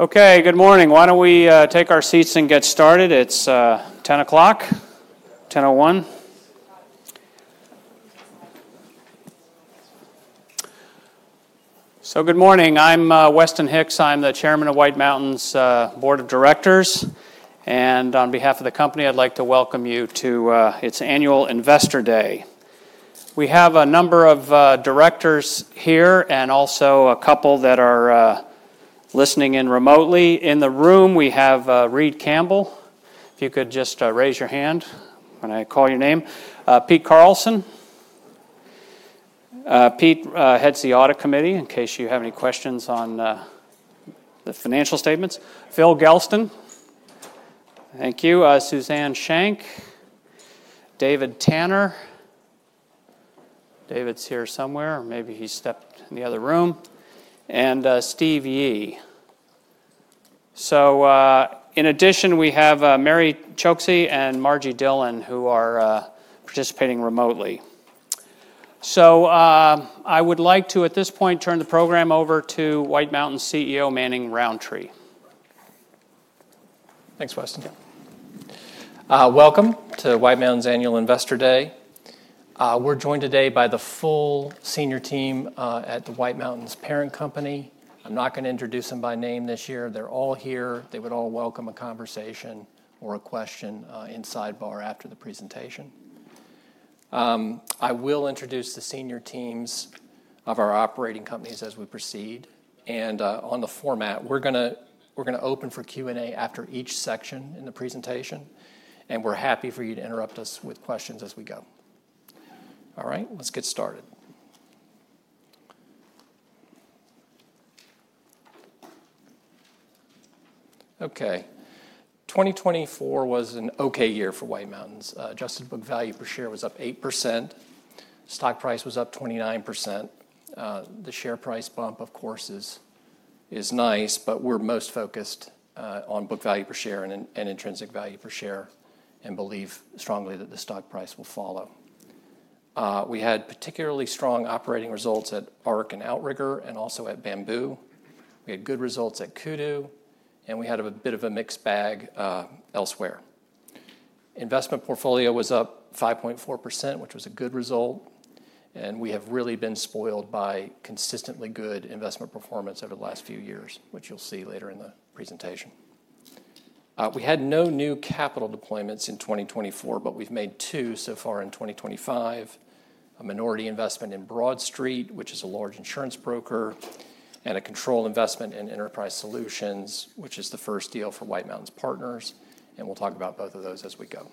Okay, good morning. Why don't we take our seats and get started? It's 10:00, 10:01. Good morning. I'm Weston Hicks. I'm the Chairman of White Mountains Board of Directors. On behalf of the company, I'd like to welcome you to its annual Investor Day. We have a number of directors here and also a couple that are listening in remotely. In the room, we have Reid Campbell. If you could just raise your hand when I call your name. Pete Carlson. Pete heads the Audit Committee in case you have any questions on the financial statements. Phil Gelston. Thank you. Suzanne Shank. David Tanner. David's here somewhere. Maybe he stepped in the other room. Steve Yi. In addition, we have Mary Choksi and Margie Dillon, who are participating remotely. I would like to, at this point, turn the program over to White Mountains CEO Manning Rountree. Thanks, Weston. Welcome to White Mountains Annual Investor Day. We're joined today by the full senior team at the White Mountains Parent Company. I'm not going to introduce them by name this year. They're all here. They would all welcome a conversation or a question in Sidebar after the presentation. I will introduce the senior teams of our operating companies as we proceed. On the format, we're going to open for Q&A after each section in the presentation. We're happy for you to interrupt us with questions as we go. All right, let's get started. Okay, 2024 was an okay year for White Mountains. Adjusted book value per share was up 8%. Stock price was up 29%. The share price bump, of course, is nice, but we're most focused on book value per share and intrinsic value per share and believe strongly that the stock price will follow. We had particularly strong operating results at Ark and Outrigger and also at Bamboo. We had good results at Kudu. We had a bit of a mixed bag elsewhere. Investment portfolio was up 5.4%, which was a good result. We have really been spoiled by consistently good investment performance over the last few years, which you'll see later in the presentation. We had no new capital deployments in 2024, but we've made two so far in 2025. A minority investment in Broadstreed, which is a large insurance broker, and a control investment in Enterprise Solutions, which is the first deal for White Mountains Partners. We will talk about both of those as we go.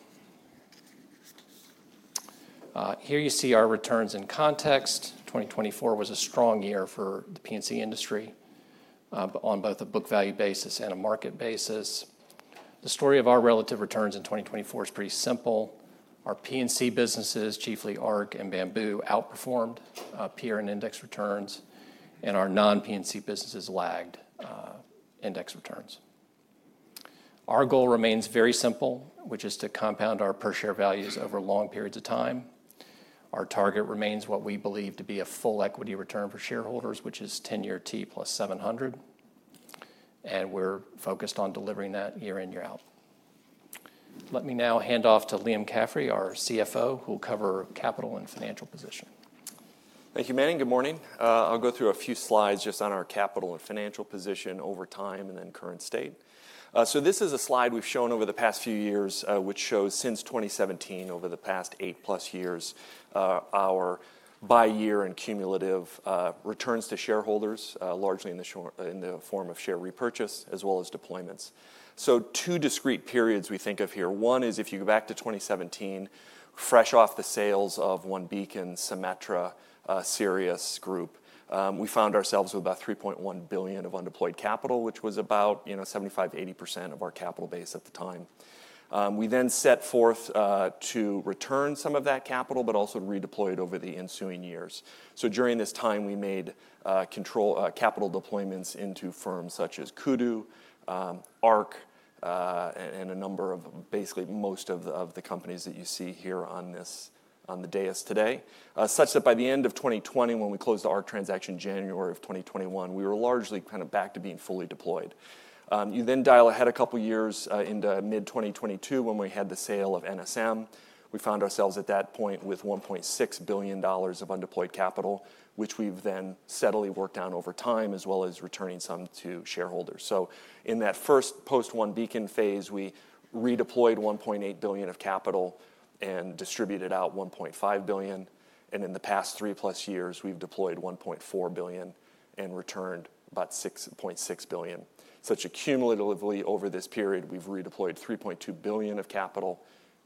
Here you see our returns in context. 2024 was a strong year for the P&C industry on both a book value basis and a market basis. The story of our relative returns in 2024 is pretty simple. Our P&C businesses, chiefly Ark and Bamboo, outperformed peer and index returns. Our non-P&C businesses lagged index returns. Our goal remains very simple, which is to compound our per-share values over long periods of time. Our target remains what we believe to be a full equity return for shareholders, which is 10-year T plus 700. We are focused on delivering that year in, year out. Let me now hand off to Liam Caffrey, our CFO, who will cover capital and financial position. Thank you, Manning. Good morning. I'll go through a few slides just on our capital and financial position over time and then current state. This is a slide we've shown over the past few years, which shows since 2017, over the past eight-plus years, our bi-year and cumulative returns to shareholders, largely in the form of share repurchase as well as deployments. Two discrete periods we think of here. One is if you go back to 2017, fresh off the sales of OneBeacon, Symetra, Sirius Group, we found ourselves with about $3.1 billion of undeployed capital, which was about 75%-80% of our capital base at the time. We then set forth to return some of that capital, but also redeploy it over the ensuing years. During this time, we made capital deployments into firms such as Kudu, Ark, and a number of basically most of the companies that you see here on the dais today, such that by the end of 2020, when we closed the Ark transaction in January of 2021, we were largely kind of back to being fully deployed. You then dial ahead a couple of years into mid-2022, when we had the sale of NSM. We found ourselves at that point with $1.6 billion of undeployed capital, which we've then steadily worked down over time, as well as returning some to shareholders. In that first post-One Beacon phase, we redeployed $1.8 billion of capital and distributed out $1.5 billion. In the past three-plus years, we've deployed $1.4 billion and returned about $6.6 billion. Such a cumulatively, over this period, we've redeployed $3.2 billion of capital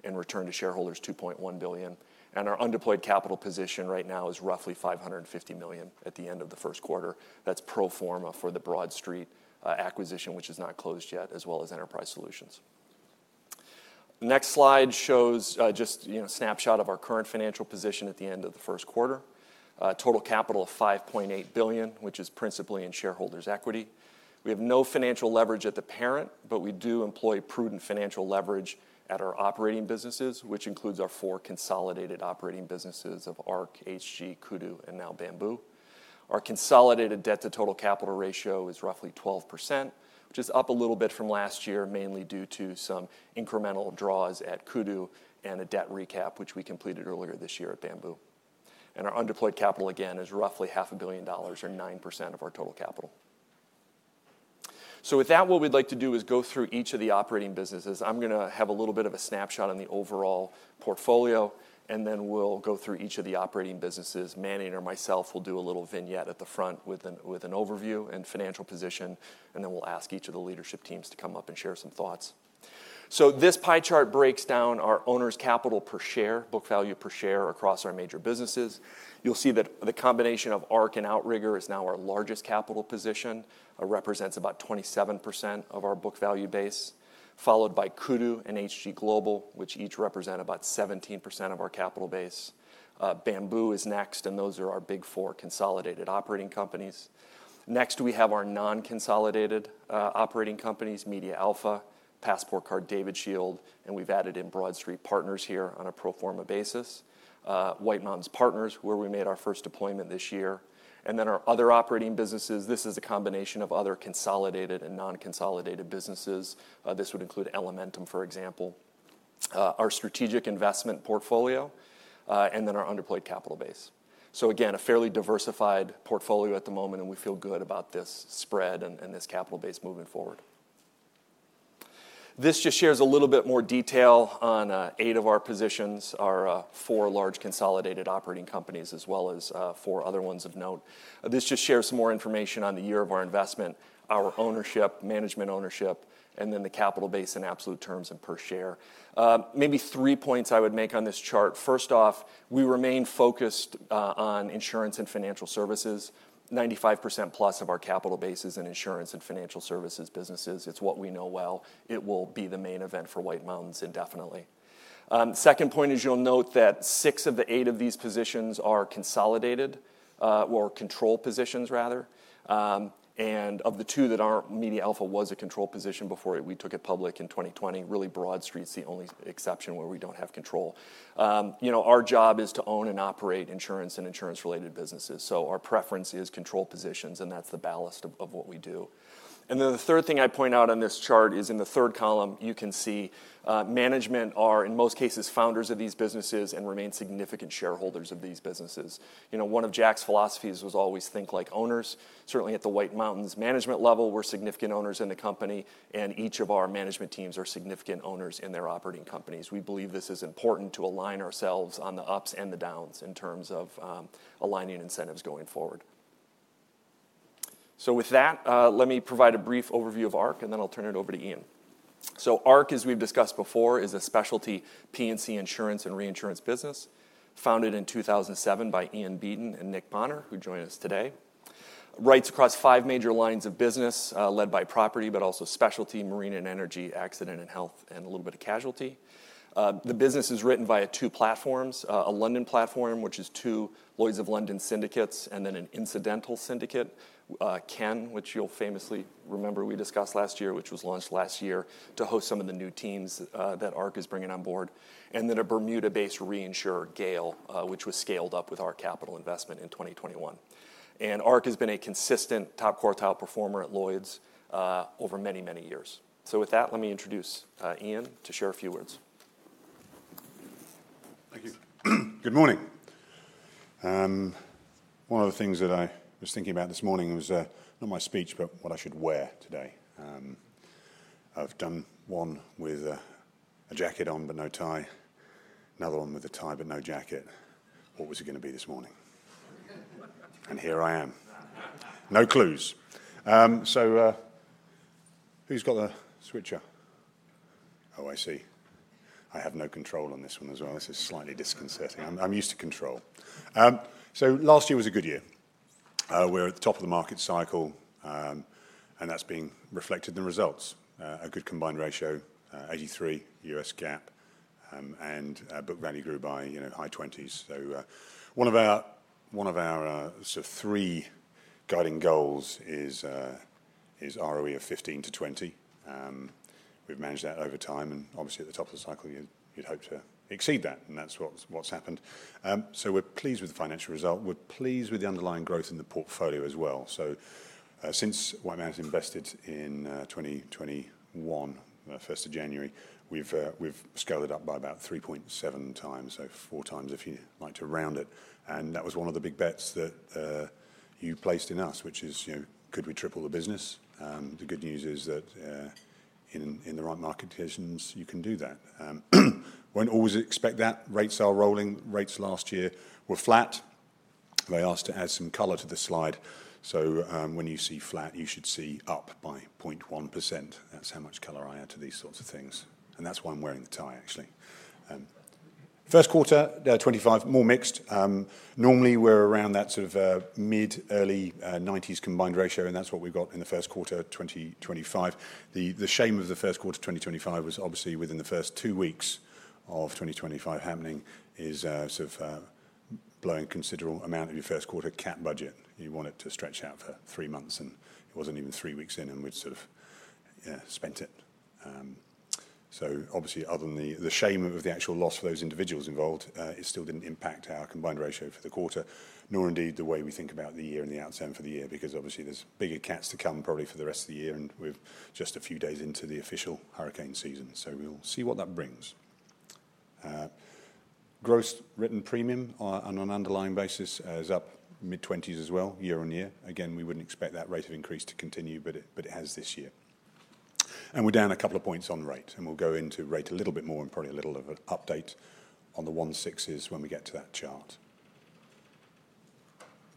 and returned to shareholders $2.1 billion. Our undeployed capital position right now is roughly $550 million at the end of the first quarter. That's pro forma for the Broadstreed acquisition, which has not closed yet, as well as Enterprise Solutions. The next slide shows just a snapshot of our current financial position at the end of the first quarter. Total capital of $5.8 billion, which is principally in shareholders' equity. We have no financial leverage at the parent, but we do employ prudent financial leverage at our operating businesses, which includes our four consolidated operating businesses of Ark, HG Global, Kudu, and now Bamboo. Our consolidated debt-to-total capital ratio is roughly 12%, which is up a little bit from last year, mainly due to some incremental draws at Kudu and a debt recap, which we completed earlier this year at Bamboo. Our undeployed capital, again, is roughly $500 million or 9% of our total capital. With that, what we'd like to do is go through each of the operating businesses. I'm going to have a little bit of a snapshot on the overall portfolio. Then we'll go through each of the operating businesses. Manning or myself will do a little vignette at the front with an overview and financial position. Then we'll ask each of the leadership teams to come up and share some thoughts. This pie chart breaks down our owner's capital per share, book value per share across our major businesses. You'll see that the combination of Ark and Outrigger is now our largest capital position. It represents about 27% of our book value base, followed by Kudu and HG Global, which each represent about 17% of our capital base. Bamboo is next. Those are our big four consolidated operating companies. Next, we have our non-consolidated operating companies, Media Alpha, PassportCard David Shield, and we've added in Broadstreed Partners here on a pro forma basis, White Mountains Partners, where we made our first deployment this year. Our other operating businesses, this is a combination of other consolidated and non-consolidated businesses. This would include Elementum, for example, our strategic investment portfolio, and then our undeployed capital base. Again, a fairly diversified portfolio at the moment. We feel good about this spread and this capital base moving forward. This just shares a little bit more detail on eight of our positions, our four large consolidated operating companies, as well as four other ones of note. This just shares some more information on the year of our investment, our ownership, management ownership, and then the capital base in absolute terms and per share. Maybe three points I would make on this chart. First off, we remain focused on insurance and financial services. 95% plus of our capital base is in insurance and financial services businesses. It's what we know well. It will be the main event for White Mountains indefinitely. Second point is you'll note that six of the eight of these positions are consolidated or control positions, rather. And of the two that aren't, Media Alpha was a control position before we took it public in 2020. Really, Broadstreed's the only exception where we don't have control. Our job is to own and operate insurance and insurance-related businesses. Our preference is control positions. That is the ballast of what we do. The third thing I point out on this chart is in the third column, you can see management are, in most cases, founders of these businesses and remain significant shareholders of these businesses. One of Jack's philosophies was always think like owners. Certainly, at the White Mountains management level, we are significant owners in the company. Each of our management teams are significant owners in their operating companies. We believe this is important to align ourselves on the ups and the downs in terms of aligning incentives going forward. With that, let me provide a brief overview of Ark. I will turn it over to Ian. Ark, as we've discussed before, is a specialty P&C insurance and reinsurance business founded in 2007 by Ian Beaton and Nick Bonnar, who join us today. Rights across five major lines of business led by property, but also specialty, marine and energy, accident and health, and a little bit of casualty. The business is written via two platforms: a London platform, which is two Lloyd's of London syndicates, and then an incidental syndicate, Ken, which you'll famously remember we discussed last year, which was launched last year to host some of the new teams that Ark is bringing on board. A Bermuda-based reinsurer, Gale, was scaled up with our capital investment in 2021. Ark has been a consistent top quartile performer at Lloyd's over many, many years. With that, let me introduce Ian to share a few words. Thank you. Good morning. One of the things that I was thinking about this morning was not my speech, but what I should wear today. I've done one with a jacket on but no tie, another one with a tie but no jacket. What was it going to be this morning? And here I am. No clues. So who's got the switcher? Oh, I see. I have no control on this one as well. This is slightly disconcerting. I'm used to control. Last year was a good year. We're at the top of the market cycle. That's being reflected in the results. A good combined ratio, 83 US GAAP. Book value grew by high 20s. One of our three guiding goals is ROE of 15%-20%. We've managed that over time. Obviously, at the top of the cycle, you'd hope to exceed that. That's what's happened. We're pleased with the financial result. We're pleased with the underlying growth in the portfolio as well. Since White Mountains invested in 2021, the first of January, we've scaled it up by about 3.7 times, so four times if you like to round it. That was one of the big bets that you placed in us, which is, could we triple the business? The good news is that in the right market conditions, you can do that. We won't always expect that. Rates are rolling. Rates last year were flat. I asked to add some color to the slide. When you see flat, you should see up by 0.1%. That's how much color I add to these sorts of things. That's why I'm wearing the tie, actually. First quarter, 2025, more mixed. Normally, we're around that sort of mid-early 90s combined ratio. That is what we got in the first quarter of 2025. The shame of the first quarter of 2025 was obviously within the first two weeks of 2025 happening is sort of blowing a considerable amount of your first quarter cap budget. You want it to stretch out for three months. It was not even three weeks in, and we had sort of spent it. Obviously, other than the shame of the actual loss for those individuals involved, it still did not impact our combined ratio for the quarter, nor indeed the way we think about the year and the outstanding for the year, because obviously, there are bigger cats to come probably for the rest of the year. We are just a few days into the official hurricane season. We will see what that brings. Gross written premium on an underlying basis is up mid-20s% as well, year on year. Again, we wouldn't expect that rate of increase to continue, but it has this year. We're down a couple of points on rate. We'll go into rate a little bit more and probably a little of an update on the 1.6s when we get to that chart.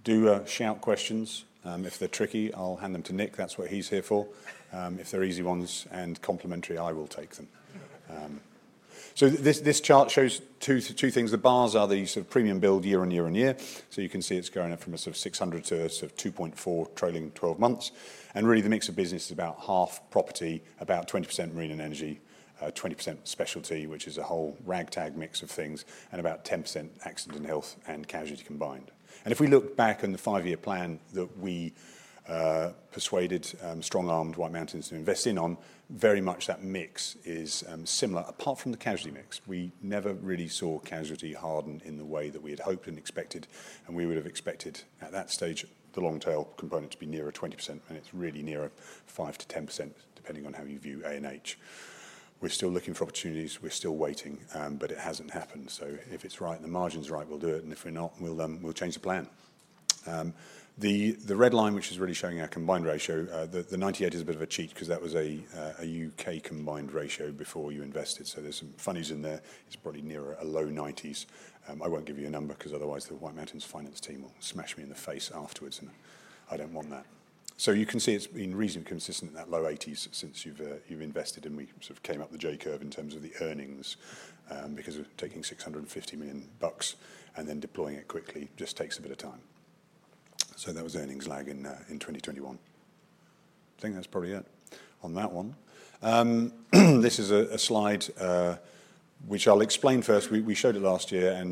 Do shout questions. If they're tricky, I'll hand them to Nick. That's what he's here for. If they're easy ones and complimentary, I will take them. This chart shows two things. The bars are the sort of premium build year on year on year. You can see it's going up from a sort of $600,000 to a sort of $2.4 million trailing 12 months. Really, the mix of business is about half property, about 20% marine and energy, 20% specialty, which is a whole ragtag mix of things, and about 10% accident and health and casualty combined. If we look back on the five-year plan that we persuaded, strong-armed White Mountains to invest in, very much that mix is similar. Apart from the casualty mix, we never really saw casualty harden in the way that we had hoped and expected. We would have expected at that stage the long-tail component to be nearer 20%. It is really nearer 5%-10%, depending on how you view A&H. We are still looking for opportunities. We are still waiting. It has not happened. If it is right and the margin is right, we will do it. If we are not, we will change the plan. The red line, which is really showing our combined ratio, the 98 is a bit of a cheat because that was a U.K. combined ratio before you invested. There are some funnies in there. It is probably nearer a low 90s. I won't give you a number because otherwise the White Mountains Finance team will smash me in the face afterwards. I don't want that. You can see it's been reasonably consistent in that low 80s since you've invested. We sort of came up the J curve in terms of the earnings because of taking $650 million and then deploying it quickly just takes a bit of time. That was earnings lag in 2021. I think that's probably it on that one. This is a slide which I'll explain first. We showed it last year.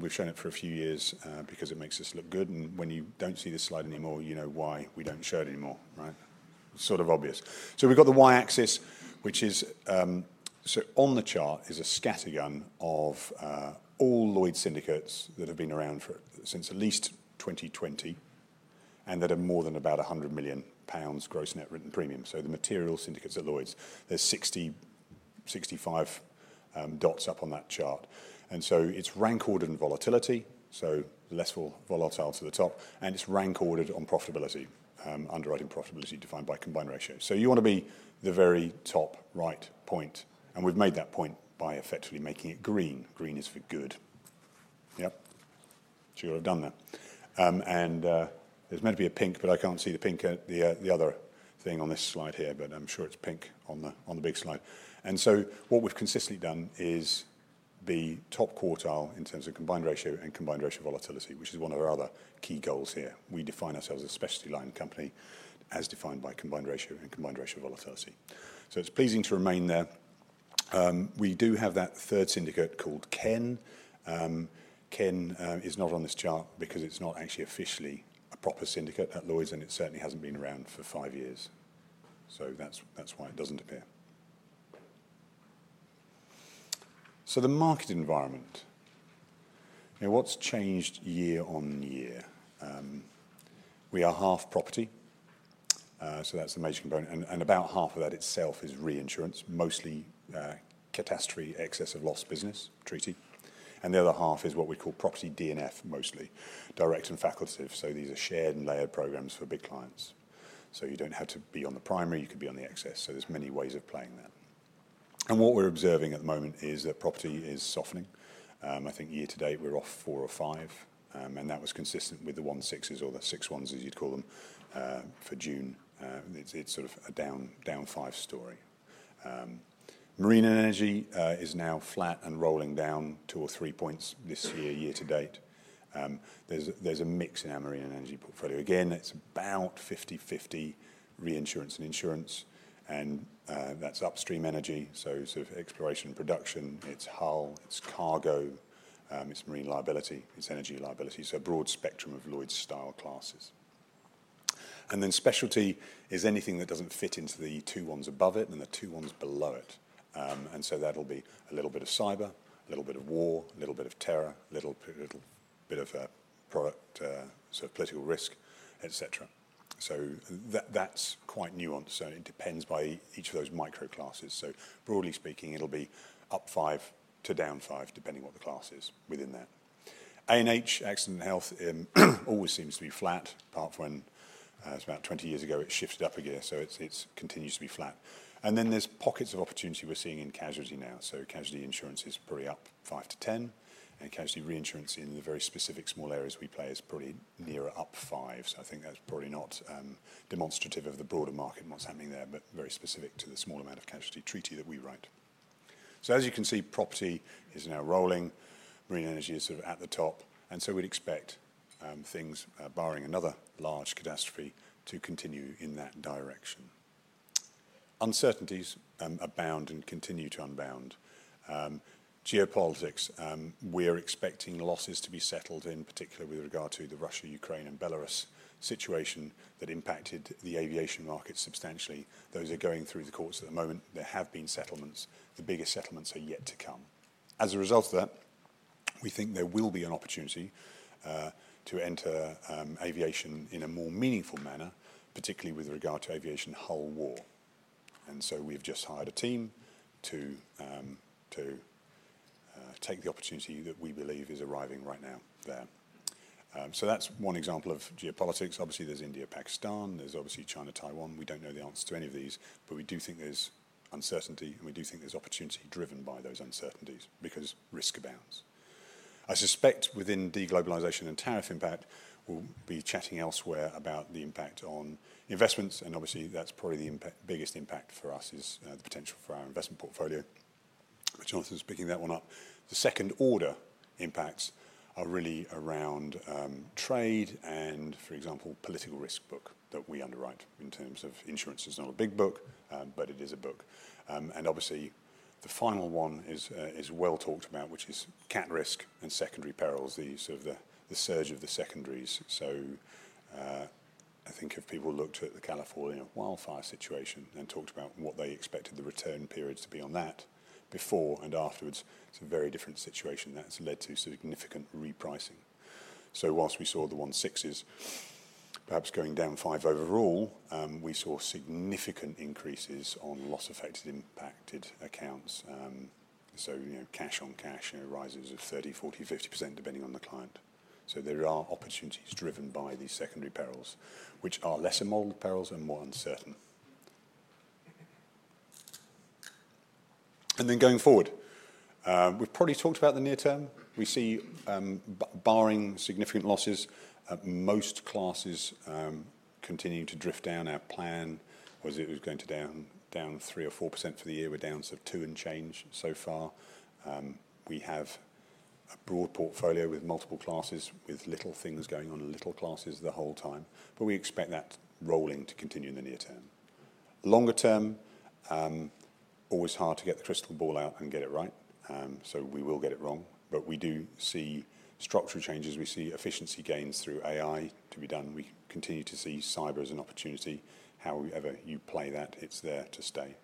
We've shown it for a few years because it makes us look good. When you don't see this slide anymore, you know why we don't show it anymore, right? It's sort of obvious. We've got the Y-axis, which is on the chart, a scatter gun of all Lloyd's syndicates that have been around since at least 2020 and that are more than about 100 million pounds gross net written premium. The material syndicates at Lloyd's, there's 60-65 dots up on that chart. It's rank ordered in volatility, so less volatile to the top. It's rank ordered on profitability, underwriting profitability defined by combined ratio. You want to be the very top right point. We've made that point by effectively making it green. Green is for good. Yep. You'll have done that. There's meant to be a pink, but I can't see the pink, the other thing on this slide here. I'm sure it's pink on the big slide. What we have consistently done is the top quartile in terms of combined ratio and combined ratio volatility, which is one of our other key goals here. We define ourselves as a specialty line company as defined by combined ratio and combined ratio volatility. It is pleasing to remain there. We do have that third syndicate called Ken. Ken is not on this chart because it is not actually officially a proper syndicate at Lloyd's. It certainly has not been around for five years. That is why it does not appear. The market environment, what has changed year on year? We are half property. That is the major component. About half of that itself is reinsurance, mostly catastrophe, excess of loss business treaty. The other half is what we call property DNF, mostly direct and facultative. These are shared and layered programs for big clients. You do not have to be on the primary. You could be on the excess. There are many ways of playing that. What we are observing at the moment is that property is softening. I think year to date, we are off 4 or 5. That was consistent with the 1.6s or the 6.1s, as you would call them, for June. It is sort of a down 5 story. Marine energy is now flat and rolling down 2 or 3 points this year, year to date. There is a mix in our marine energy portfolio. Again, it is about 50/50 reinsurance and insurance. That is upstream energy, so sort of exploration and production. It is hull. It is cargo. It is marine liability. It is energy liability. A broad spectrum of Lloyd's style classes. Specialty is anything that does not fit into the two ones above it and the two ones below it. That'll be a little bit of cyber, a little bit of war, a little bit of terror, a little bit of product sort of political risk, et cetera. That's quite nuanced. It depends by each of those micro classes. Broadly speaking, it'll be up 5% to down 5%, depending what the class is within that. A&H, accident and health, always seems to be flat, apart from when it was about 20 years ago, it shifted up again. It continues to be flat. There's pockets of opportunity we're seeing in casualty now. Casualty insurance is probably up 5%-10%. Casualty reinsurance in the very specific small areas we play is probably nearer up 5%. I think that's probably not demonstrative of the broader market and what's happening there, but very specific to the small amount of casualty treaty that we write. As you can see, property is now rolling. Marine energy is sort of at the top. We'd expect things, barring another large catastrophe, to continue in that direction. Uncertainties abound and continue to unbound. Geopolitics, we're expecting losses to be settled, in particular with regard to the Russia, Ukraine, and Belarus situation that impacted the aviation market substantially. Those are going through the courts at the moment. There have been settlements. The biggest settlements are yet to come. As a result of that, we think there will be an opportunity to enter aviation in a more meaningful manner, particularly with regard to aviation hull war. We have just hired a team to take the opportunity that we believe is arriving right now there. That is one example of geopolitics. Obviously, there is India-Pakistan. There is obviously China-Taiwan. We do not know the answer to any of these. We do think there is uncertainty. We do think there is opportunity driven by those uncertainties because risk abounds. I suspect within deglobalization and tariff impact, we will be chatting elsewhere about the impact on investments. That is probably the biggest impact for us, the potential for our investment portfolio. Jonathan is picking that one up. The second order impacts are really around trade and, for example, political risk book that we underwrite in terms of insurance. It is not a big book, but it is a book. The final one is well talked about, which is cat risk and secondary perils, the surge of the secondaries. I think if people looked at the California wildfire situation and talked about what they expected the return periods to be on that before and afterwards, it's a very different situation that's led to significant repricing. Whilst we saw the 1.6s perhaps going down five overall, we saw significant increases on loss-affected accounts. Cash on cash rises of 30%, 40%, 50% depending on the client. There are opportunities driven by these secondary perils, which are lesser model perils and more uncertain. Going forward, we've probably talked about the near term. We see, barring significant losses, most classes continue to drift down. Our plan was it was going to down 3% or 4% for the year. We're down sort of two and change so far. We have a broad portfolio with multiple classes with little things going on in little classes the whole time. We expect that rolling to continue in the near term. Longer term, always hard to get the crystal ball out and get it right. We will get it wrong. We do see structural changes. We see efficiency gains through AI to be done. We continue to see cyber as an opportunity. However you play that, it's there to stay.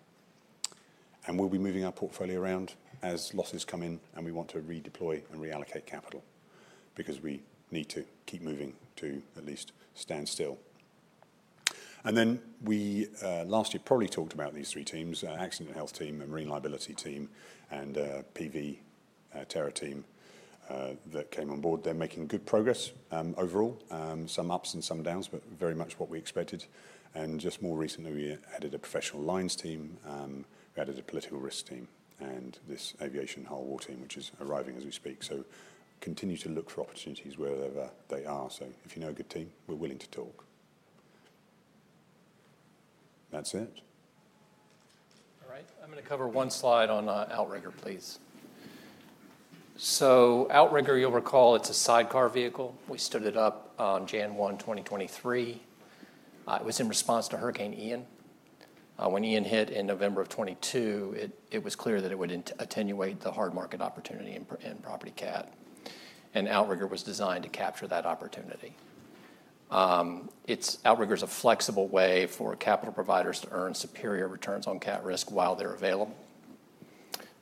We'll be moving our portfolio around as losses come in. We want to redeploy and reallocate capital because we need to keep moving to at least stand still. Last year we probably talked about these three teams: accident and health team, marine liability team, and PV terror team that came on board. They're making good progress overall, some ups and some downs, but very much what we expected. Just more recently, we added a professional lines team. We added a political risk team and this aviation hull war team, which is arriving as we speak. Continue to look for opportunities wherever they are. If you know a good team, we're willing to talk. That's it. All right. I'm going to cover one slide on Outrigger, please. Outrigger, you'll recall, is a sidecar vehicle. We stood it up on January 1, 2023. It was in response to Hurricane Ian. When Ian hit in November of 2022, it was clear that it would attenuate the hard market opportunity in property cat. Outrigger was designed to capture that opportunity. Outrigger is a flexible way for capital providers to earn superior returns on cat risk while they're available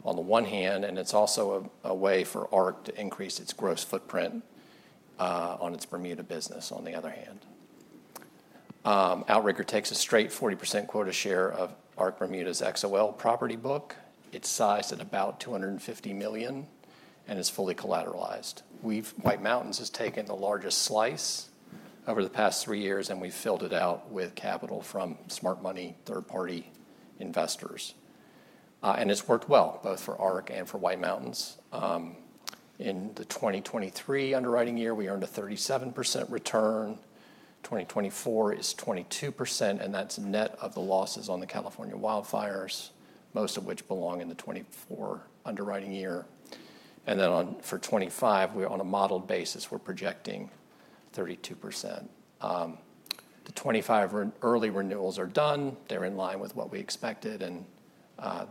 on the one hand. It is also a way for Ark to increase its gross footprint on its Bermuda business on the other hand. Outrigger takes a straight 40% quota share of Ark Bermuda's XOL property book. It is sized at about $250 million and is fully collateralized. White Mountains has taken the largest slice over the past three years. We have filled it out with capital from smart money, third-party investors. It has worked well both for Ark and for White Mountains. In the 2023 underwriting year, we earned a 37% return. 2024 is 22%. That is net of the losses on the California wildfires, most of which belong in the 2024 underwriting year. For 2025, on a modeled basis, we are projecting 32%. The 2025 early renewals are done. They are in line with what we expected.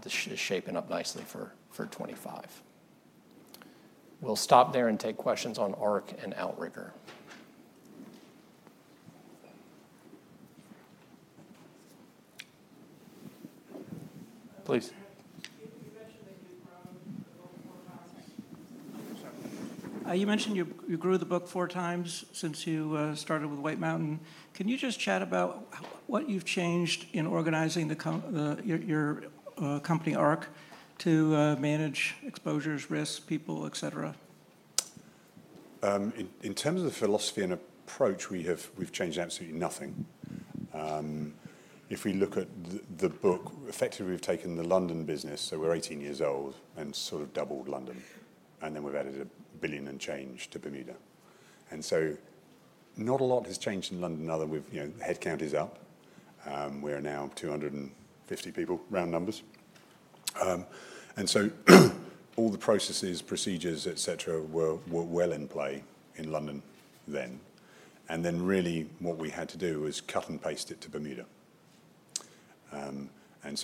This should shape up nicely for 2025. We will stop there and take questions on Ark and Outrigger. Please. You mentioned that you grew the book four times since you started with White Mountains. Can you just chat about what you've changed in organizing your company, Ark, to manage exposures, risks, people, et cetera? In terms of the philosophy and approach, we've changed absolutely nothing. If we look at the book, effectively, we've taken the London business. We're 18 years old and sort of doubled London. Then we've added a billion and change to Bermuda. Not a lot has changed in London other than headcount is up. We're now 250 people, round numbers. All the processes, procedures, et cetera, were well in play in London then. What we had to do was cut and paste it to Bermuda.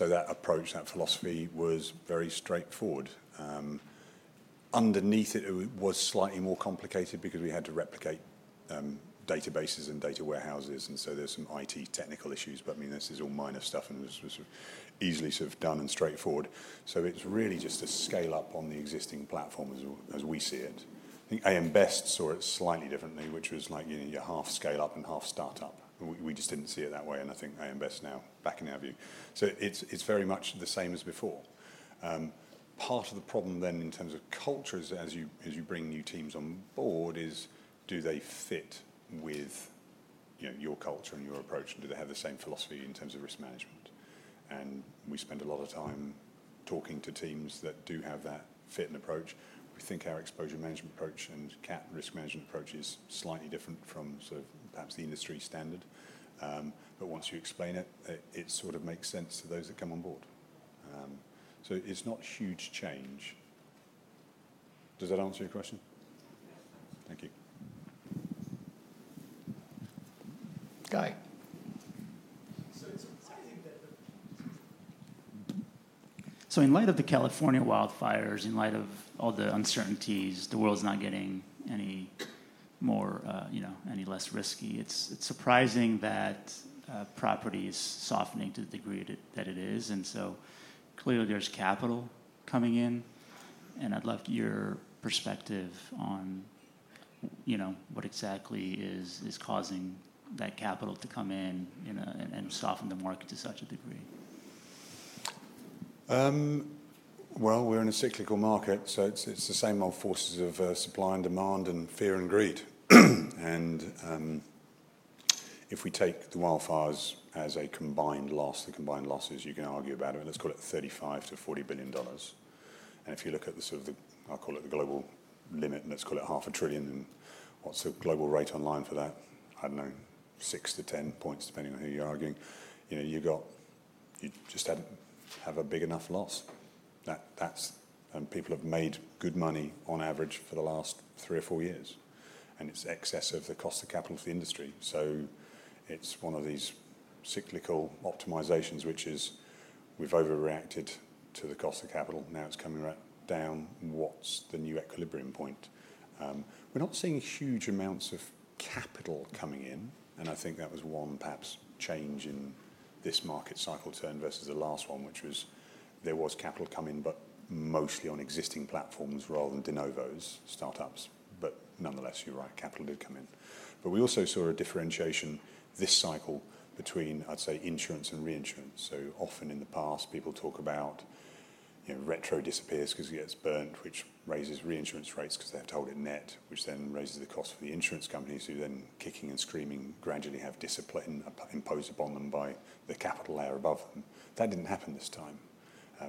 That approach, that philosophy was very straightforward. Underneath it, it was slightly more complicated because we had to replicate databases and data warehouses. There are some IT technical issues. I mean, this is all minor stuff. It was easily sort of done and straightforward. It's really just a scale up on the existing platform as we see it. I think AM Best saw it slightly differently, which was like you're half scale up and half startup. We just didn't see it that way. I think AM Best is now backing our view. It's very much the same as before. Part of the problem then in terms of culture, as you bring new teams on board, is do they fit with your culture and your approach? Do they have the same philosophy in terms of risk management? We spend a lot of time talking to teams that do have that fit and approach. We think our exposure management approach and cat risk management approach is slightly different from perhaps the industry standard. Once you explain it, it makes sense to those that come on board. It's not a huge change. Does that answer your question? Thank you. Okay. In light of the California wildfires, in light of all the uncertainties, the world's not getting any less risky. It's surprising that property is softening to the degree that it is. Clearly, there's capital coming in. I'd love your perspective on what exactly is causing that capital to come in and soften the market to such a degree. We're in a cyclical market. It's the same old forces of supply and demand and fear and greed. If we take the wildfires as a combined loss, the combined losses, you can argue about it. Let's call it $35 billion-$40 billion. If you look at the sort of, I'll call it the global limit, let's call it half a trillion. What's the global rate online for that? I don't know, 6%-10%, depending on who you're arguing. You just have a big enough loss. People have made good money on average for the last three or four years. It's excess of the cost of capital for the industry. It's one of these cyclical optimizations, which is we've overreacted to the cost of capital. Now it's coming right down. What's the new equilibrium point? We're not seeing huge amounts of capital coming in. I think that was one perhaps change in this market cycle turn versus the last one, which was there was capital coming in, but mostly on existing platforms rather than de novo startups. Nonetheless, you're right, capital did come in. We also saw a differentiation this cycle between, I'd say, insurance and reinsurance. So often in the past, people talk about retro disappears because it gets burned, which raises reinsurance rates because they have to hold it net, which then raises the cost for the insurance companies who then kicking and screaming gradually have discipline imposed upon them by the capital layer above them. That did not happen this time.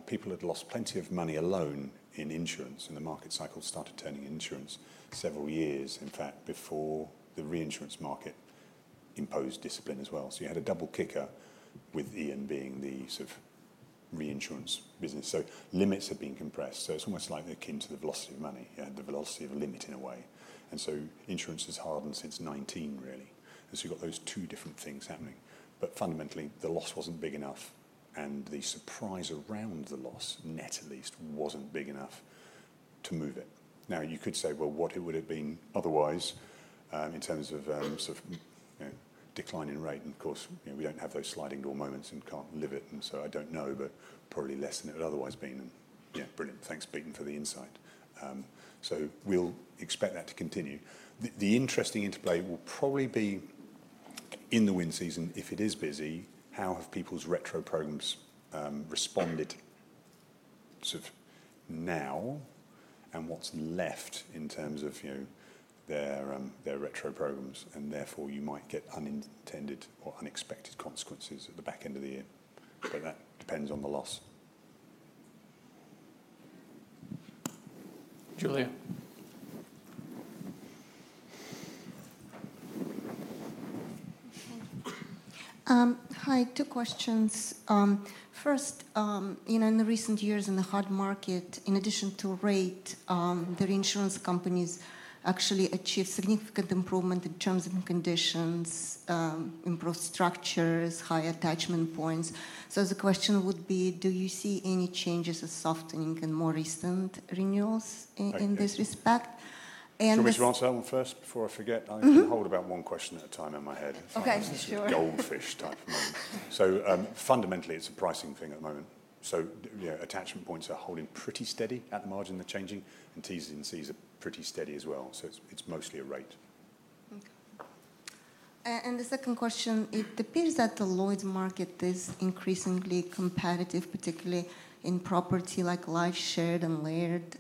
People had lost plenty of money alone in insurance. The market cycle started turning insurance several years, in fact, before the reinsurance market imposed discipline as well. You had a double kicker with Ian being the sort of reinsurance business. Limits have been compressed. It is almost like they're akin to the velocity of money and the velocity of a limit in a way. Insurance has hardened since 2019, really, as we've got those two different things happening. Fundamentally, the loss was not big enough. The surprise around the loss, net at least, was not big enough to move it. You could say, well, what it would have been otherwise in terms of declining rate. Of course, we do not have those sliding door moments and cannot live it. I do not know, but probably less than it would otherwise have been. Yeah, brilliant. Thanks, Peyton, for the insight. We will expect that to continue. The interesting interplay will probably be in the wind season if it is busy. How have people's retro programs responded sort of now and what's left in terms of their retro programs? Therefore, you might get unintended or unexpected consequences at the back end of the year. That depends on the loss. Julia. Hi, two questions. First, in the recent years in the hard market, in addition to rate, the reinsurance companies actually achieved significant improvement in terms of conditions, improved structures, high attachment points. The question would be, do you see any changes or softening in more recent renewals in this respect? Let's answer that one first before I forget. I'm holding about one question at a time in my head. Okay, sure. Goldfish type moment. Fundamentally, it's a pricing thing at the moment. Attachment points are holding pretty steady; at the margin they're changing. TZ and CZ are pretty steady as well. It's mostly a rate. Okay. The second question, it appears that the Lloyd's market is increasingly competitive, particularly in property like live shared and layered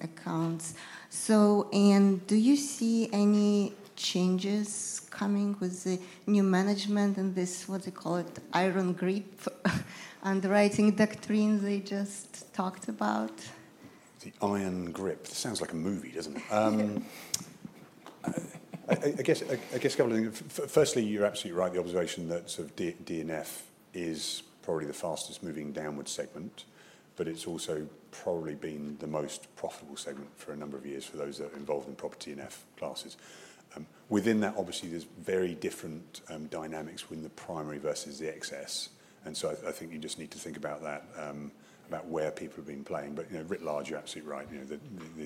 accounts. Ian, do you see any changes coming with the new management in this, what do you call it, iron grip underwriting doctrine they just talked about? The iron grip. It sounds like a movie, doesn't it? I guess a couple of things. Firstly, you're absolutely right, the observation that sort of DNF is probably the fastest moving downward segment. It has also probably been the most profitable segment for a number of years for those that are involved in property and F classes. Within that, obviously, there are very different dynamics within the primary versus the excess. I think you just need to think about that, about where people have been playing. Writ large, you're absolutely right.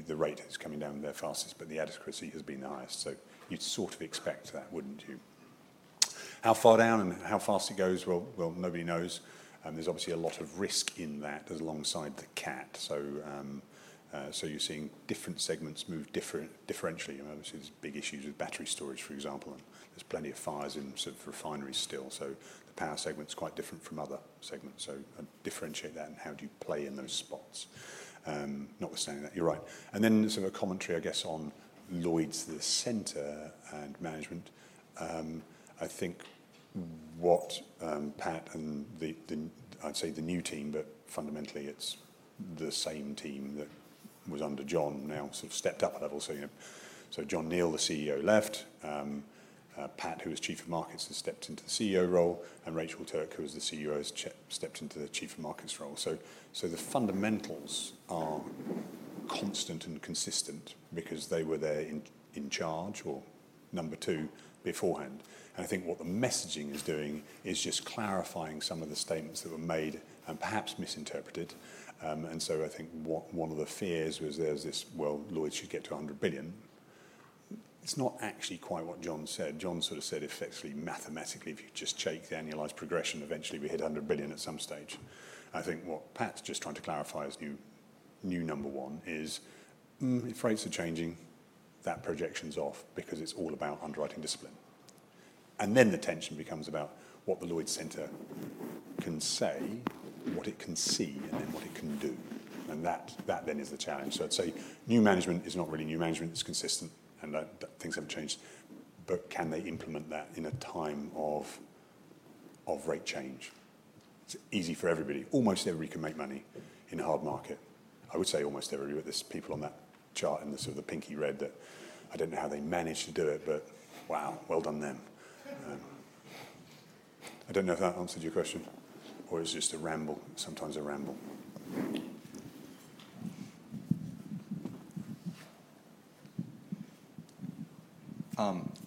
The rate is coming down there fastest. The adequacy has been the highest. You'd sort of expect that, wouldn't you? How far down and how fast it goes, nobody knows. There is obviously a lot of risk in that alongside the cat. You're seeing different segments move differentially. Obviously, there's big issues with battery storage, for example. And there's plenty of fires in sort of refineries still. The power segment's quite different from other segments. Differentiate that. How do you play in those spots? Notwithstanding that, you're right. A commentary, I guess, on Lloyd's, the center and management. I think what Pat and I'd say the new team, but fundamentally, it's the same team that was under John now sort of stepped up a level. John Neil, the CEO, left. Pat, who was Chief of Markets, has stepped into the CEO role. Rachel Turk, who was the Chief of Markets, has stepped into the Chief of Markets role. The fundamentals are constant and consistent because they were there in charge or number two beforehand. I think what the messaging is doing is just clarifying some of the statements that were made and perhaps misinterpreted. I think one of the fears was there's this, well, Lloyd's should get to $100 billion. It's not actually quite what John said. John sort of said effectively mathematically, if you just shake the annualized progression, eventually we hit $100 billion at some stage. I think what Pat's just trying to clarify as new number one is if rates are changing, that projection's off because it's all about underwriting discipline. The tension becomes about what the Lloyd's center can say, what it can see, and then what it can do. That then is the challenge. I'd say new management is not really new management. It's consistent. Things haven't changed. Can they implement that in a time of rate change. It's easy for everybody. Almost everybody can make money in a hard market. I would say almost everybody. There are people on that chart in the sort of the pinky red that I do not know how they managed to do it. Wow, well done them. I do not know if that answered your question or it is just a ramble, sometimes a ramble.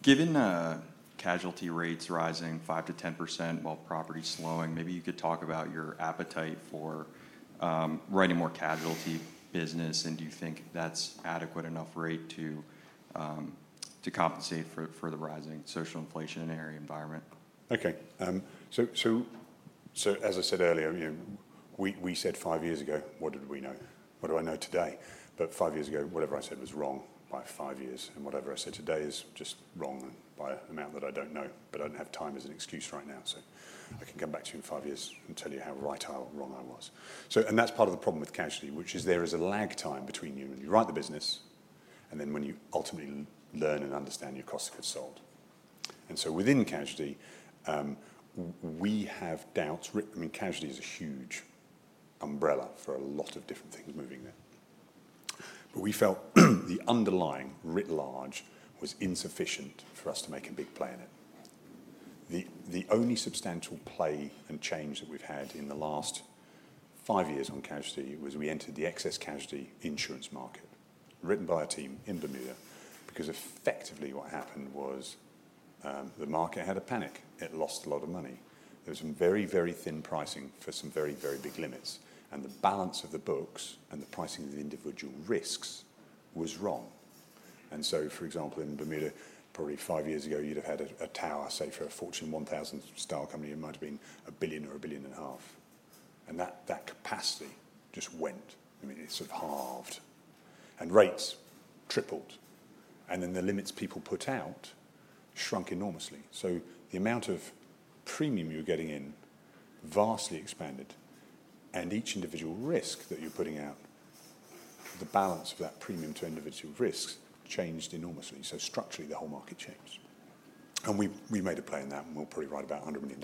Given casualty rates rising 5%-10% while property's slowing, maybe you could talk about your appetite for writing more casualty business. Do you think that's adequate enough rate to compensate for the rising social inflationary environment? Okay. As I said earlier, we said five years ago, what did we know? What do I know today? Five years ago, whatever I said was wrong by five years. Whatever I say today is just wrong by an amount that I don't know. I don't have time as an excuse right now. I can come back to you in five years and tell you how right or wrong I was. That's part of the problem with casualty, which is there is a lag time between when you write the business and when you ultimately learn and understand your cost of consult. Within casualty, we have doubts. I mean, casualty is a huge umbrella for a lot of different things moving there. We felt the underlying writ large was insufficient for us to make a big play in it. The only substantial play and change that we've had in the last five years on casualty was we entered the excess casualty insurance market written by our team in Bermuda because effectively what happened was the market had a panic. It lost a lot of money. There was some very, very thin pricing for some very, very big limits. The balance of the books and the pricing of the individual risks was wrong. For example, in Bermuda, probably five years ago, you'd have had a tower, say, for a Fortune 1000 style company. It might have been $1 billion or $1.5 billion. That capacity just went. I mean, it sort of halved. Rates tripled. The limits people put out shrunk enormously. The amount of premium you're getting in vastly expanded. Each individual risk that you're putting out, the balance of that premium to individual risks changed enormously. Structurally, the whole market changed. We've made a play in that. We'll probably write about $100 million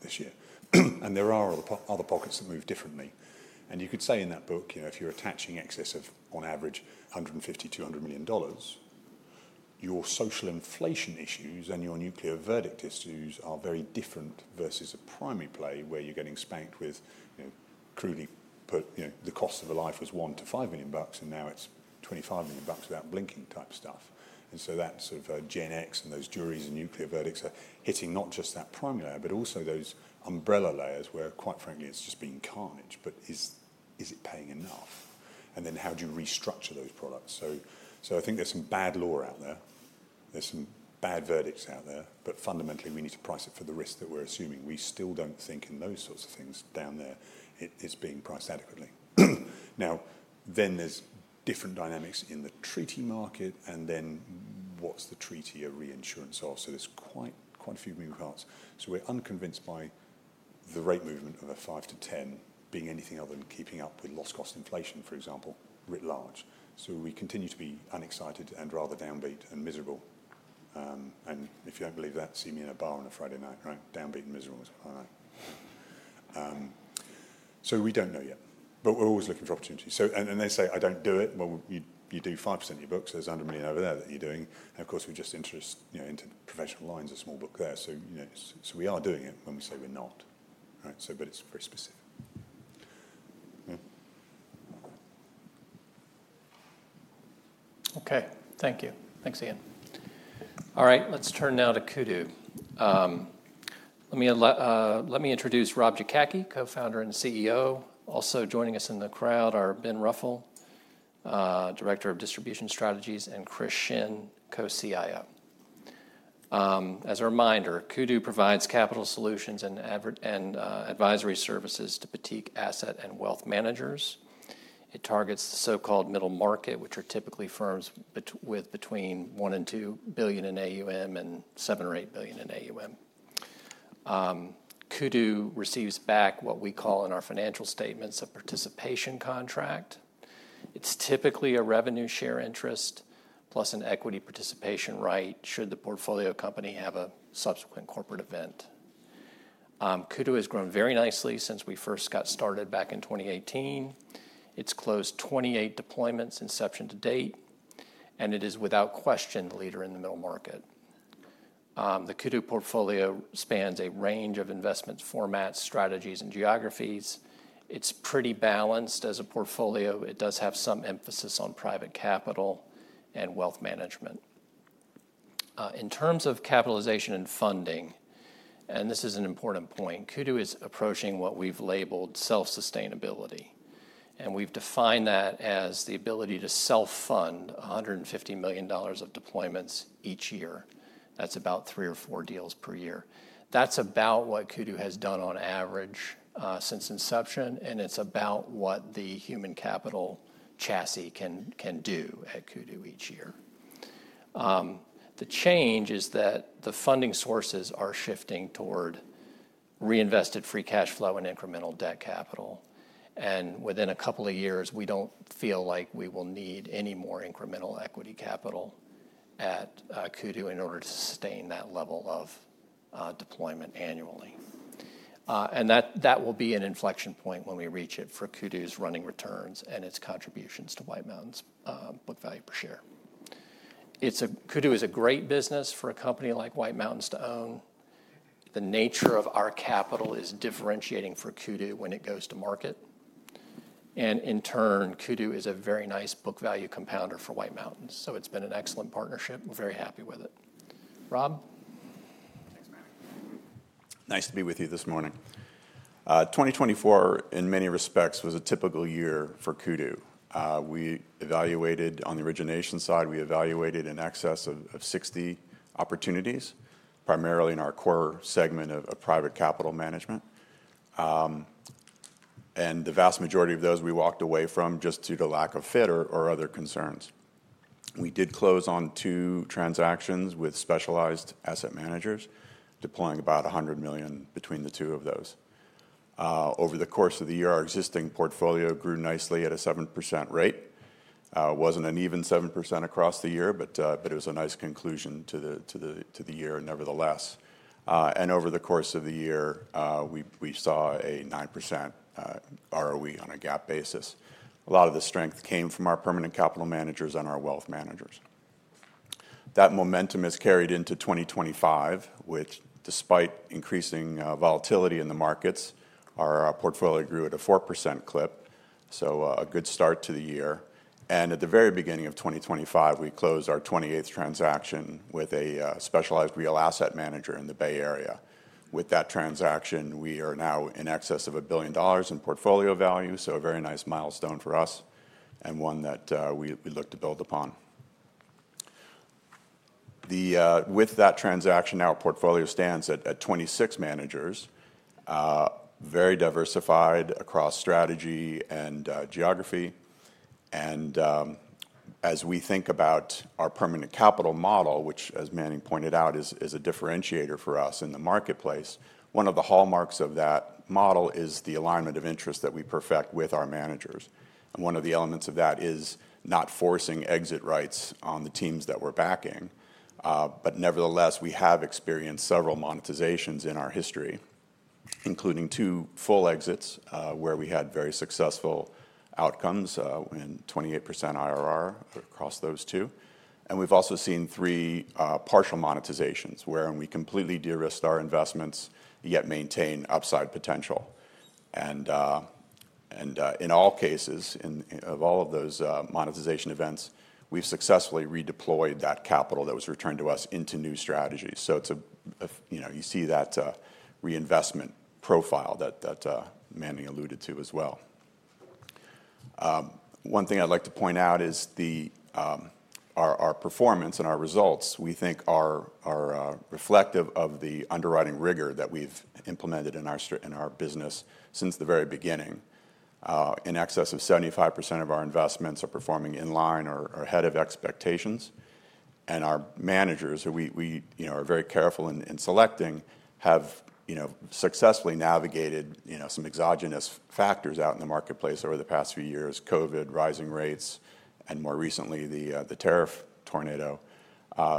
this year. There are other pockets that move differently. You could say in that book, if you're attaching excess of, on average, $150 million-$200 million, your social inflation issues and your nuclear verdict issues are very different versus a primary play where you're getting spanked with, crudely put, the cost of a life was $1 million to $5 million. Now it's $25 million without blinking type stuff. That sort of Gen X and those juries and nuclear verdicts are hitting not just that primary layer, but also those umbrella layers where, quite frankly, it's just being carnage. Is it paying enough? How do you restructure those products? I think there's some bad law out there. There's some bad verdicts out there. Fundamentally, we need to price it for the risk that we're assuming. We still do not think in those sorts of things down there it's being priced adequately. There are different dynamics in the treaty market. What is the treaty of reinsurance of? There are quite a few moving parts. We are unconvinced by the rate movement of a 5-10 being anything other than keeping up with loss cost inflation, for example, writ large. We continue to be unexcited and rather downbeat and miserable. If you do not believe that, see me in a bar on a Friday night, right? Downbeat and miserable. We do not know yet. We are always looking for opportunities. They say, I do not do it. You do 5% of your books. There's $100 million over there that you're doing. Of course, we're just interested in professional lines, a small book there. We are doing it when we say we're not. It is very specific. Okay. Thank you. Thanks, Ian. All right. Let's turn now to Kudu. Let me introduce Rob Jakacki, co-founder and CEO. Also joining us in the crowd are Ben Ruffell, Director of Distribution Strategies, and Chris Shin, Co-CIO. As a reminder, Kudu provides capital solutions and advisory services to boutique asset and wealth managers. It targets the so-called middle market, which are typically firms with between $1 billion and $2 billion in AUM and $7 billion or $8 billion in AUM. Kudu receives back what we call in our financial statements a participation contract. It's typically a revenue share interest plus an equity participation right should the portfolio company have a subsequent corporate event. Kudu has grown very nicely since we first got started back in 2018. It's closed 28 deployments inception to date. It is without question the leader in the middle market. The Kudu portfolio spans a range of investment formats, strategies, and geographies. It's pretty balanced as a portfolio. It does have some emphasis on private capital and wealth management. In terms of capitalization and funding, and this is an important point, Kudu is approaching what we've labeled self-sustainability. We've defined that as the ability to self-fund $150 million of deployments each year. That's about three or four deals per year. That's about what Kudu has done on average since inception. It's about what the human capital chassis can do at Kudu each year. The change is that the funding sources are shifting toward reinvested free cash flow and incremental debt capital. Within a couple of years, we don't feel like we will need any more incremental equity capital at Kudu in order to sustain that level of deployment annually. That will be an inflection point when we reach it for Kudu's running returns and its contributions to White Mountains book value per share. Kudu is a great business for a company like White Mountains to own. The nature of our capital is differentiating for Kudu when it goes to market. In turn, Kudu is a very nice book value compounder for White Mountains. It's been an excellent partnership. We're very happy with it. Rob? Thanks, Manning. Nice to be with you this morning. 2024, in many respects, was a typical year for Kudu. We evaluated on the origination side. We evaluated an excess of 60 opportunities, primarily in our core segment of private capital management. The vast majority of those we walked away from just due to lack of fit or other concerns. We did close on two transactions with specialized asset managers, deploying about $100 million between the two of those. Over the course of the year, our existing portfolio grew nicely at a 7% rate. It was not an even 7% across the year. It was a nice conclusion to the year nevertheless. Over the course of the year, we saw a 9% ROE on a GAAP basis. A lot of the strength came from our permanent capital managers and our wealth managers. That momentum has carried into 2025, which, despite increasing volatility in the markets, our portfolio grew at a 4% clip. A good start to the year. At the very beginning of 2025, we closed our 28th transaction with a specialized real asset manager in the Bay Area. With that transaction, we are now in excess of $1 billion in portfolio value. A very nice milestone for us and one that we look to build upon. With that transaction, our portfolio stands at 26 managers, very diversified across strategy and geography. As we think about our permanent capital model, which, as Manning pointed out, is a differentiator for us in the marketplace, one of the hallmarks of that model is the alignment of interest that we perfect with our managers. One of the elements of that is not forcing exit rights on the teams that we're backing. Nevertheless, we have experienced several monetizations in our history, including two full exits where we had very successful outcomes and 28% IRR across those two. We have also seen three partial monetizations where we completely de-risked our investments yet maintain upside potential. In all cases of all of those monetization events, we have successfully redeployed that capital that was returned to us into new strategies. You see that reinvestment profile that Manning alluded to as well. One thing I'd like to point out is our performance and our results, we think, are reflective of the underwriting rigor that we've implemented in our business since the very beginning. In excess of 75% of our investments are performing in line or ahead of expectations. Our managers, who we are very careful in selecting, have successfully navigated some exogenous factors out in the marketplace over the past few years: COVID, rising rates, and more recently, the tariff tornado,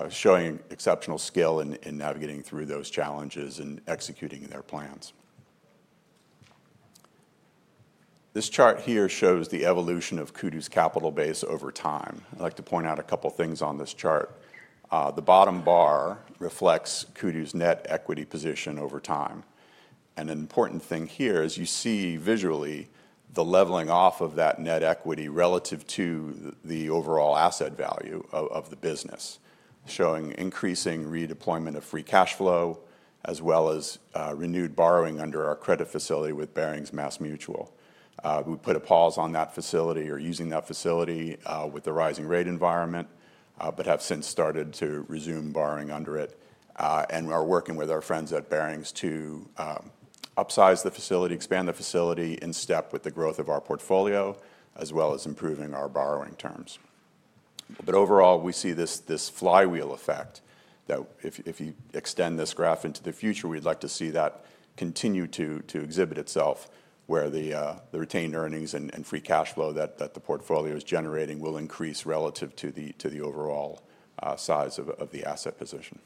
showing exceptional skill in navigating through those challenges and executing their plans. This chart here shows the evolution of Kudu's capital base over time. I'd like to point out a couple of things on this chart. The bottom bar reflects Kudu's net equity position over time. An important thing here is you see visually the leveling off of that net equity relative to the overall asset value of the business, showing increasing redeployment of free cash flow as well as renewed borrowing under our credit facility with Barings Mass Mutual. We put a pause on that facility or using that facility with the rising rate environment but have since started to resume borrowing under it. We are working with our friends at Barings to upsize the facility, expand the facility in step with the growth of our portfolio, as well as improving our borrowing terms. Overall, we see this flywheel effect that if you extend this graph into the future, we'd like to see that continue to exhibit itself, where the retained earnings and free cash flow that the portfolio is generating will increase relative to the overall size of the asset position.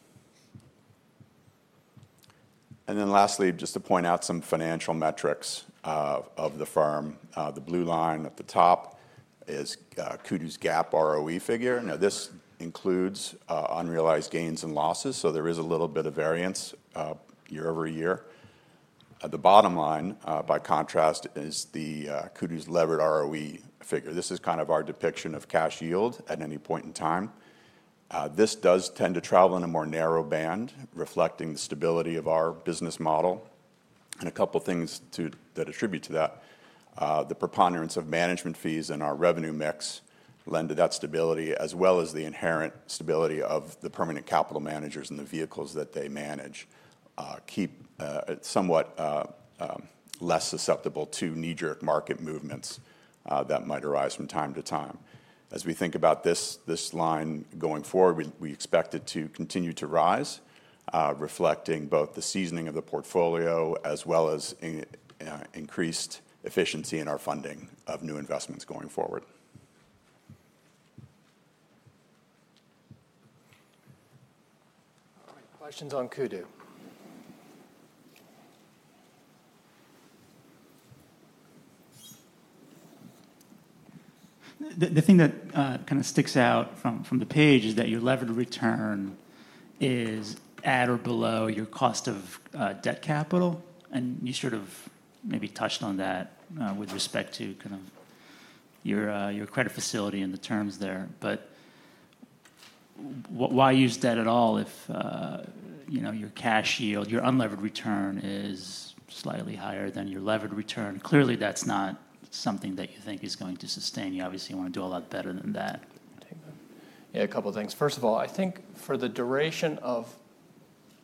Lastly, just to point out some financial metrics of the firm, the blue line at the top is Kudu's GAAP ROE figure. Now, this includes unrealized gains and losses, so there is a little bit of variance year over year. The bottom line, by contrast, is Kudu's levered ROE figure. This is kind of our depiction of cash yield at any point in time. This does tend to travel in a more narrow band, reflecting the stability of our business model. A couple of things to attribute to that: the preponderance of management fees in our revenue mix lend to that stability, as well as the inherent stability of the permanent capital managers and the vehicles that they manage keep it somewhat less susceptible to knee-jerk market movements that might arise from time to time. As we think about this line going forward, we expect it to continue to rise, reflecting both the seasoning of the portfolio as well as increased efficiency in our funding of new investments going forward. All right. Questions on Kudu? The thing that kind of sticks out from the page is that your levered return is at or below your cost of debt capital. You sort of maybe touched on that with respect to kind of your credit facility and the terms there. Why use debt at all if your cash yield, your unlevered return, is slightly higher than your levered return? Clearly, that's not something that you think is going to sustain. You obviously want to do a lot better than that. Yeah, a couple of things. First of all, I think for the duration of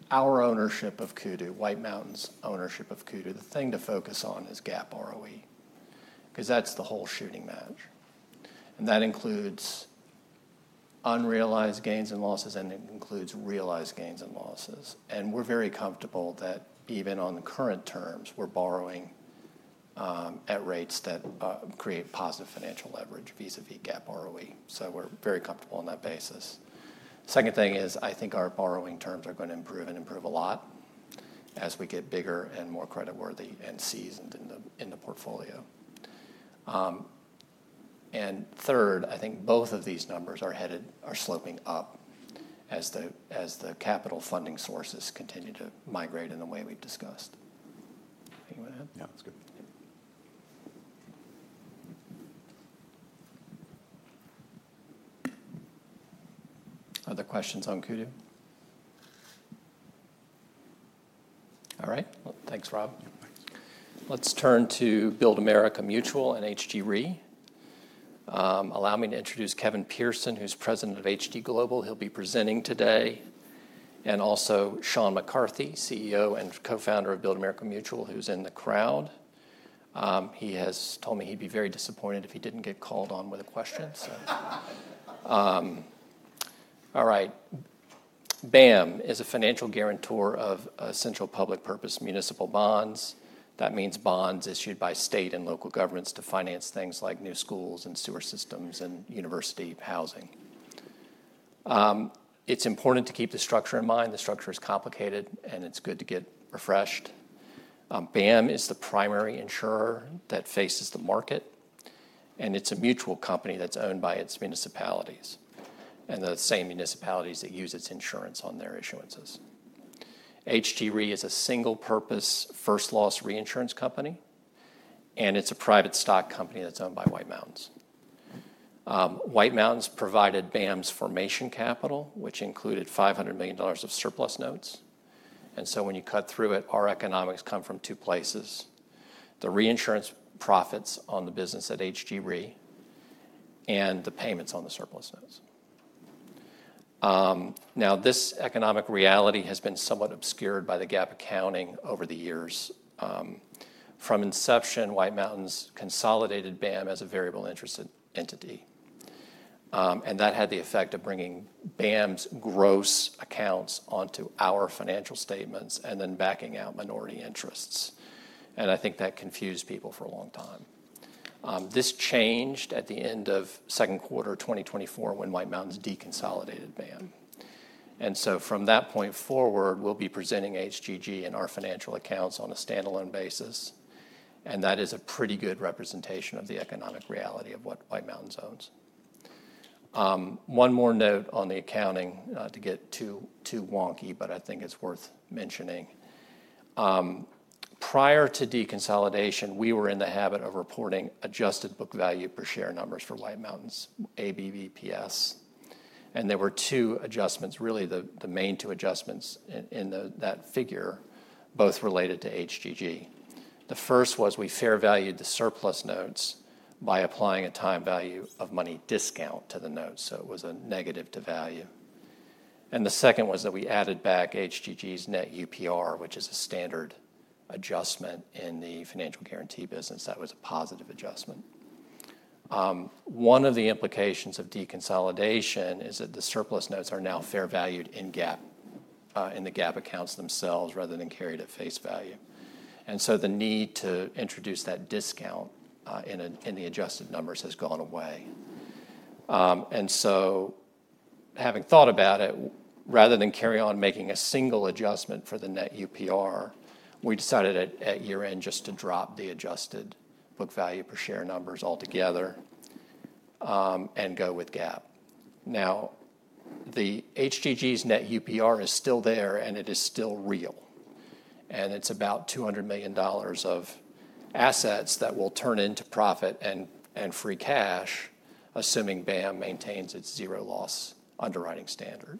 our ownership of Kudu, White Mountains' ownership of Kudu, the thing to focus on is GAAP ROE because that's the whole shooting match. And that includes unrealized gains and losses, and it includes realized gains and losses. And we're very comfortable that even on the current terms, we're borrowing at rates that create positive financial leverage vis-à-vis GAAP ROE. So we're very comfortable on that basis. Second thing is I think our borrowing terms are going to improve and improve a lot as we get bigger and more creditworthy and seasoned in the portfolio. And third, I think both of these numbers are sloping up as the capital funding sources continue to migrate in the way we've discussed. Anyone have? Yeah, that's good. Other questions on Kudu? All right. Thanks, Rob. Yeah, thanks. Let's turn to Build America Mutual and HG Reid. Allow me to introduce Kevin Pearson, who's President of HG Global. He'll be presenting today. Also Sean McCarthy, CEO and co-founder of Build America Mutual, who's in the crowd. He has told me he'd be very disappointed if he didn't get called on with a question. All right. BAM is a financial guarantor of central public purpose municipal bonds. That means bonds issued by state and local governments to finance things like new schools and sewer systems and university housing. It's important to keep the structure in mind. The structure is complicated, and it's good to get refreshed. BAM is the primary insurer that faces the market. It's a mutual company that's owned by its municipalities and the same municipalities that use its insurance on their issuances. HG Reid is a single-purpose first-loss reinsurance company. It is a private stock company that is owned by White Mountains. White Mountains provided BAM's formation capital, which included $500 million of surplus notes. When you cut through it, our economics come from two places: the reinsurance profits on the business at HG Global and the payments on the surplus notes. This economic reality has been somewhat obscured by the GAAP accounting over the years. From inception, White Mountains consolidated BAM as a variable interest entity. That had the effect of bringing BAM's gross accounts onto our financial statements and then backing out minority interests. I think that confused people for a long time. This changed at the end of second quarter 2024 when White Mountains deconsolidated BAM. From that point forward, we will be presenting HG Global and our financial accounts on a standalone basis. That is a pretty good representation of the economic reality of what White Mountains owns. One more note on the accounting, not to get too wonky, but I think it's worth mentioning. Prior to deconsolidation, we were in the habit of reporting adjusted book value per share numbers for White Mountains ABVPS. There were two adjustments, really the main two adjustments in that figure, both related to HG Global. The first was we fair valued the surplus notes by applying a time value of money discount to the notes, so it was a negative to value. The second was that we added back HG Global's net unearned premium reserve, which is a standard adjustment in the financial guarantee business. That was a positive adjustment. One of the implications of deconsolidation is that the surplus notes are now fair valued in the GAAP accounts themselves rather than carried at face value. The need to introduce that discount in the adjusted numbers has gone away. Having thought about it, rather than carry on making a single adjustment for the net UPR, we decided at year-end just to drop the adjusted book value per share numbers altogether and go with GAAP. Now, HG Global's net UPR is still there, and it is still real. It is about $200 million of assets that will turn into profit and free cash, assuming Build America Mutual maintains its zero-loss underwriting standard.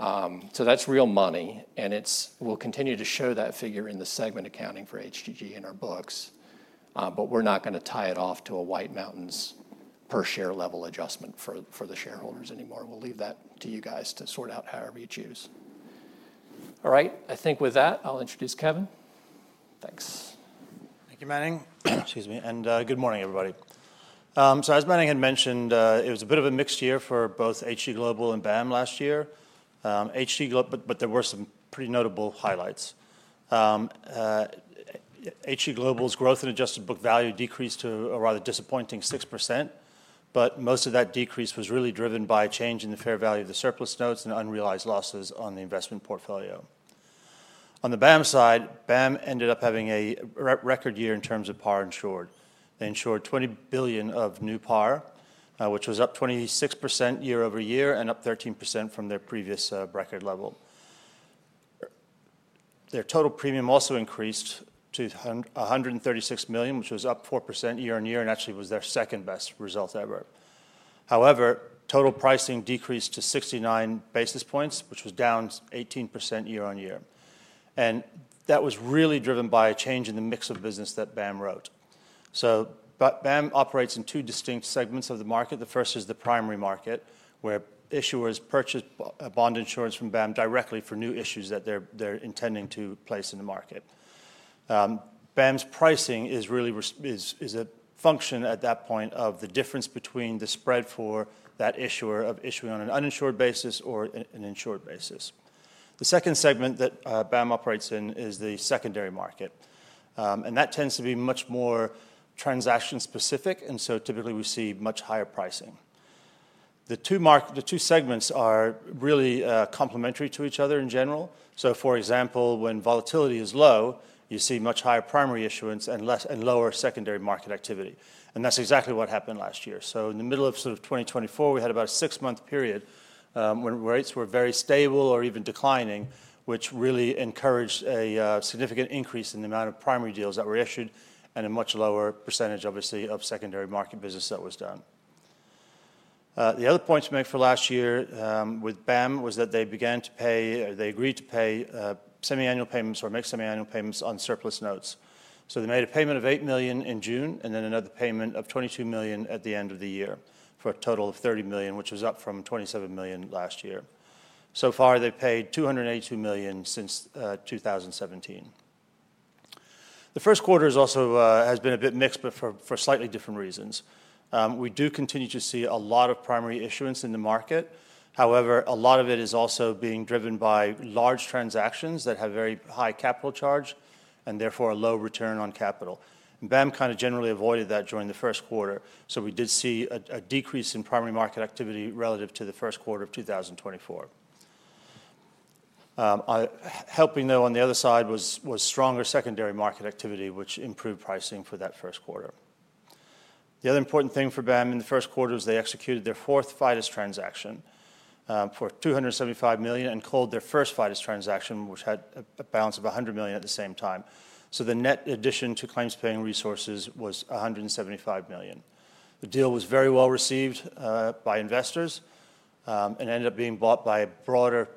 That is real money. We will continue to show that figure in the segment accounting for HG Global in our books. We are not going to tie it off to a White Mountains per share level adjustment for the shareholders anymore. We will leave that to you guys to sort out however you choose. All right. I think with that, I will introduce Kevin. Thanks. Thank you, Manning. Excuse me. And good morning, everybody. As Manning had mentioned, it was a bit of a mixed year for both HG Global and BAM last year. There were some pretty notable highlights. HG Global's growth in adjusted book value decreased to a rather disappointing 6%. Most of that decrease was really driven by a change in the fair value of the surplus notes and unrealized losses on the investment portfolio. On the BAM side, BAM ended up having a record year in terms of par insured. They insured $20 billion of new par, which was up 26% year over year and up 13% from their previous record level. Their total premium also increased to $136 million, which was up 4% year on year and actually was their second-best result ever. However, total pricing decreased to 69 basis points, which was down 18% year on year. That was really driven by a change in the mix of business that BAM wrote. BAM operates in two distinct segments of the market. The first is the primary market, where issuers purchase bond insurance from BAM directly for new issues that they are intending to place in the market. BAM's pricing is really a function at that point of the difference between the spread for that issuer of issuing on an uninsured basis or an insured basis. The second segment that BAM operates in is the secondary market. That tends to be much more transaction-specific. Typically, we see much higher pricing. The two segments are really complementary to each other in general. For example, when volatility is low, you see much higher primary issuance and lower secondary market activity. That is exactly what happened last year. In the middle of 2024, we had about a six-month period when rates were very stable or even declining, which really encouraged a significant increase in the amount of primary deals that were issued and a much lower percentage, obviously, of secondary market business that was done. The other points made for last year with Build America Mutual was that they began to pay or they agreed to pay semi-annual payments or mixed semi-annual payments on surplus notes. They made a payment of $8 million in June and then another payment of $22 million at the end of the year for a total of $30 million, which was up from $27 million last year. So far, they have paid $282 million since 2017. The first quarter has been a bit mixed, but for slightly different reasons. We do continue to see a lot of primary issuance in the market. However, a lot of it is also being driven by large transactions that have very high capital charge and therefore a low return on capital. BAM kind of generally avoided that during the first quarter. We did see a decrease in primary market activity relative to the first quarter of 2024. Helping, though, on the other side was stronger secondary market activity, which improved pricing for that first quarter. The other important thing for BAM in the first quarter was they executed their fourth FINEST transaction for $275 million and called their first FINEST transaction, which had a balance of $100 million at the same time. The net addition to claims-paying resources was $175 million. The deal was very well received by investors and ended up being bought by a broader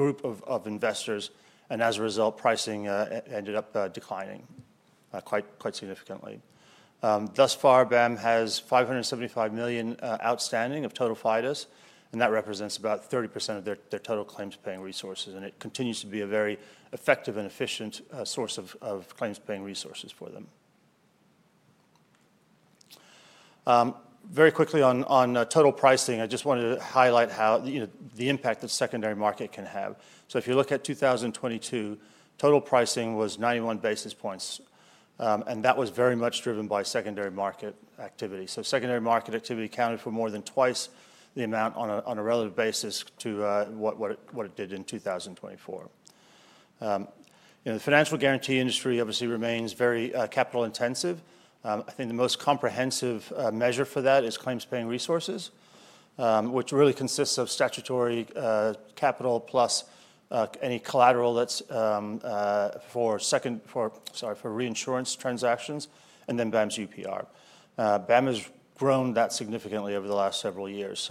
group of investors. As a result, pricing ended up declining quite significantly. Thus far, BAM has $575 million outstanding of total finest, and that represents about 30% of their total claims-paying resources. It continues to be a very effective and efficient source of claims-paying resources for them. Very quickly on total pricing, I just wanted to highlight the impact that secondary market can have. If you look at 2022, total pricing was 91 basis points. That was very much driven by secondary market activity. Secondary market activity accounted for more than twice the amount on a relative basis to what it did in 2024. The financial guarantee industry obviously remains very capital intensive. I think the most comprehensive measure for that is claims-paying resources, which really consists of statutory capital plus any collateral for reinsurance transactions and then BAM's UPR. BAM has grown that significantly over the last several years.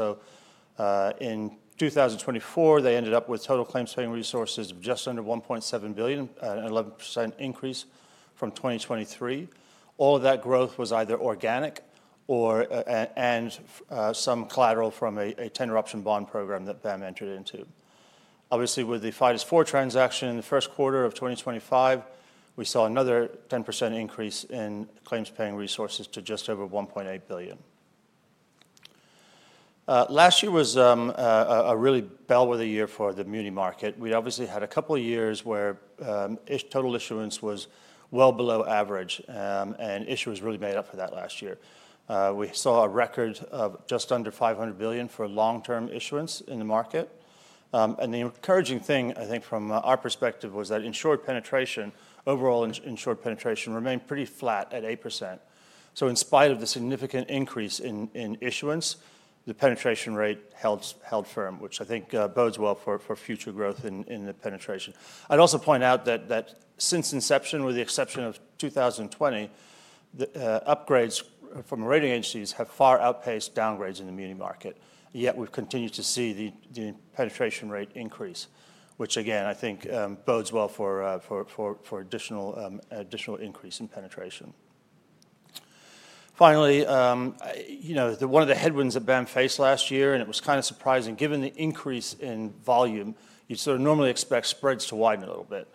In 2024, they ended up with total claims-paying resources of just under $1.7 billion, an 11% increase from 2023. All of that growth was either organic and some collateral from a 10% reinsurance bond program that BAM entered into. Obviously, with the FINRA 4 transaction in the first quarter of 2025, we saw another 10% increase in claims-paying resources to just over $1.8 billion. Last year was a really bellwether year for the muni market. We obviously had a couple of years where total issuance was well below average. Issuers really made up for that last year. We saw a record of just under $500 billion for long-term issuance in the market. The encouraging thing, I think, from our perspective was that insured penetration, overall insured penetration remained pretty flat at 8%. In spite of the significant increase in issuance, the penetration rate held firm, which I think bodes well for future growth in the penetration. I'd also point out that since inception, with the exception of 2020, upgrades from rating agencies have far outpaced downgrades in the muni market. Yet we've continued to see the penetration rate increase, which again, I think bodes well for additional increase in penetration. Finally, one of the headwinds that BAM faced last year, and it was kind of surprising, given the increase in volume, you'd sort of normally expect spreads to widen a little bit.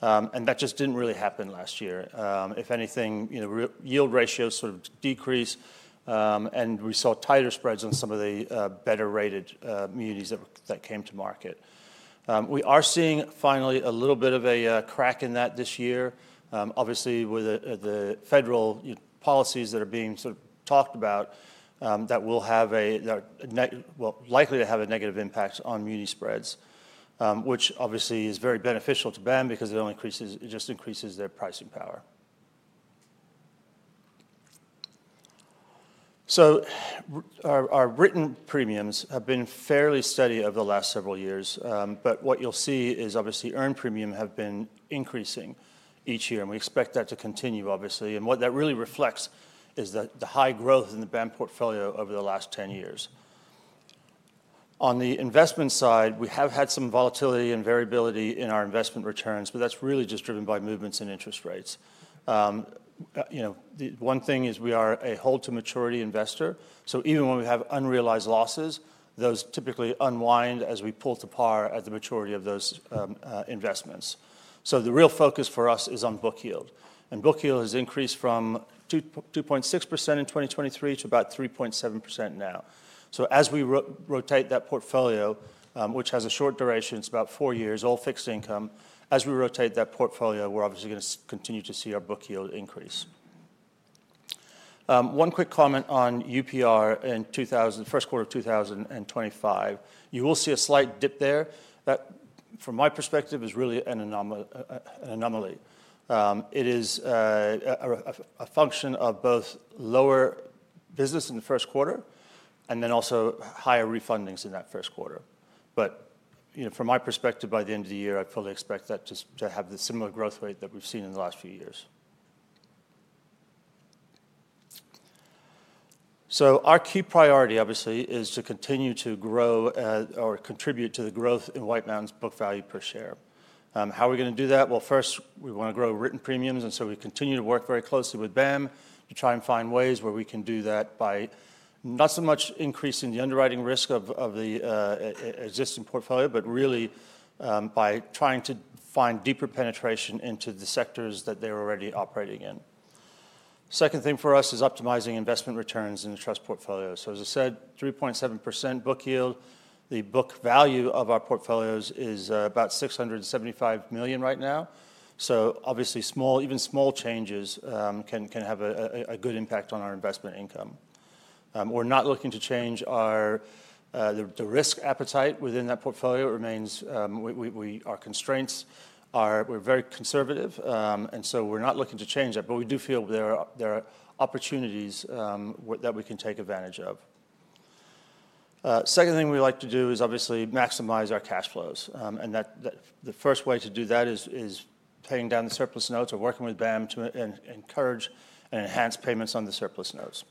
That just didn't really happen last year. If anything, yield ratios sort of decreased. We saw tighter spreads on some of the better-rated munis that came to market. We are seeing finally a little bit of a crack in that this year, obviously with the federal policies that are being sort of talked about that will have a, well, likely to have a negative impact on munis spreads, which obviously is very beneficial to BAM because it just increases their pricing power. Our written premiums have been fairly steady over the last several years. What you'll see is obviously earned premium have been increasing each year. We expect that to continue, obviously. What that really reflects is the high growth in the BAM portfolio over the last 10 years. On the investment side, we have had some volatility and variability in our investment returns, but that's really just driven by movements in interest rates. One thing is we are a hold-to-maturity investor. Even when we have unrealized losses, those typically unwind as we pull to par at the maturity of those investments. The real focus for us is on book yield. Book yield has increased from 2.6% in 2023 to about 3.7% now. As we rotate that portfolio, which has a short duration, it's about four years, all fixed income, as we rotate that portfolio, we're obviously going to continue to see our book yield increase. One quick comment on UPR in the first quarter of 2025. You will see a slight dip there. That, from my perspective, is really an anomaly. It is a function of both lower business in the first quarter and then also higher refundings in that first quarter. From my perspective, by the end of the year, I fully expect that to have the similar growth rate that we've seen in the last few years. Our key priority, obviously, is to continue to grow or contribute to the growth in White Mountains book value per share. How are we going to do that? First, we want to grow written premiums. We continue to work very closely with BAM to try and find ways where we can do that by not so much increasing the underwriting risk of the existing portfolio, but really by trying to find deeper penetration into the sectors that they're already operating in. The second thing for us is optimizing investment returns in the trust portfolio. As I said, 3.7% book yield. The book value of our portfolios is about $675 million right now. Obviously, even small changes can have a good impact on our investment income. We're not looking to change the risk appetite within that portfolio. Our constraints are we're very conservative. We're not looking to change that. We do feel there are opportunities that we can take advantage of. The second thing we like to do is maximize our cash flows. The first way to do that is paying down the surplus notes or working with BAM to encourage and enhance payments on the surplus notes.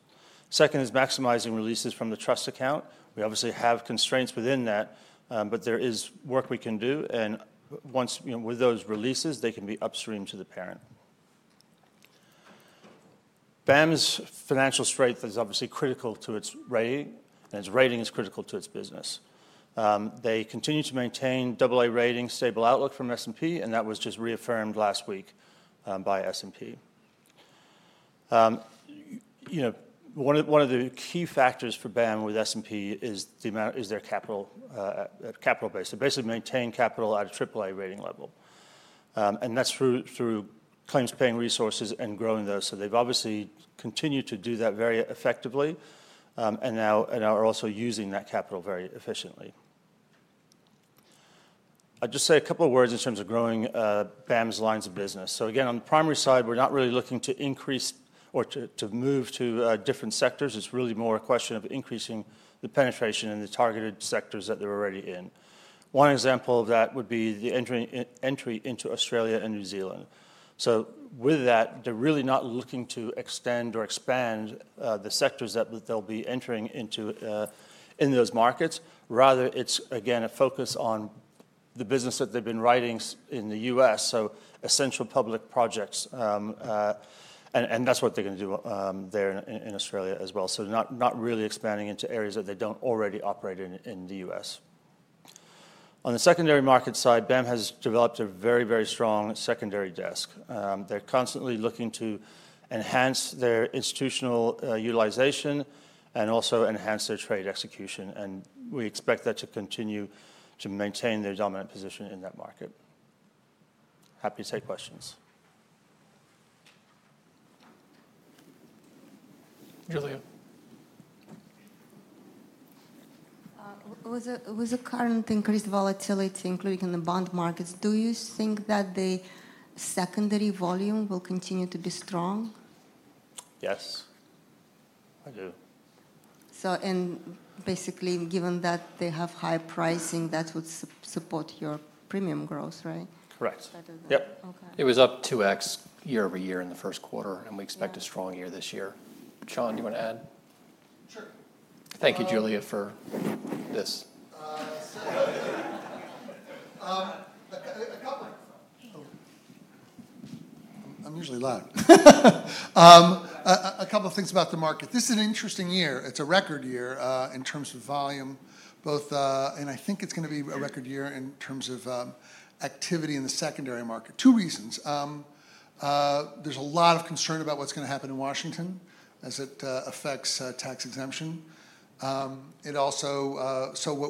Second is maximizing releases from the trust account. We obviously have constraints within that, but there is work we can do. Once with those releases, they can be upstream to the parent. BAM's financial strength is obviously critical to its rating. Its rating is critical to its business. They continue to maintain AA rating, stable outlook from S&P. That was just reaffirmed last week by S&P. One of the key factors for BAM with S&P is their capital base. They basically maintain capital at a AAA rating level. That is through claims-paying resources and growing those. They have obviously continued to do that very effectively and are also using that capital very efficiently. I will just say a couple of words in terms of growing BAM's lines of business. Again, on the primary side, we are not really looking to increase or to move to different sectors. It is really more a question of increasing the penetration in the targeted sectors that they are already in. One example of that would be the entry into Australia and New Zealand. With that, they are really not looking to extend or expand the sectors that they will be entering into in those markets. Rather, it's, again, a focus on the business that they've been writing in the U.S., so essential public projects. That's what they're going to do there in Australia as well. Not really expanding into areas that they don't already operate in the U.S. On the secondary market side, BAM has developed a very, very strong secondary desk. They're constantly looking to enhance their institutional utilization and also enhance their trade execution. We expect that to continue to maintain their dominant position in that market. Happy to take questions. Julia. With the current increased volatility, including in the bond markets, do you think that the secondary volume will continue to be strong? Yes. I do. Basically, given that they have high pricing, that would support your premium growth, right? Correct. Yep. It was up 2x year over year in the first quarter. We expect a strong year this year. Sean, do you want to add? Sure. Thank you, Julia, for this. I'm usually loud. A couple of things about the market. This is an interesting year. It is a record year in terms of volume. I think it is going to be a record year in terms of activity in the secondary market. Two reasons. There is a lot of concern about what is going to happen in Washington as it affects tax exemption. What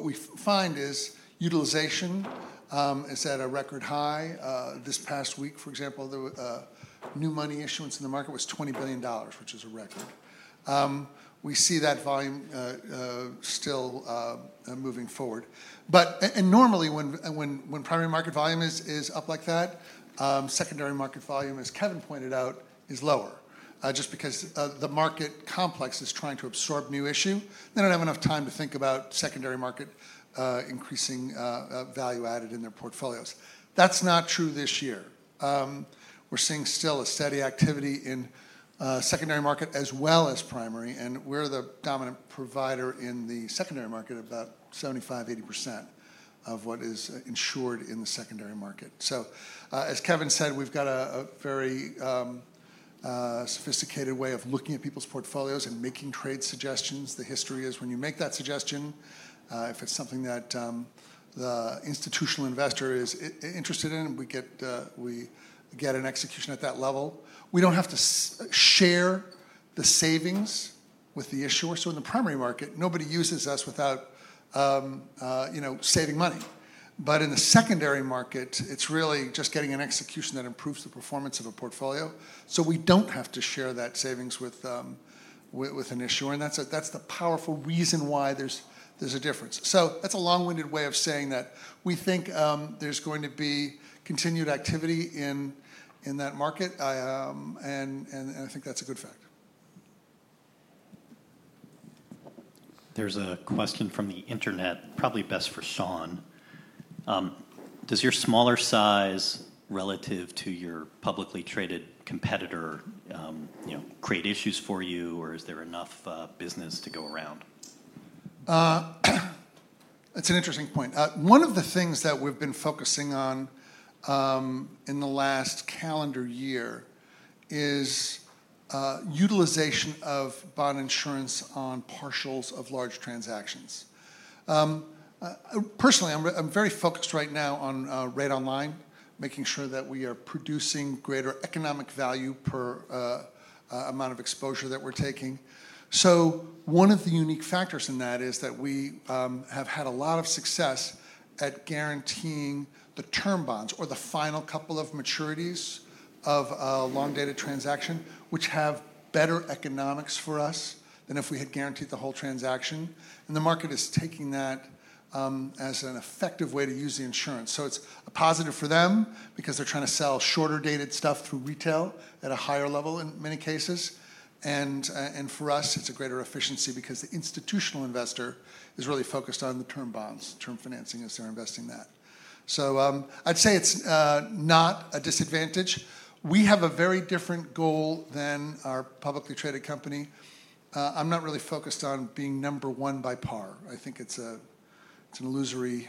we find is utilization is at a record high. This past week, for example, new money issuance in the market was $20 billion, which is a record. We see that volume still moving forward. Normally, when primary market volume is up like that, secondary market volume, as Kevin pointed out, is lower just because the market complex is trying to absorb new issue. They don't have enough time to think about secondary market increasing value added in their portfolios. That's not true this year. We're seeing still a steady activity in secondary market as well as primary. And we're the dominant provider in the secondary market of about 75%-80% of what is insured in the secondary market. As Kevin said, we've got a very sophisticated way of looking at people's portfolios and making trade suggestions. The history is when you make that suggestion, if it's something that the institutional investor is interested in, we get an execution at that level. We don't have to share the savings with the issuer. In the primary market, nobody uses us without saving money. In the secondary market, it's really just getting an execution that improves the performance of a portfolio. We don't have to share that savings with an issuer. That is the powerful reason why there is a difference. That is a long-winded way of saying that we think there is going to be continued activity in that market. I think that is a good fact. There is a question from the internet, probably best for Sean. Does your smaller size relative to your publicly traded competitor create issues for you, or is there enough business to go around? That is an interesting point. One of the things that we have been focusing on in the last calendar year is utilization of bond insurance on partials of large transactions. Personally, I am very focused right now on Rate Online, making sure that we are producing greater economic value per amount of exposure that we are taking. One of the unique factors in that is that we have had a lot of success at guaranteeing the term bonds or the final couple of maturities of a long-dated transaction, which have better economics for us than if we had guaranteed the whole transaction. The market is taking that as an effective way to use the insurance. It's a positive for them because they're trying to sell shorter-dated stuff through retail at a higher level in many cases. For us, it's a greater efficiency because the institutional investor is really focused on the term bonds, term financing as they're investing that. I'd say it's not a disadvantage. We have a very different goal than our publicly traded company. I'm not really focused on being number one by par. I think it's an illusory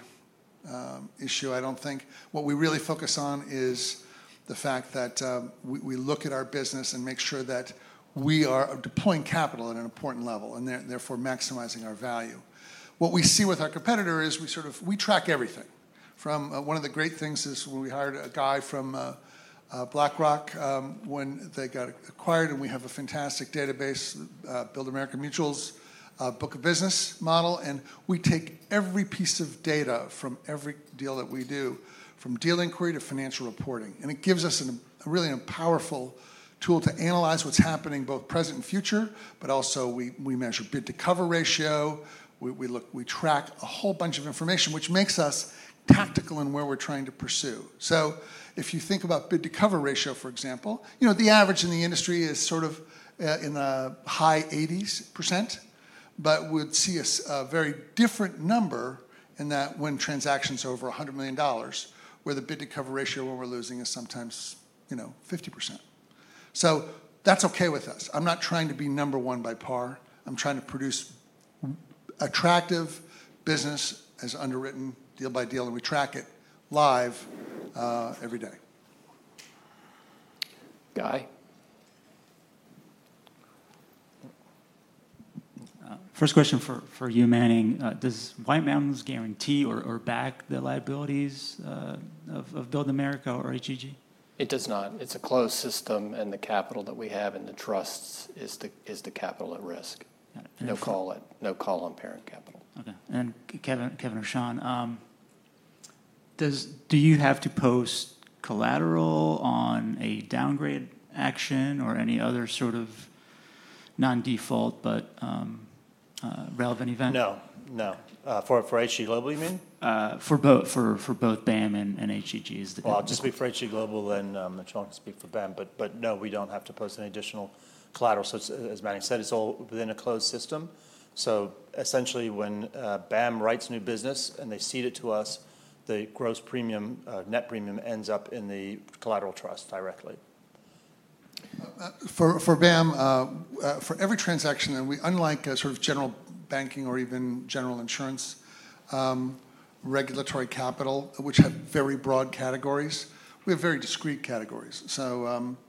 issue, I don't think. What we really focus on is the fact that we look at our business and make sure that we are deploying capital at an important level and therefore maximizing our value. What we see with our competitor is we track everything. One of the great things is when we hired a guy from BlackRock when they got acquired, and we have a fantastic database, Build America Mutual's book of business model. We take every piece of data from every deal that we do, from deal inquiry to financial reporting. It gives us really a powerful tool to analyze what's happening both present and future, but also we measure bid-to-cover ratio. We track a whole bunch of information, which makes us tactical in where we're trying to pursue. If you think about bid-to-cover ratio, for example, the average in the industry is sort of in the high 80%, but we'd see a very different number in that when transactions are over $100 million, where the bid-to-cover ratio where we're losing is sometimes 50%. That's okay with us. I'm not trying to be number one by par. I'm trying to produce attractive business as underwritten deal by deal, and we track it live every day. Okay First question for you, Manning. Does White Mountains guarantee or back the liabilities of Build America or HG Global? It does not. It's a closed system, and the capital that we have in the trusts is the capital at risk. No call on parent capital. Okay. Kevin or Sean, do you have to post collateral on a downgrade action or any other sort of non-default but relevant event? No. No. For HG Global, you mean? For both BAM and HG. I'll just speak for HG Global, and then Sean can speak for BAM. No, we don't have to post any additional collateral. As Manning said, it's all within a closed system. Essentially, when BAM writes new business and they cede it to us, the gross net premium ends up in the collateral trust directly. For BAM, for every transaction, and unlike general banking or even general insurance regulatory capital, which have very broad categories, we have very discrete categories.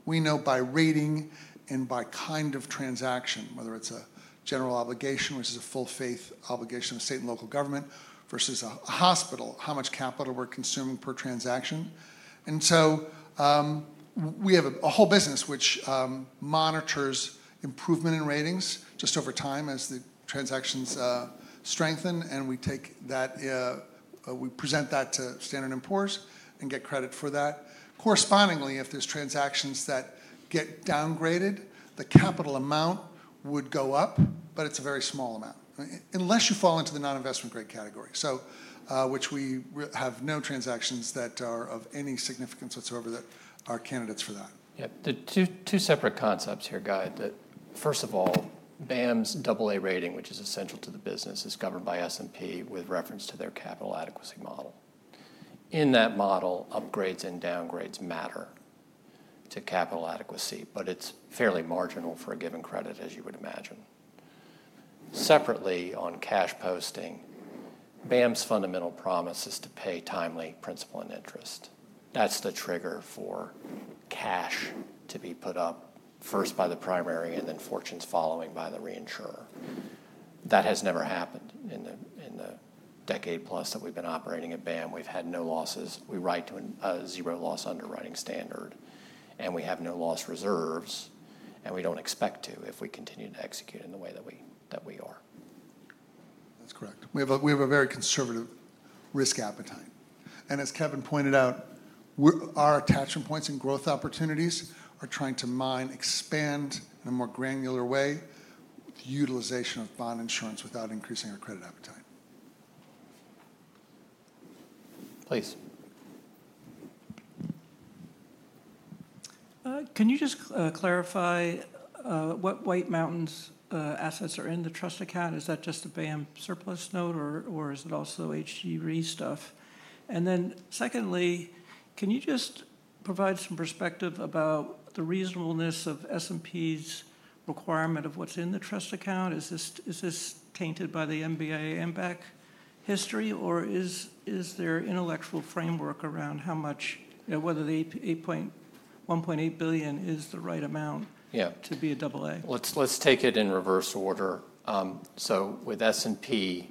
We know by rating and by kind of transaction, whether it's a general obligation, which is a full-faith obligation of state and local government, versus a hospital, how much capital we're consuming per transaction. We have a whole business which monitors improvement in ratings just over time as the transactions strengthen. We present that to Standard & Poor's and get credit for that. Correspondingly, if there are transactions that get downgraded, the capital amount would go up, but it is a very small amount unless you fall into the non-investment grade category, which we have no transactions that are of any significance whatsoever that are candidates for that. Yeah. Two separate concepts here, Okay. First of all, BAM's AA rating, which is essential to the business, is governed by S&P with reference to their capital adequacy model. In that model, upgrades and downgrades matter to capital adequacy, but it is fairly marginal for a given credit, as you would imagine. Separately, on cash posting, BAM's fundamental promise is to pay timely principal and interest. That is the trigger for cash to be put up first by the primary and then, fortunes following, by the reinsurer. That has never happened in the decade-plus that we've been operating at BAM. We've had no losses. We write to a zero-loss underwriting standard. We have no loss reserves. We don't expect to if we continue to execute in the way that we are. That's correct. We have a very conservative risk appetite. As Kevin pointed out, our attachment points and growth opportunities are trying to mine, expand in a more granular way the utilization of bond insurance without increasing our credit appetite. Please. Can you just clarify what White Mountains assets are in the trust account? Is that just a BAM surplus note, or is it also HG Global stuff? Secondly, can you just provide some perspective about the reasonableness of S&P's requirement of what's in the trust account? Is this tainted by the MBA AMBAC history, or is there intellectual framework around whether the $1.8 billion is the right amount to be a AA? Let's take it in reverse order. With S&P,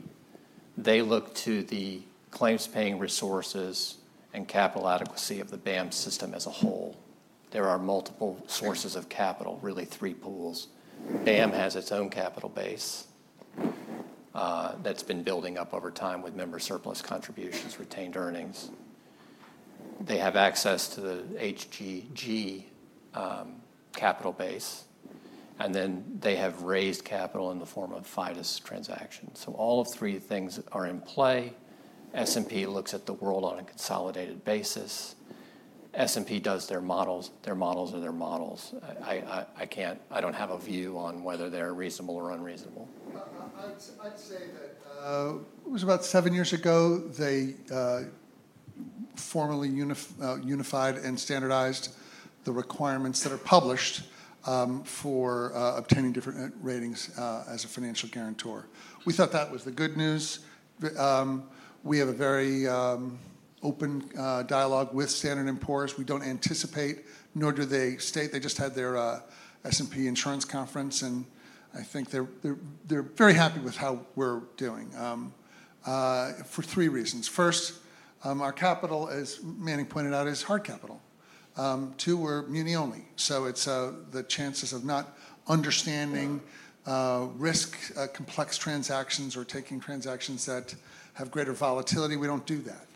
they look to the claims-paying resources and capital adequacy of the BAM system as a whole. There are multiple sources of capital, really three pools. BAM has its own capital base that's been building up over time with member surplus contributions, retained earnings. They have access to the HG Global capital base. And then they have raised capital in the form of FIDOS transactions. All three things are in play. S&P looks at the world on a consolidated basis. S&P does their models. Their models are their models. I don't have a view on whether they're reasonable or unreasonable. I'd say that it was about seven years ago they formally unified and standardized the requirements that are published for obtaining different ratings as a financial guarantor. We thought that was the good news. We have a very open dialogue with Standard & Poor's. We don't anticipate, nor do they state. They just had their S&P insurance conference. I think they're very happy with how we're doing for three reasons. First, our capital, as Manning pointed out, is hard capital. Two, we're muni only. The chances of not understanding risk, complex transactions, or taking transactions that have greater volatility, we don't do that.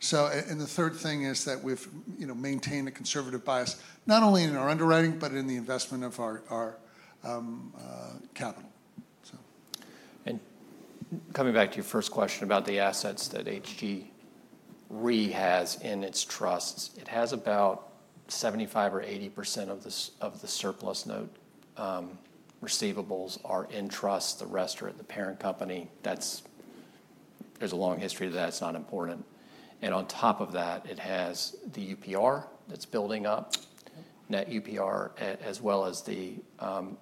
The third thing is that we've maintained a conservative bias, not only in our underwriting, but in the investment of our capital. Coming back to your first question about the assets that HG Global has in its trusts, it has about 75% or 80% of the surplus note receivables are in trusts. The rest are at the parent company. There is a long history to that. It is not important. On top of that, it has the UPR that is building up, net UPR, as well as the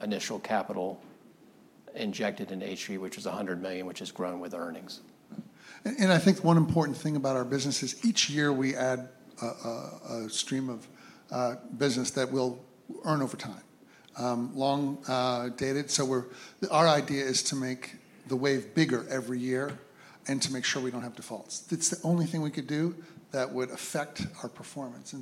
initial capital injected in HG Global, which is $100 million, which has grown with earnings. I think one important thing about our business is each year we add a stream of business that will earn over time, long-dated. Our idea is to make the wave bigger every year and to make sure we do not have defaults. It is the only thing we could do that would affect our performance.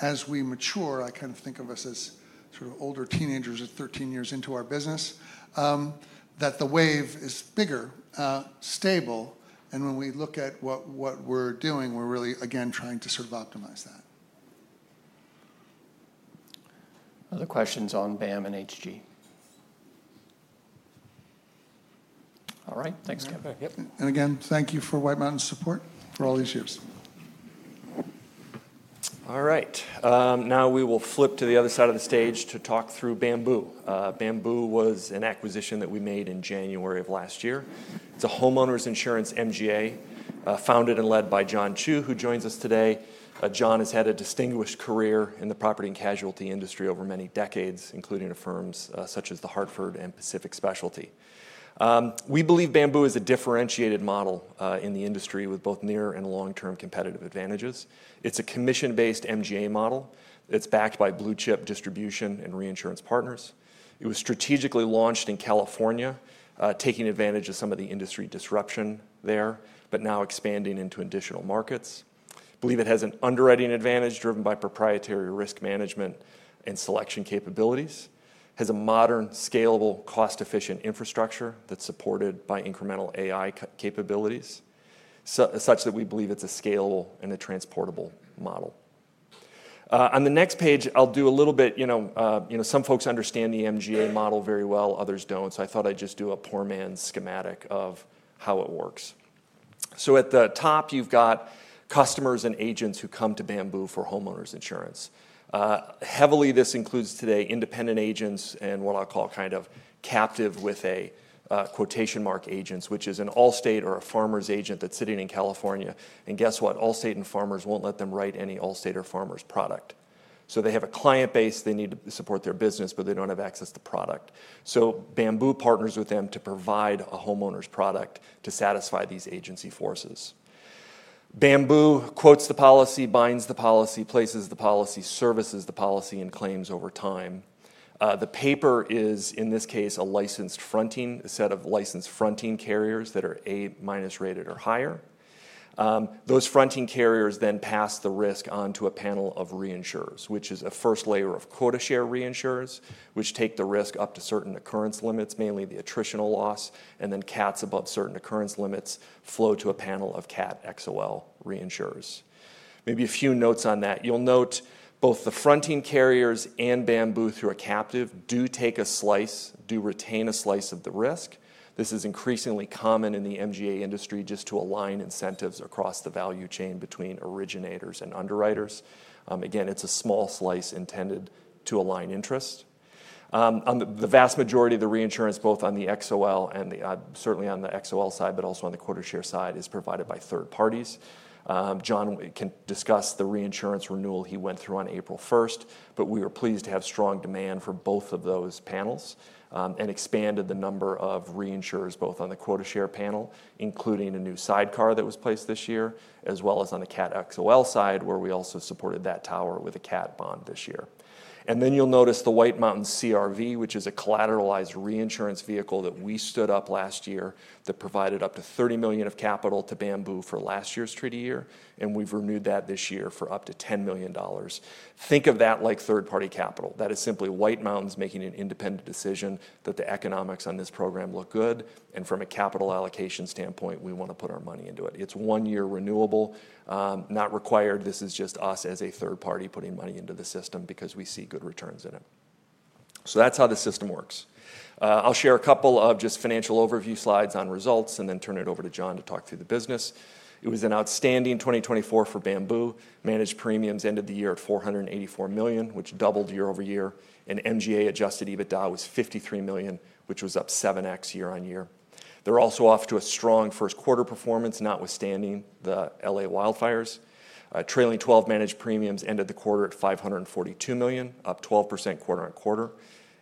As we mature, I kind of think of us as sort of older teenagers at 13 years into our business, that the wave is bigger, stable. When we look at what we're doing, we're really, again, trying to sort of optimize that. Other questions on BAM and HGG? All right. Thanks, Kevin. And again, thank you for White Mountains' support for all these years. All right. Now we will flip to the other side of the stage to talk through Bamboo. Bamboo was an acquisition that we made in January of last year. It's a homeowners insurance MGA founded and led by John Chu, who joins us today. John has had a distinguished career in the property and casualty industry over many decades, including at firms such as the Hartford and Pacific Specialty. We believe Bamboo is a differentiated model in the industry with both near and long-term competitive advantages. It's a commission-based MGA model. It's backed by Blue Chip Distribution and Reinsurance Partners. It was strategically launched in California, taking advantage of some of the industry disruption there, but now expanding into additional markets. I believe it has an underwriting advantage driven by proprietary risk management and selection capabilities. It has a modern, scalable, cost-efficient infrastructure that's supported by incremental AI capabilities, such that we believe it's a scalable and a transportable model. On the next page, I'll do a little bit. Some folks understand the MGA model very well. Others don't. I thought I'd just do a poor man's schematic of how it works. At the top, you've got customers and agents who come to Bamboo for homeowners insurance. Heavily, this includes today independent agents and what I'll call kind of captive with a quotation mark agents, which is an Allstate or a Farmers agent that's sitting in California. And guess what? Allstate and Farmers won't let them write any Allstate or Farmers product. They have a client base. They need to support their business, but they don't have access to product. Bamboo partners with them to provide a homeowners product to satisfy these agency forces. Bamboo quotes the policy, binds the policy, places the policy, services the policy, and claims over time. The paper is, in this case, a licensed fronting, a set of licensed fronting carriers that are A-minus rated or higher. Those fronting carriers then pass the risk onto a panel of reinsurers, which is a first layer of quota share reinsurers, which take the risk up to certain occurrence limits, mainly the attritional loss, and then cats above certain occurrence limits flow to a panel of cat XOL reinsurers. Maybe a few notes on that. You'll note both the fronting carriers and Bamboo through a captive do take a slice, do retain a slice of the risk. This is increasingly common in the MGA industry just to align incentives across the value chain between originators and underwriters. Again, it's a small slice intended to align interest. The vast majority of the reinsurance, both on the XOL and certainly on the XOL side, but also on the quota share side, is provided by third parties. John can discuss the reinsurance renewal he went through on April 1st, but we are pleased to have strong demand for both of those panels and expanded the number of reinsurers both on the quota share panel, including a new sidecar that was placed this year, as well as on the cat XOL side, where we also supported that tower with a cat bond this year. You will notice the White Mountains CRV, which is a collateralized reinsurance vehicle that we stood up last year that provided up to $30 million of capital to Bamboo for last year's treaty year. We have renewed that this year for up to $10 million. Think of that like third-party capital. That is simply White Mountains making an independent decision that the economics on this program look good. From a capital allocation standpoint, we want to put our money into it. It's one-year renewable, not required. This is just us as a third party putting money into the system because we see good returns in it. That's how the system works. I'll share a couple of just financial overview slides on results and then turn it over to John to talk through the business. It was an outstanding 2024 for Bamboo. Managed premiums ended the year at $484 million, which doubled year over year. And MGA adjusted EBITDA was $53 million, which was up 7X year on year. They're also off to a strong first quarter performance, notwithstanding the LA wildfires. Trailing 12 managed premiums ended the quarter at $542 million, up 12% quarter on quarter.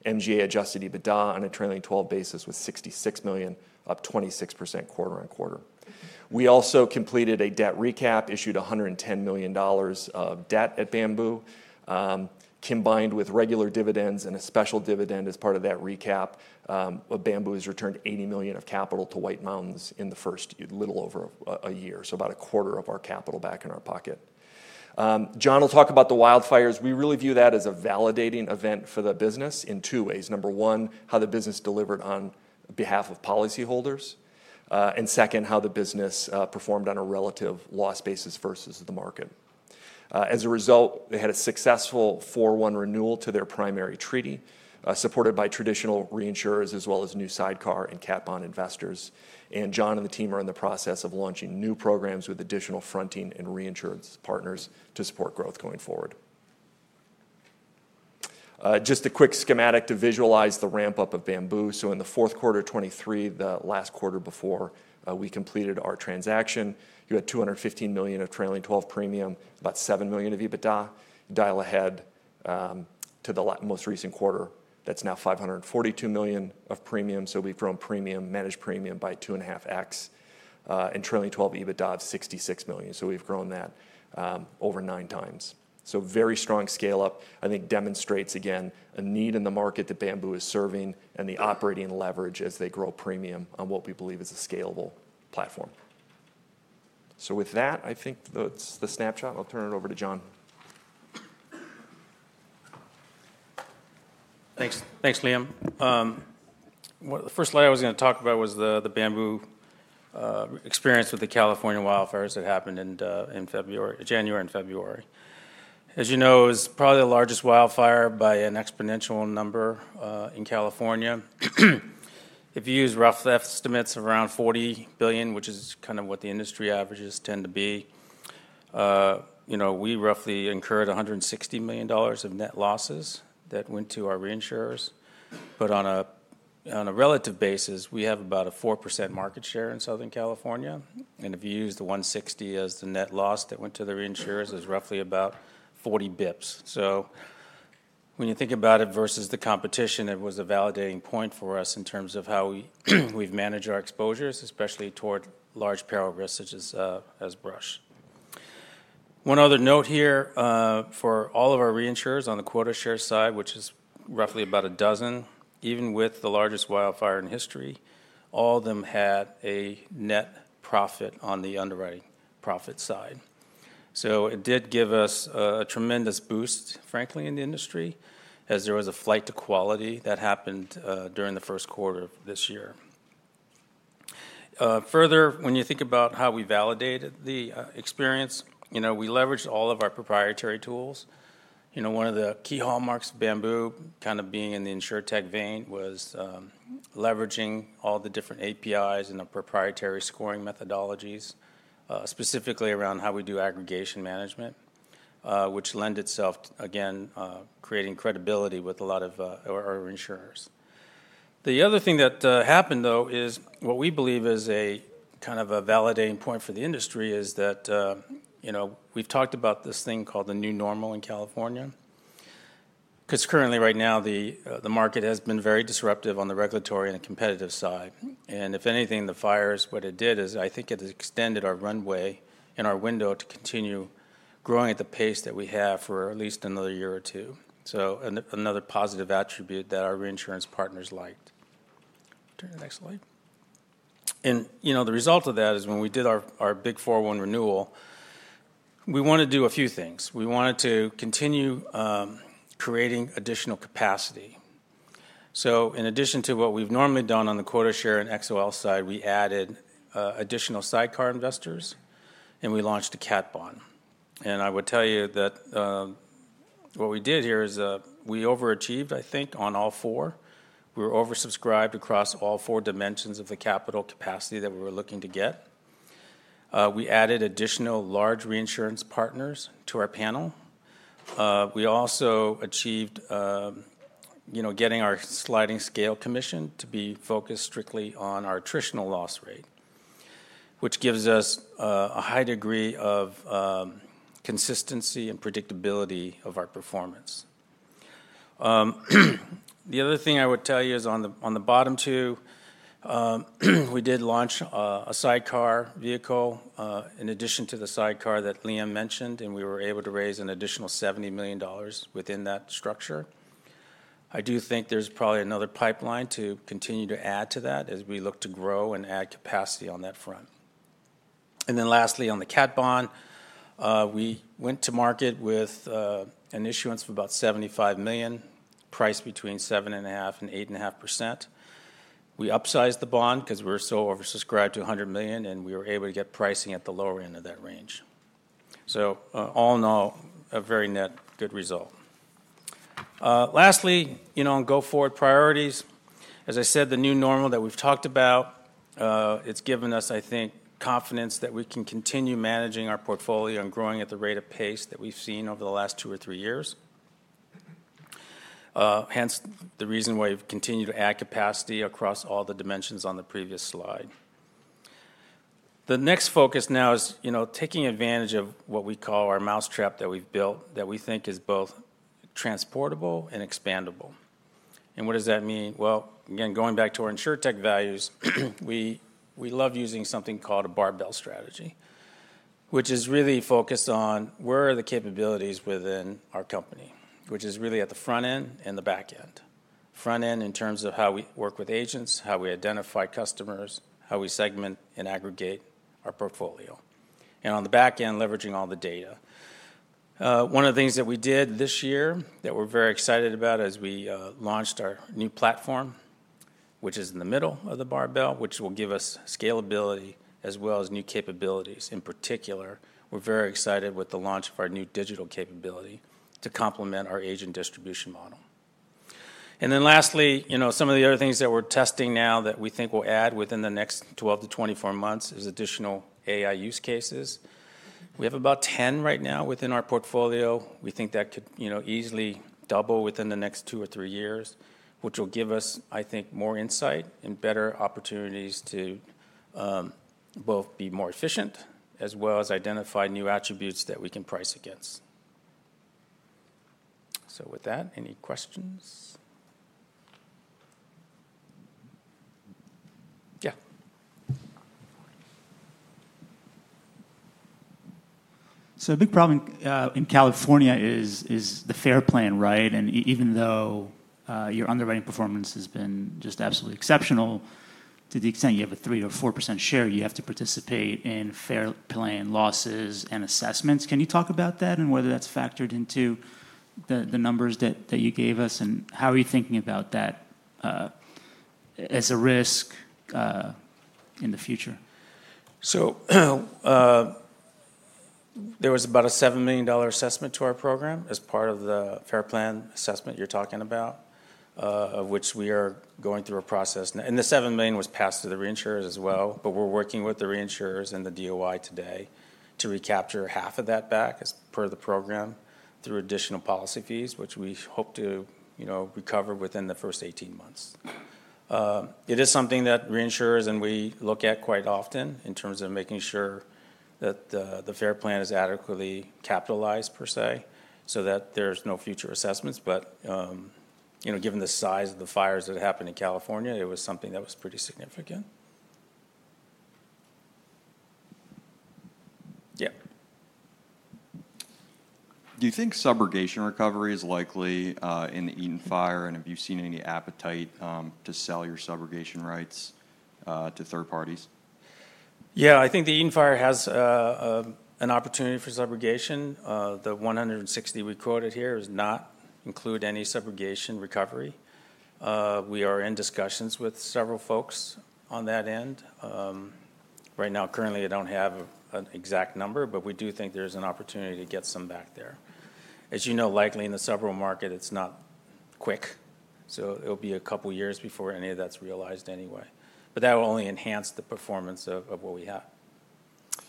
MGA adjusted EBITDA on a trailing 12 basis was $66 million, up 26% quarter on quarter. We also completed a debt recap, issued $110 million of debt at Bamboo, combined with regular dividends and a special dividend as part of that recap. Bamboo has returned $80 million of capital to White Mountains in the first little over a year, so about a quarter of our capital back in our pocket. John will talk about the wildfires. We really view that as a validating event for the business in two ways. Number one, how the business delivered on behalf of policyholders. And second, how the business performed on a relative loss basis versus the market. As a result, they had a successful 4-1 renewal to their primary treaty, supported by traditional reinsurers as well as new sidecar and cat bond investors. John and the team are in the process of launching new programs with additional fronting and reinsurance partners to support growth going forward. Just a quick schematic to visualize the ramp-up of Bamboo. In the fourth quarter of 2023, the last quarter before we completed our transaction, you had $215 million of trailing 12 premium, about $7 million of EBITDA. Dial ahead to the most recent quarter. That is now $542 million of premium. We have grown managed premium by 2.5X. And trailing 12 EBITDA of $66 million. We have grown that over nine times. Very strong scale-up, I think, demonstrates again a need in the market that Bamboo is serving and the operating leverage as they grow premium on what we believe is a scalable platform. With that, I think that is the snapshot. I will turn it over to John. Thanks, Liam. The first slide I was going to talk about was the Bamboo experience with the California wildfires that happened in January and February. As you know, it was probably the largest wildfire by an exponential number in California. If you use rough estimates, around $40 billion, which is kind of what the industry averages tend to be. We roughly incurred $160 million of net losses that went to our reinsurers. On a relative basis, we have about a 4% market share in Southern California. If you use the $160 million as the net loss that went to the reinsurers, it is roughly about 40 basis points. When you think about it versus the competition, it was a validating point for us in terms of how we have managed our exposures, especially toward large peril risks such as brush. One other note here for all of our reinsurers on the quota share side, which is roughly about a dozen, even with the largest wildfire in history, all of them had a net profit on the underwriting profit side. It did give us a tremendous boost, frankly, in the industry, as there was a flight to quality that happened during the first quarter of this year. Further, when you think about how we validated the experience, we leveraged all of our proprietary tools. One of the key hallmarks, Bamboo kind of being in the insurtech vein, was leveraging all the different APIs and the proprietary scoring methodologies, specifically around how we do aggregation management, which lends itself, again, creating credibility with a lot of our insurers. The other thing that happened, though, is what we believe is kind of a validating point for the industry is that we've talked about this thing called the new normal in California. Because currently, right now, the market has been very disruptive on the regulatory and competitive side. If anything, the fires, what it did is I think it extended our runway and our window to continue growing at the pace that we have for at least another year or two. Another positive attribute that our reinsurance partners liked. Turn the next slide. The result of that is when we did our big 4-1 renewal, we wanted to do a few things. We wanted to continue creating additional capacity. In addition to what we've normally done on the quota share and XOL side, we added additional sidecar investors, and we launched a cat bond. I would tell you that what we did here is we overachieved, I think, on all four. We were oversubscribed across all four dimensions of the capital capacity that we were looking to get. We added additional large reinsurance partners to our panel. We also achieved getting our sliding scale commission to be focused strictly on our attritional loss rate, which gives us a high degree of consistency and predictability of our performance. The other thing I would tell you is on the bottom two, we did launch a sidecar vehicle in addition to the sidecar that Liam mentioned, and we were able to raise an additional $70 million within that structure. I do think there's probably another pipeline to continue to add to that as we look to grow and add capacity on that front. Lastly, on the cat bond, we went to market with an issuance of about $75 million, priced between 7.5%-8.5%. We upsized the bond because we were so oversubscribed to $100 million, and we were able to get pricing at the lower end of that range. All in all, a very net good result. Lastly, on go forward priorities, as I said, the new normal that we have talked about, it has given us, I think, confidence that we can continue managing our portfolio and growing at the rate of pace that we have seen over the last two or three years. Hence the reason why we have continued to add capacity across all the dimensions on the previous slide. The next focus now is taking advantage of what we call our mousetrap that we have built that we think is both transportable and expandable. And what does that mean? Again, going back to our insurtech values, we love using something called a barbell strategy, which is really focused on where are the capabilities within our company, which is really at the front end and the back end. Front end in terms of how we work with agents, how we identify customers, how we segment and aggregate our portfolio. On the back end, leveraging all the data. One of the things that we did this year that we're very excited about is we launched our new platform, which is in the middle of the barbell, which will give us scalability as well as new capabilities. In particular, we're very excited with the launch of our new digital capability to complement our agent distribution model. Lastly, some of the other things that we're testing now that we think we'll add within the next 12-24 months is additional AI use cases. We have about 10 right now within our portfolio. We think that could easily double within the next two or three years, which will give us, I think, more insight and better opportunities to both be more efficient as well as identify new attributes that we can price against. With that, any questions? Yeah. The big problem in California is the fair plan, right? Even though your underwriting performance has been just absolutely exceptional, to the extent you have a 3% or 4% share, you have to participate in fair plan losses and assessments. Can you talk about that and whether that's factored into the numbers that you gave us? How are you thinking about that as a risk in the future? There was about a $7 million assessment to our program as part of the fair plan assessment you are talking about, which we are going through a process. The $7 million was passed to the reinsurers as well, but we are working with the reinsurers and the DOI today to recapture half of that back as per the program through additional policy fees, which we hope to recover within the first 18 months. It is something that reinsurers and we look at quite often in terms of making sure that the fair plan is adequately capitalized, per se, so that there are no future assessments. Given the size of the fires that happened in California, it was something that was pretty significant. Yeah. Do you think subrogation recovery is likely in the Eden Fire? Have you seen any appetite to sell your subrogation rights to third parties? Yeah, I think the Eden Fire has an opportunity for subrogation. The $160 million we quoted here does not include any subrogation recovery. We are in discussions with several folks on that end. Right now, I do not have an exact number, but we do think there is an opportunity to get some back there. As you know, likely in the subrogation market, it is not quick. It will be a couple of years before any of that is realized anyway. That will only enhance the performance of what we have.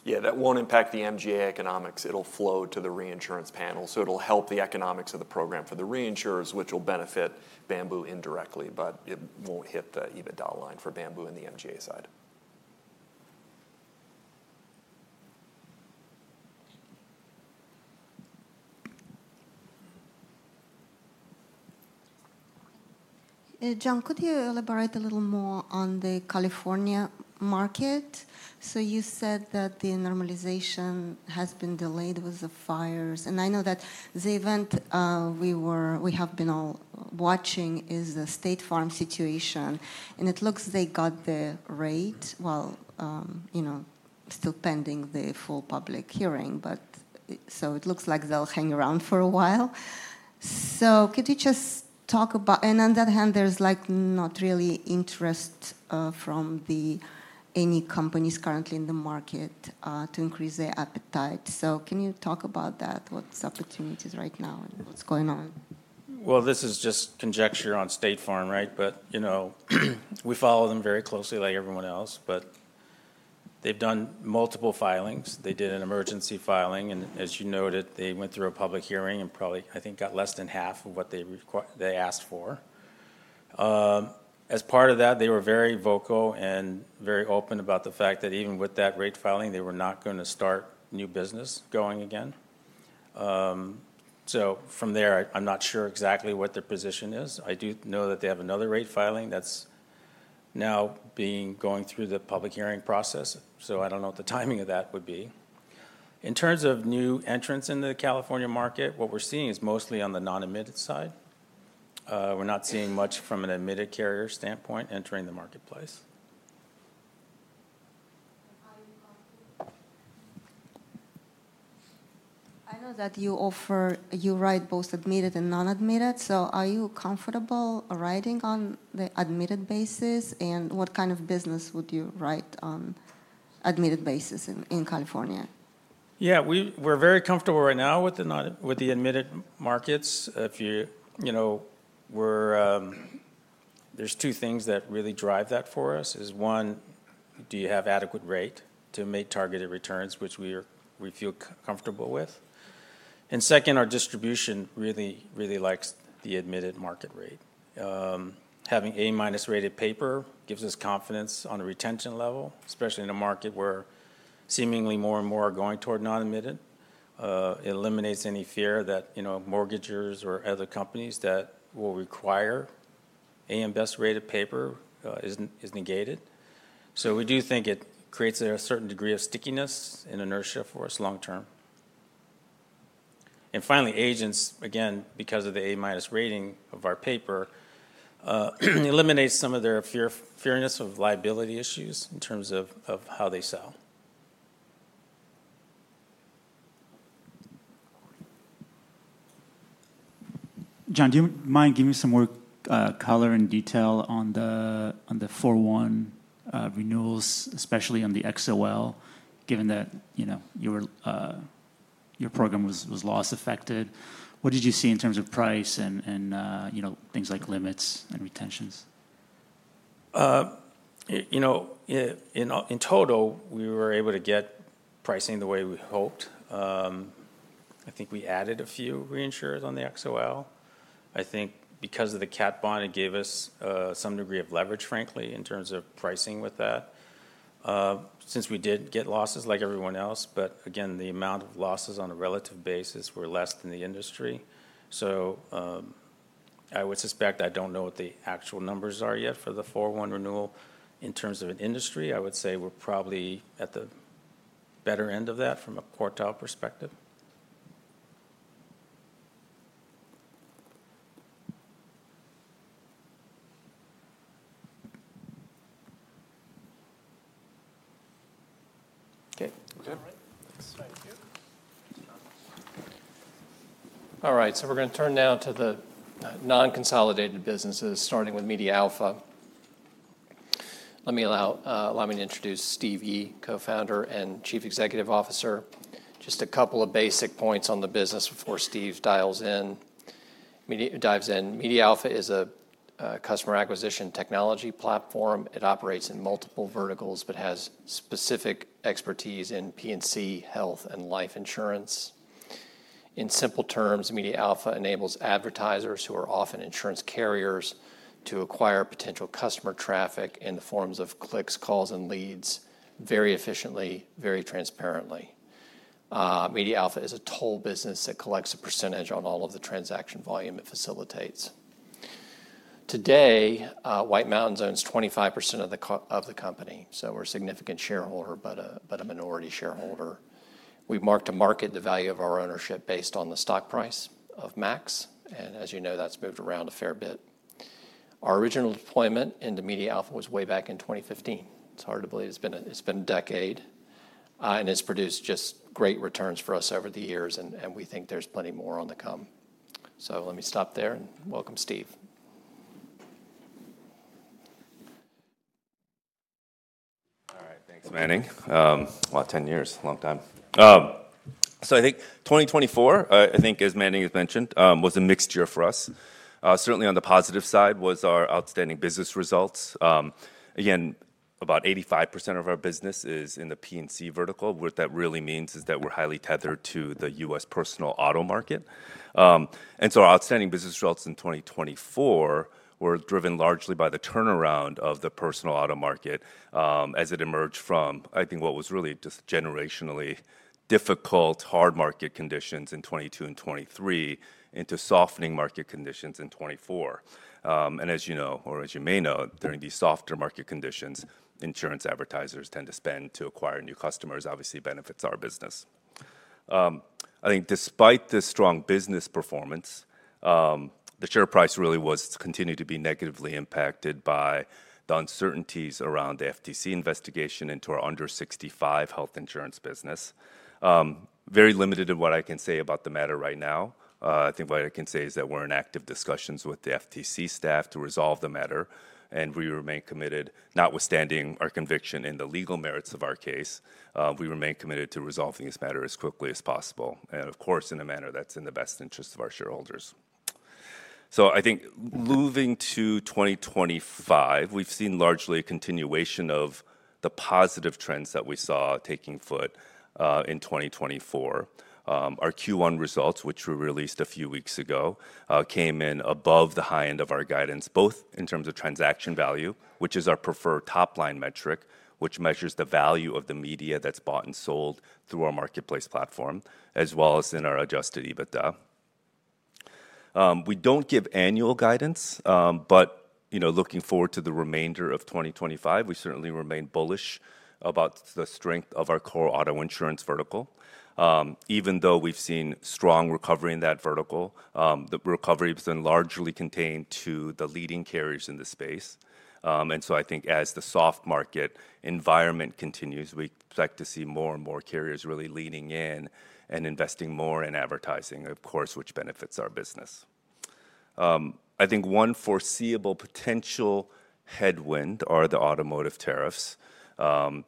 That will not impact the MGA economics. It will flow to the reinsurance panel. It will help the economics of the program for the reinsurers, which will benefit Bamboo indirectly, but it will not hit the EBITDA line for Bamboo and the MGA side. John, could you elaborate a little more on the California market? You said that the normalization has been delayed with the fires. I know that the event we have been all watching is the State Farm situation. It looks like they got the rate, while still pending the full public hearing. It looks like they will hang around for a while. Could you just talk about, and on that hand, there is not really interest from any companies currently in the market to increase their appetite. Can you talk about that? What are the opportunities right now and what is going on? This is just conjecture on State Farm, right? We follow them very closely like everyone else. They have done multiple filings. They did an emergency filing. As you noted, they went through a public hearing and probably, I think, got less than half of what they asked for. As part of that, they were very vocal and very open about the fact that even with that rate filing, they were not going to start new business going again. From there, I'm not sure exactly what their position is. I do know that they have another rate filing that is now going through the public hearing process. I do not know what the timing of that would be. In terms of new entrants in the California market, what we are seeing is mostly on the non-admitted side. We are not seeing much from an admitted carrier standpoint entering the marketplace. I know that you write both admitted and non-admitted. Are you comfortable writing on the admitted basis? What kind of business would you write on admitted basis in California? Yeah, we're very comfortable right now with the admitted markets. There's two things that really drive that for us. One, do you have adequate rate to make targeted returns, which we feel comfortable with? Second, our distribution really, really likes the admitted market rate. Having A-rated paper gives us confidence on the retention level, especially in a market where seemingly more and more are going toward non-admitted. It eliminates any fear that mortgagers or other companies that will require A.M. Best rated paper is negated. We do think it creates a certain degree of stickiness and inertia for us long term. Finally, agents, again, because of the A-rating of our paper, eliminates some of their feariness of liability issues in terms of how they sell. John, do you mind giving me some more color and detail on the 4-1 renewals, especially on the XOL, given that your program was loss affected? What did you see in terms of price and things like limits and retentions? In total, we were able to get pricing the way we hoped. I think we added a few reinsurers on the XOL. I think because of the cat bond, it gave us some degree of leverage, frankly, in terms of pricing with that, since we did get losses like everyone else. The amount of losses on a relative basis were less than the industry. I would suspect I do not know what the actual numbers are yet for the 4-1 renewal. In terms of an industry, I would say we are probably at the better end of that from a quartile perspective. Okay. All right. All right. We're going to turn now to the non-consolidated businesses, starting with Media Alpha. Let me allow me to introduce Steve Yi, co-founder and Chief Executive Officer. Just a couple of basic points on the business before Steve dives in. Media Alpha is a customer acquisition technology platform. It operates in multiple verticals but has specific expertise in P&C, health, and life insurance. In simple terms, Media Alpha enables advertisers who are often insurance carriers to acquire potential customer traffic in the forms of clicks, calls, and leads very efficiently, very transparently. Media Alpha is a toll business that collects a percentage on all of the transaction volume it facilitates. Today, White Mountains owns 25% of the company. We're a significant shareholder, but a minority shareholder. We've marked to market the value of our ownership based on the stock price of Max. As you know, that has moved around a fair bit. Our original deployment into Media Alpha was way back in 2015. It is hard to believe it has been a decade. It has produced just great returns for us over the years. We think there is plenty more on the come. Let me stop there and welcome Steve. All right. Thanks, Manny. Ten years, long time. I think 2024, I think, as Manny has mentioned, was a mixed year for us. Certainly, on the positive side was our outstanding business results. Again, about 85% of our business is in the P&C vertical. What that really means is that we are highly tethered to the U.S. personal auto market. Our outstanding business results in 2024 were driven largely by the turnaround of the personal auto market as it emerged from, I think, what was really just generationally difficult, hard market conditions in 2022 and 2023 into softening market conditions in 2024. As you know, or as you may know, during these softer market conditions, insurance advertisers tend to spend to acquire new customers, which obviously benefits our business. I think despite the strong business performance, the share price really continued to be negatively impacted by the uncertainties around the FTC investigation into our under-65 health insurance business. I am very limited in what I can say about the matter right now. What I can say is that we are in active discussions with the FTC staff to resolve the matter. We remain committed, notwithstanding our conviction in the legal merits of our case, to resolving this matter as quickly as possible. Of course, in a manner that is in the best interest of our shareholders. I think moving to 2025, we have seen largely a continuation of the positive trends that we saw taking foot in 2024. Our Q1 results, which were released a few weeks ago, came in above the high end of our guidance, both in terms of transaction value, which is our preferred top-line metric that measures the value of the media that is bought and sold through our marketplace platform, as well as in our adjusted EBITDA. We do not give annual guidance, but looking forward to the remainder of 2025, we certainly remain bullish about the strength of our core auto insurance vertical. Even though we've seen strong recovery in that vertical, the recovery has been largely contained to the leading carriers in the space. I think as the soft market environment continues, we expect to see more and more carriers really leaning in and investing more in advertising, of course, which benefits our business. I think one foreseeable potential headwind are the automotive tariffs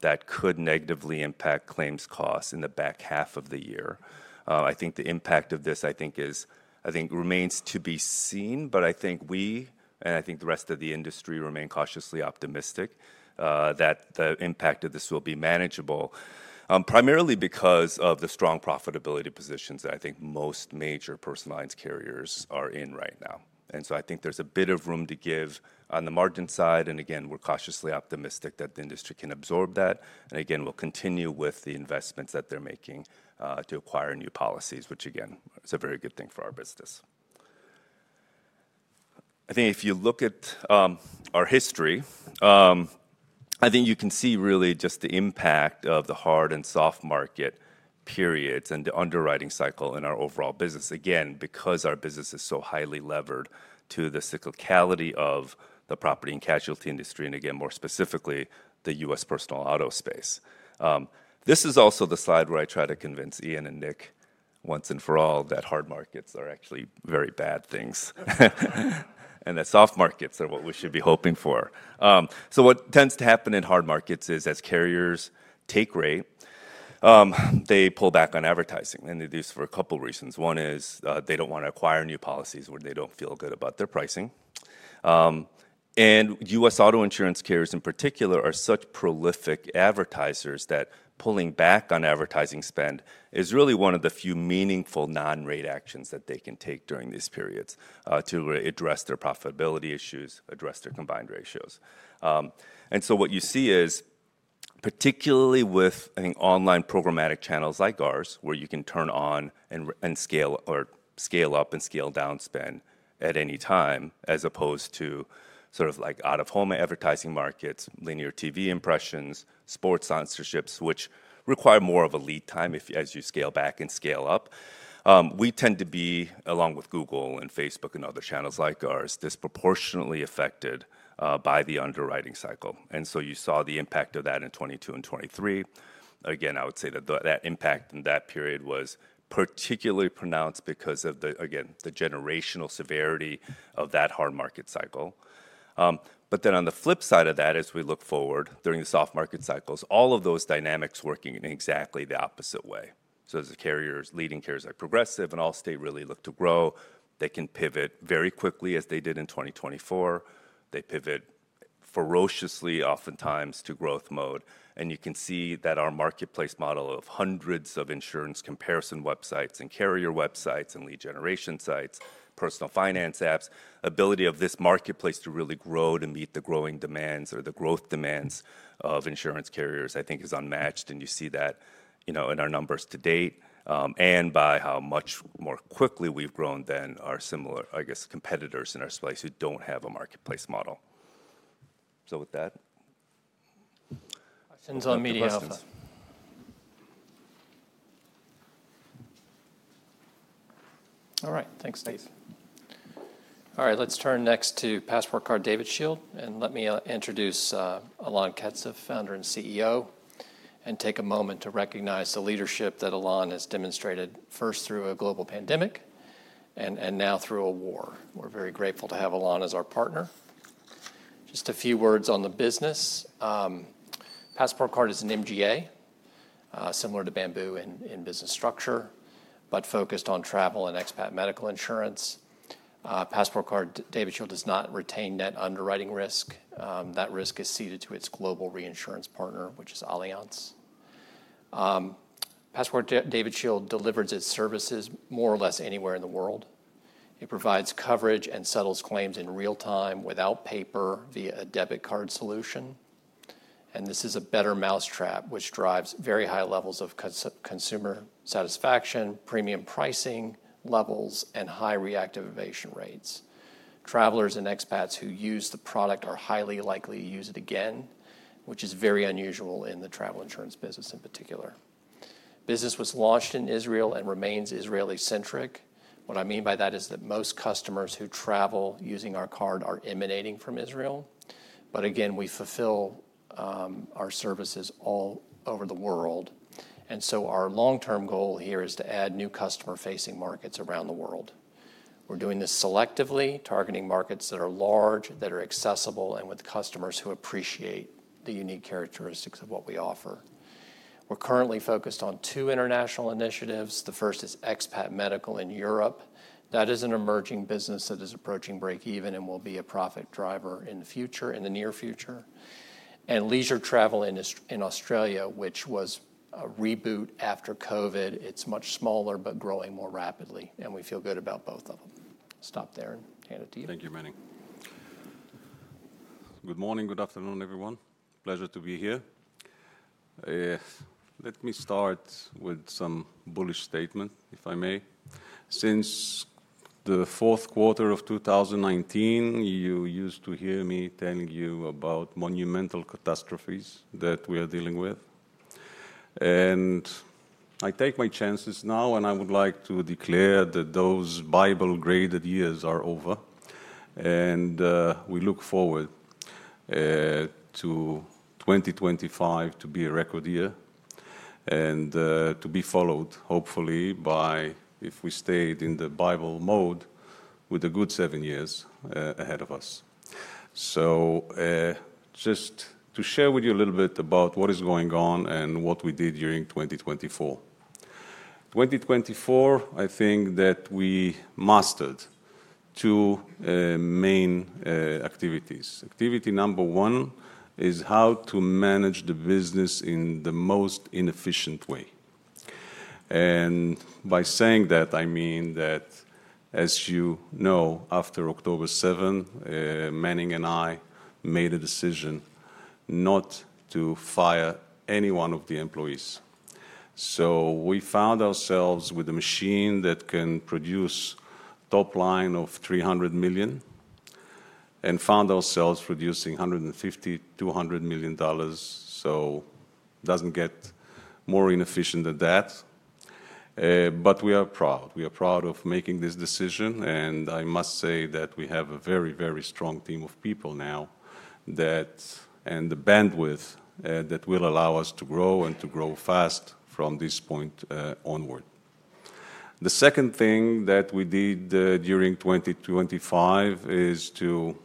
that could negatively impact claims costs in the back half of the year. I think the impact of this, I think, remains to be seen. I think we, and I think the rest of the industry, remain cautiously optimistic that the impact of this will be manageable, primarily because of the strong profitability positions that I think most major personal lines carriers are in right now. I think there's a bit of room to give on the margin side. We're cautiously optimistic that the industry can absorb that. We'll continue with the investments that they're making to acquire new policies, which is a very good thing for our business. I think if you look at our history, you can see really just the impact of the hard and soft market periods and the underwriting cycle in our overall business, because our business is so highly levered to the cyclicality of the property and casualty industry, and more specifically, the U.S. personal auto space. This is also the slide where I try to convince Ian and Nick once and for all that hard markets are actually very bad things and that soft markets are what we should be hoping for. What tends to happen in hard markets is as carriers take rate, they pull back on advertising. They do so for a couple of reasons. One is they do not want to acquire new policies where they do not feel good about their pricing. U.S. auto insurance carriers in particular are such prolific advertisers that pulling back on advertising spend is really one of the few meaningful non-rate actions that they can take during these periods to address their profitability issues, address their combined ratios. What you see is, particularly with, I think, online programmatic channels like ours, where you can turn on and scale or scale up and scale down spend at any time, as opposed to sort of like out-of-home advertising markets, linear TV impressions, sports sponsorships, which require more of a lead time as you scale back and scale up. We tend to be, along with Google and Facebook and other channels like ours, disproportionately affected by the underwriting cycle. You saw the impact of that in 2022 and 2023. I would say that impact in that period was particularly pronounced because of the generational severity of that hard market cycle. On the flip side of that, as we look forward during the soft market cycles, all of those dynamics work in exactly the opposite way. As leading carriers like Progressive and Allstate really look to grow, they can pivot very quickly as they did in 2024. They pivot ferociously, oftentimes, to growth mode. You can see that our marketplace model of hundreds of insurance comparison websites and carrier websites and lead generation sites, personal finance apps, the ability of this marketplace to really grow to meet the growing demands or the growth demands of insurance carriers, I think, is unmatched. You see that in our numbers to date and by how much more quickly we've grown than our similar, I guess, competitors in our space who don't have a marketplace model. With that, All right. Thanks, Steve. All right. Let's turn next to PassportCard David Shield. Let me introduce Alon Ketzef, Founder and CEO, and take a moment to recognize the leadership that Alon has demonstrated first through a global pandemic and now through a war. We're very grateful to have Alon as our partner. Just a few words on the business. PassportCard is an MGA, similar to Bamboo in business structure, but focused on travel and expat medical insurance. PassportCard David Shield does not retain net underwriting risk. That risk is ceded to its global reinsurance partner, which is Allianz. PassportCard David Shield delivers its services more or less anywhere in the world. It provides coverage and settles claims in real time without paper via a debit card solution. This is a better mousetrap, which drives very high levels of consumer satisfaction, premium pricing levels, and high reactivation rates. Travelers and expats who use the product are highly likely to use it again, which is very unusual in the travel insurance business in particular. The business was launched in Israel and remains Israeli-centric. What I mean by that is that most customers who travel using our card are emanating from Israel. We fulfill our services all over the world. Our long-term goal here is to add new customer-facing markets around the world. We're doing this selectively, targeting markets that are large, that are accessible, and with customers who appreciate the unique characteristics of what we offer. We're currently focused on two international initiatives. The first is expat medical in Europe. That is an emerging business that is approaching break-even and will be a profit driver in the near future. Leisure travel in Australia, which was a reboot after COVID, it's much smaller but growing more rapidly. We feel good about both of them. Stop there and hand it to you. Thank you, Manny. Good morning, good afternoon, everyone. Pleasure to be here. Let me start with some bullish statement, if I may. Since the fourth quarter of 2019, you used to hear me telling you about monumental catastrophes that we are dealing with. I take my chances now, and I would like to declare that those Bible-graded years are over. We look forward to 2025 to be a record year and to be followed, hopefully, by, if we stayed in the Bible mode, with a good seven years ahead of us. Just to share with you a little bit about what is going on and what we did during 2024. In 2024, I think that we mastered two main activities. Activity number one is how to manage the business in the most inefficient way. By saying that, I mean that, as you know, after October 7, Manning and I made a decision not to fire any one of the employees. We found ourselves with a machine that can produce top line of $300 million and found ourselves producing $150-$200 million. It does not get more inefficient than that. We are proud. We are proud of making this decision. I must say that we have a very, very strong team of people now and the bandwidth that will allow us to grow and to grow fast from this point onward. The second thing that we did during 2025 is to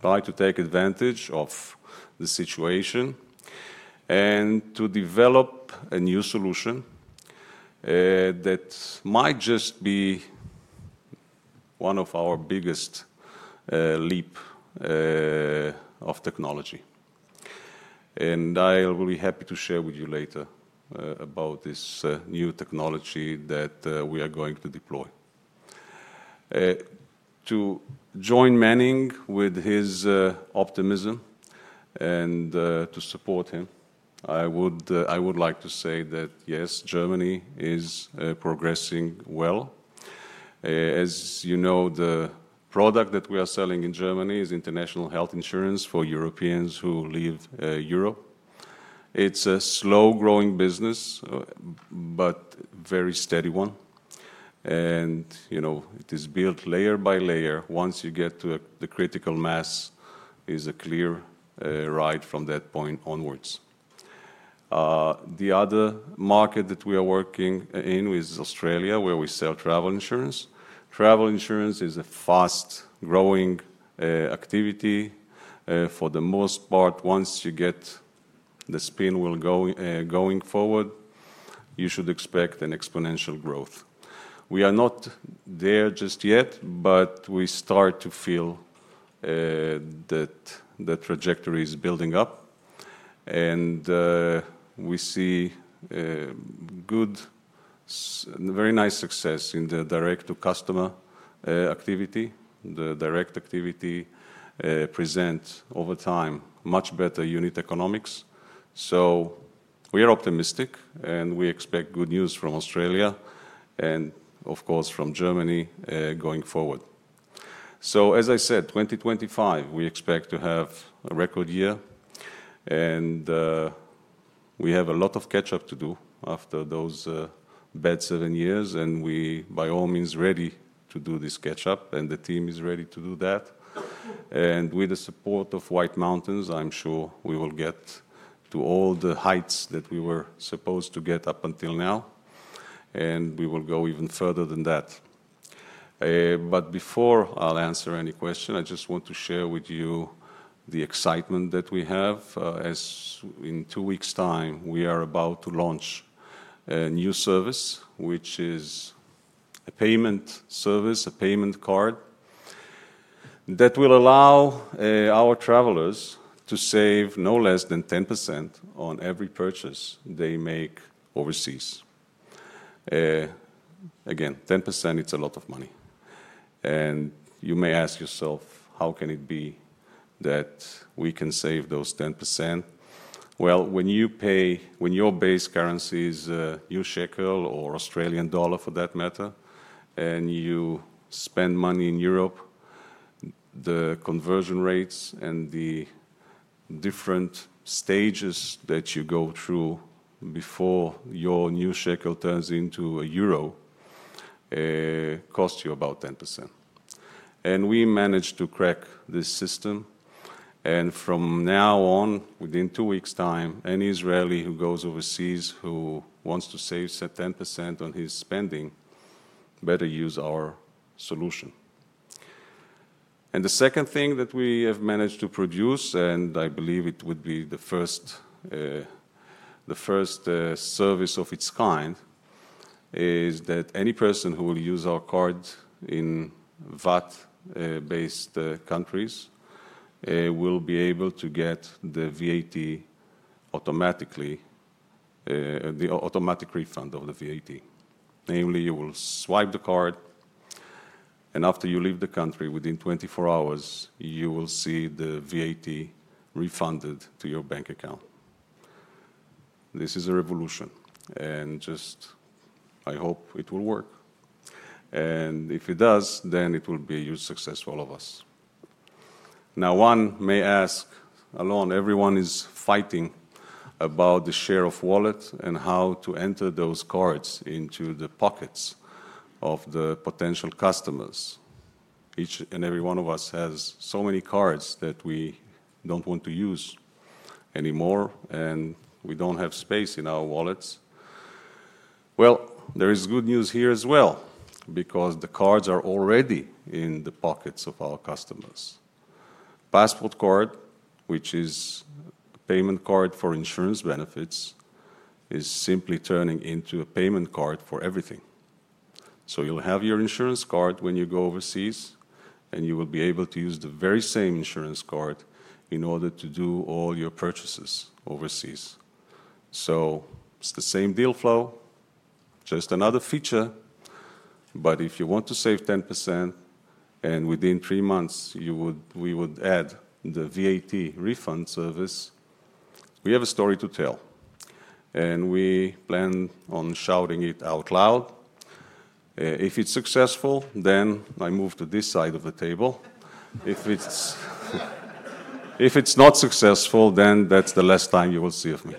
try to take advantage of the situation and to develop a new solution that might just be one of our biggest leaps of technology. I will be happy to share with you later about this new technology that we are going to deploy. To join Manning with his optimism and to support him, I would like to say that, yes, Germany is progressing well. As you know, the product that we are selling in Germany is international health insurance for Europeans who live in Europe. It is a slow-growing business, but a very steady one. It is built layer by layer. Once you get to the critical mass, it is a clear ride from that point onwards. The other market that we are working in is Australia, where we sell travel insurance. Travel insurance is a fast-growing activity. For the most part, once you get the spin wheel going forward, you should expect an exponential growth. We are not there just yet, but we start to feel that the trajectory is building up. We see very nice success in the direct-to-customer activity. The direct activity presents over time much better unit economics. We are optimistic, and we expect good news from Australia and, of course, from Germany going forward. As I said, 2025, we expect to have a record year. We have a lot of catch-up to do after those bad seven years. We are by all means ready to do this catch-up. The team is ready to do that. With the support of White Mountains, I'm sure we will get to all the heights that we were supposed to get up until now. We will go even further than that. Before I'll answer any question, I just want to share with you the excitement that we have. In two weeks' time, we are about to launch a new service, which is a payment service, a payment card that will allow our travelers to save no less than 10% on every purchase they make overseas. Again, 10% is a lot of money. You may ask yourself, how can it be that we can save those 10%? When your base currency is USD or Australian dollar for that matter, and you spend money in Europe, the conversion rates and the different stages that you go through before your USD turns into a euro cost you about 10%. We managed to crack this system. From now on, within two weeks' time, any Israeli who goes overseas who wants to save 10% on his spending better use our solution. The second thing that we have managed to produce, and I believe it would be the first service of its kind, is that any person who will use our card in VAT-based countries will be able to get the VAT automatically, the automatic refund of the VAT. Namely, you will swipe the card, and after you leave the country, within 24 hours, you will see the VAT refunded to your bank account. This is a revolution. I hope it will work. If it does, then it will be a huge success for all of us. Now, one may ask, Alon, everyone is fighting about the share of wallet and how to enter those cards into the pockets of the potential customers. Each and every one of us has so many cards that we do not want to use anymore, and we do not have space in our wallets. There is good news here as well, because the cards are already in the pockets of our customers. PassportCard, which is a payment card for insurance benefits, is simply turning into a payment card for everything. You will have your insurance card when you go overseas, and you will be able to use the very same insurance card in order to do all your purchases overseas. It is the same deal flow, just another feature. If you want to save 10% and within three months, we would add the VAT refund service, we have a story to tell. We plan on shouting it out loud. If it is successful, then I move to this side of the table. If it is not successful, then that is the last time you will see of me.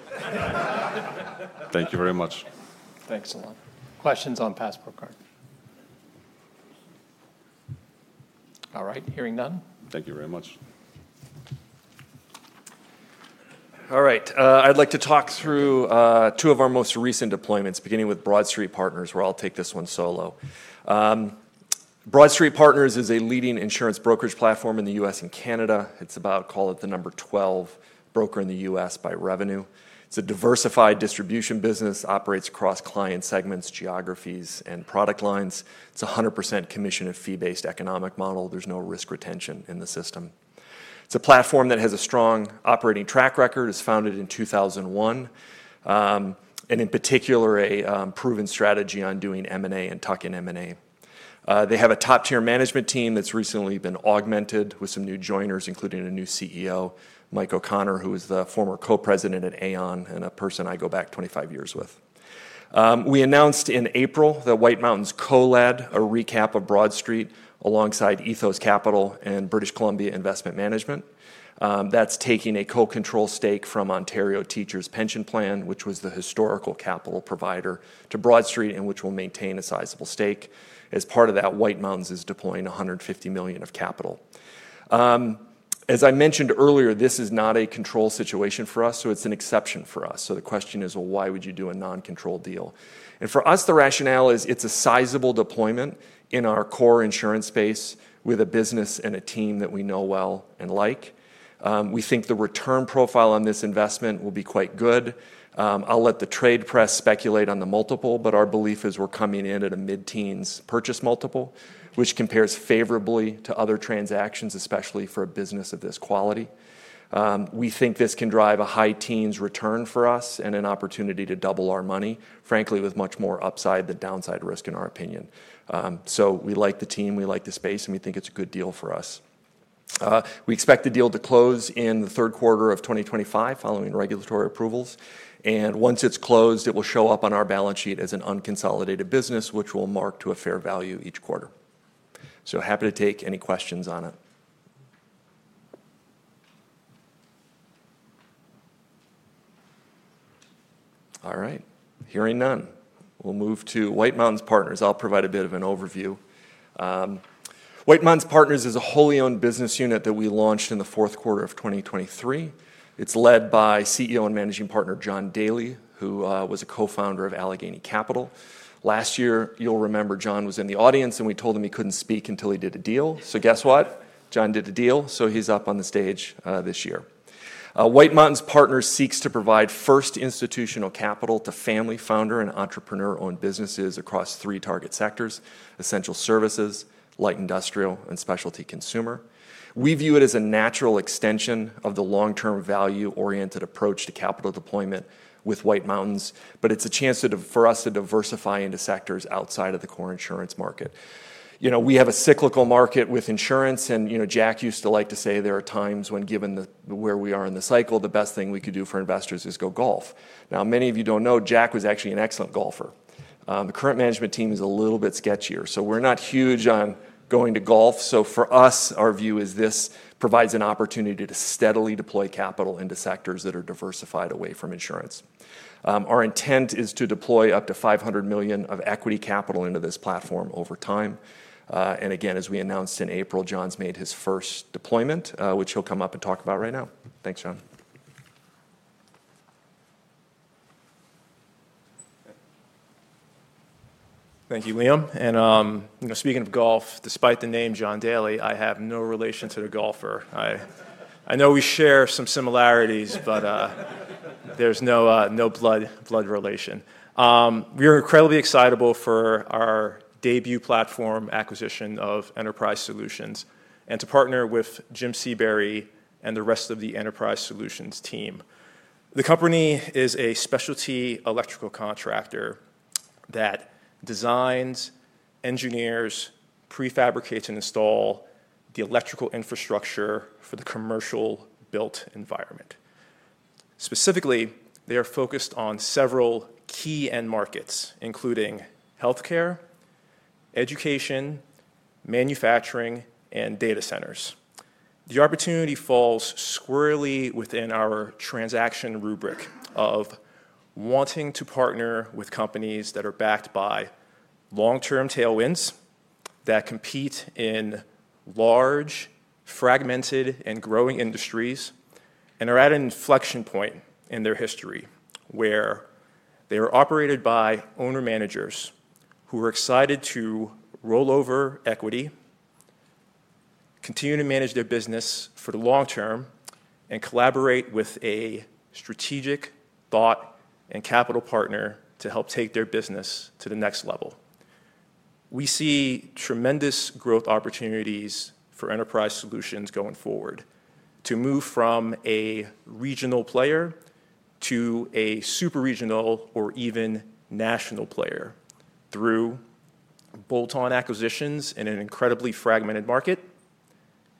Thank you very much. Thanks, Alon. Questions on PassportCard? All right. Hearing none. Thank you very much. All right. I would like to talk through two of our most recent deployments, beginning with Broadstreed Partners, where I will take this one solo. Broadstreed Partners is a leading insurance brokerage platform in the U.S. and Canada. It is about, call it the number 12 broker in the U.S. by revenue. It is a diversified distribution business, operates across client segments, geographies, and product lines. It's a 100% commission and fee-based economic model. There's no risk retention in the system. It's a platform that has a strong operating track record. It was founded in 2001, and in particular, a proven strategy on doing M&A and tuck-in M&A. They have a top-tier management team that's recently been augmented with some new joiners, including a new CEO, Mike O'Connor, who is the former co-president at Aon and a person I go back 25 years with. We announced in April that White Mountains Colab, a recap of Broadstreed alongside Ethos Capital and British Columbia Investment Management, that's taking a co-control stake from Ontario Teachers' Pension Plan, which was the historical capital provider to Broadstreed and which will maintain a sizable stake. As part of that, White Mountains is deploying $150 million of capital. As I mentioned earlier, this is not a control situation for us, so it's an exception for us. The question is, why would you do a non-controlled deal? For us, the rationale is it's a sizable deployment in our core insurance space with a business and a team that we know well and like. We think the return profile on this investment will be quite good. I'll let the trade press speculate on the multiple, but our belief is we're coming in at a mid-teens purchase multiple, which compares favorably to other transactions, especially for a business of this quality. We think this can drive a high-teens return for us and an opportunity to double our money, frankly, with much more upside than downside risk, in our opinion. We like the team, we like the space, and we think it's a good deal for us. We expect the deal to close in the third quarter of 2025 following regulatory approvals. Once it's closed, it will show up on our balance sheet as an unconsolidated business, which will mark to a fair value each quarter. Happy to take any questions on it. All right. Hearing none. We'll move to White Mountains Partners. I'll provide a bit of an overview. White Mountains Partners is a wholly owned business unit that we launched in the fourth quarter of 2023. It's led by CEO and Managing Partner John Daley, who was a co-founder of Allegheny Capital. Last year, you'll remember John was in the audience, and we told him he couldn't speak until he did a deal. Guess what? John did a deal, so he's up on the stage this year. White Mountains Partners seeks to provide first institutional capital to family-founder and entrepreneur-owned businesses across three target sectors: essential services, light industrial, and specialty consumer. We view it as a natural extension of the long-term value-oriented approach to capital deployment with White Mountains, but it's a chance for us to diversify into sectors outside of the core insurance market. We have a cyclical market with insurance, and Jack used to like to say there are times when, given where we are in the cycle, the best thing we could do for investors is go golf. Now, many of you don't know, Jack was actually an excellent golfer. The current management team is a little bit sketchier, so we're not huge on going to golf. For us, our view is this provides an opportunity to steadily deploy capital into sectors that are diversified away from insurance. Our intent is to deploy up to $500 million of equity capital into this platform over time. As we announced in April, John's made his first deployment, which he'll come up and talk about right now. Thanks, John. Thank you, Liam. Speaking of golf, despite the name John Daley, I have no relation to the golfer. I know we share some similarities, but there's no blood relation. We are incredibly excited for our debut platform acquisition of Enterprise Solutions and to partner with Jim Seabury and the rest of the Enterprise Solutions team. The company is a specialty electrical contractor that designs, engineers, prefabricates, and installs the electrical infrastructure for the commercial built environment. Specifically, they are focused on several key end markets, including healthcare, education, manufacturing, and data centers. The opportunity falls squarely within our transaction rubric of wanting to partner with companies that are backed by long-term tailwinds that compete in large, fragmented, and growing industries and are at an inflection point in their history, where they are operated by owner-managers who are excited to roll over equity, continue to manage their business for the long term, and collaborate with a strategic thought and capital partner to help take their business to the next level. We see tremendous growth opportunities for Enterprise Solutions going forward to move from a regional player to a super regional or even national player through bolt-on acquisitions in an incredibly fragmented market,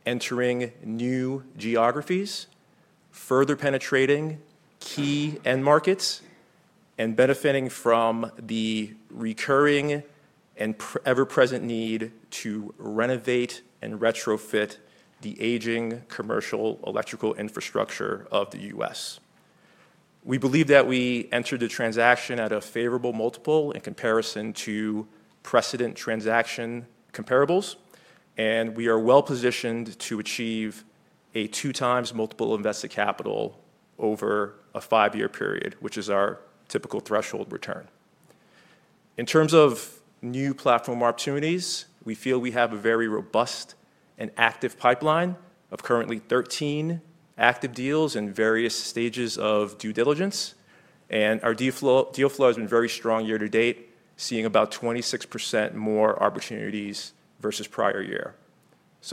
entering new geographies, further penetrating key end markets, and benefiting from the recurring and ever-present need to renovate and retrofit the aging commercial electrical infrastructure of the U.S. We believe that we entered the transaction at a favorable multiple in comparison to precedent transaction comparables, and we are well-positioned to achieve a two-times multiple invested capital over a five-year period, which is our typical threshold return. In terms of new platform opportunities, we feel we have a very robust and active pipeline of currently 13 active deals in various stages of due diligence. Our deal flow has been very strong year to date, seeing about 26% more opportunities versus prior year.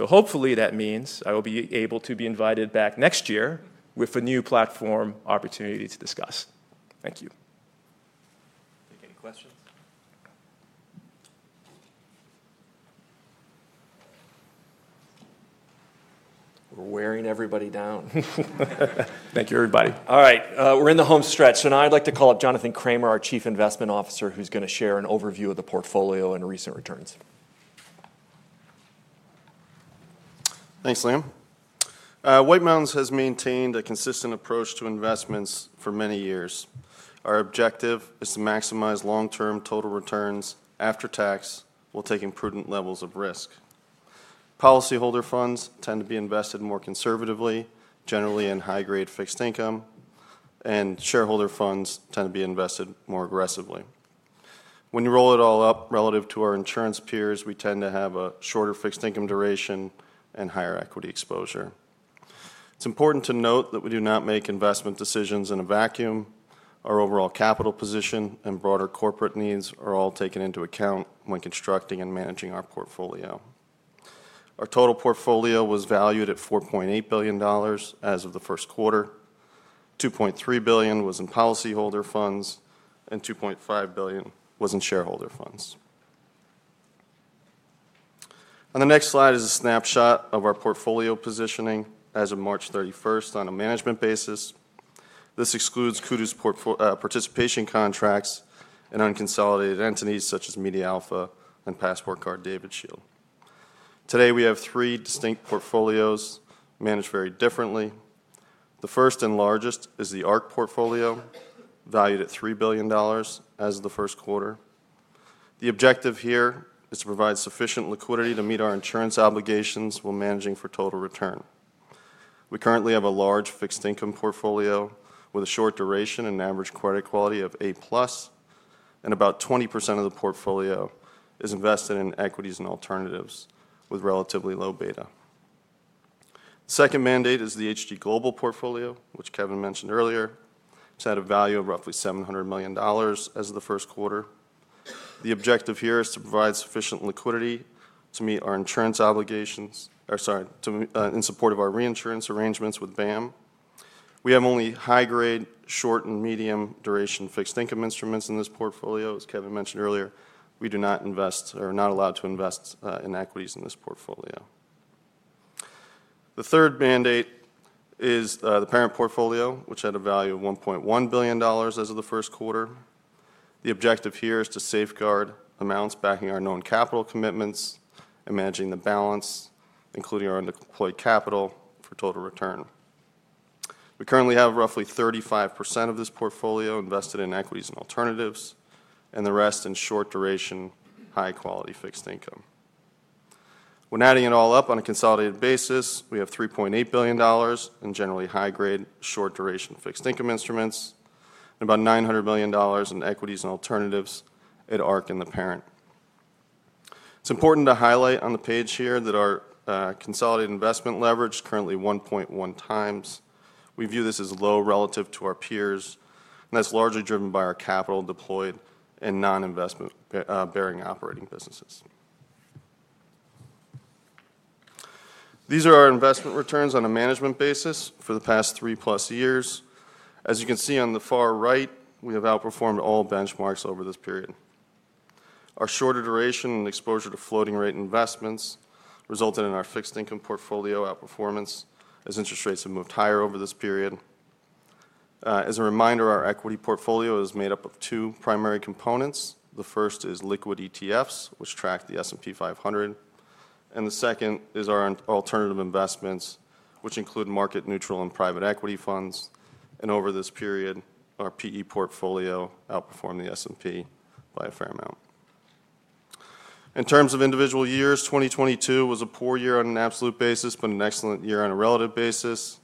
Hopefully that means I will be able to be invited back next year with a new platform opportunity to discuss. Thank you. Any questions? We're wearing everybody down. Thank you, everybody. All right. We're in the home stretch. Now I'd like to call up Jonathan Kramer, our Chief Investment Officer, who's going to share an overview of the portfolio and recent returns. Thanks, Liam. White Mountains has maintained a consistent approach to investments for many years. Our objective is to maximize long-term total returns after tax while taking prudent levels of risk. Policyholder funds tend to be invested more conservatively, generally in high-grade fixed income, and shareholder funds tend to be invested more aggressively. When you roll it all up relative to our insurance peers, we tend to have a shorter fixed income duration and higher equity exposure. It's important to note that we do not make investment decisions in a vacuum. Our overall capital position and broader corporate needs are all taken into account when constructing and managing our portfolio. Our total portfolio was valued at $4.8 billion as of the first quarter. $2.3 billion was in policyholder funds, and $2.5 billion was in shareholder funds. On the next slide is a snapshot of our portfolio positioning as of March 31 on a management basis. This excludes Kudu's participation contracts and unconsolidated entities such as Media Alpha and PassportCard David Shield. Today, we have three distinct portfolios managed very differently. The first and largest is the Ark portfolio, valued at $3 billion as of the first quarter. The objective here is to provide sufficient liquidity to meet our insurance obligations while managing for total return. We currently have a large fixed income portfolio with a short duration and average credit quality of A-plus, and about 20% of the portfolio is invested in equities and alternatives with relatively low beta. The second mandate is the HG Global portfolio, which Kevin mentioned earlier. It has had a value of roughly $700 million as of the first quarter. The objective here is to provide sufficient liquidity to meet our insurance obligations in support of our reinsurance arrangements with BAM. We have only high-grade, short and medium duration fixed income instruments in this portfolio. As Kevin mentioned earlier, we do not invest or are not allowed to invest in equities in this portfolio. The third mandate is the parent portfolio, which had a value of $1.1 billion as of the first quarter. The objective here is to safeguard amounts backing our known capital commitments and managing the balance, including our undeployed capital for total return. We currently have roughly 35% of this portfolio invested in equities and alternatives, and the rest in short duration, high-quality fixed income. When adding it all up on a consolidated basis, we have $3.8 billion in generally high-grade, short duration fixed income instruments and about $900 million in equities and alternatives at Ark and the parent. It's important to highlight on the page here that our consolidated investment leverage is currently 1.1 times. We view this as low relative to our peers, and that's largely driven by our capital deployed in non-investment-bearing operating businesses. These are our investment returns on a management basis for the past three-plus years. As you can see on the far right, we have outperformed all benchmarks over this period. Our shorter duration and exposure to floating-rate investments resulted in our fixed income portfolio outperformance as interest rates have moved higher over this period. As a reminder, our equity portfolio is made up of two primary components. The first is liquid ETFs, which track the S&P 500, and the second is our alternative investments, which include market-neutral and private equity funds. Over this period, our PE portfolio outperformed the S&P by a fair amount. In terms of individual years, 2022 was a poor year on an absolute basis, but an excellent year on a relative basis.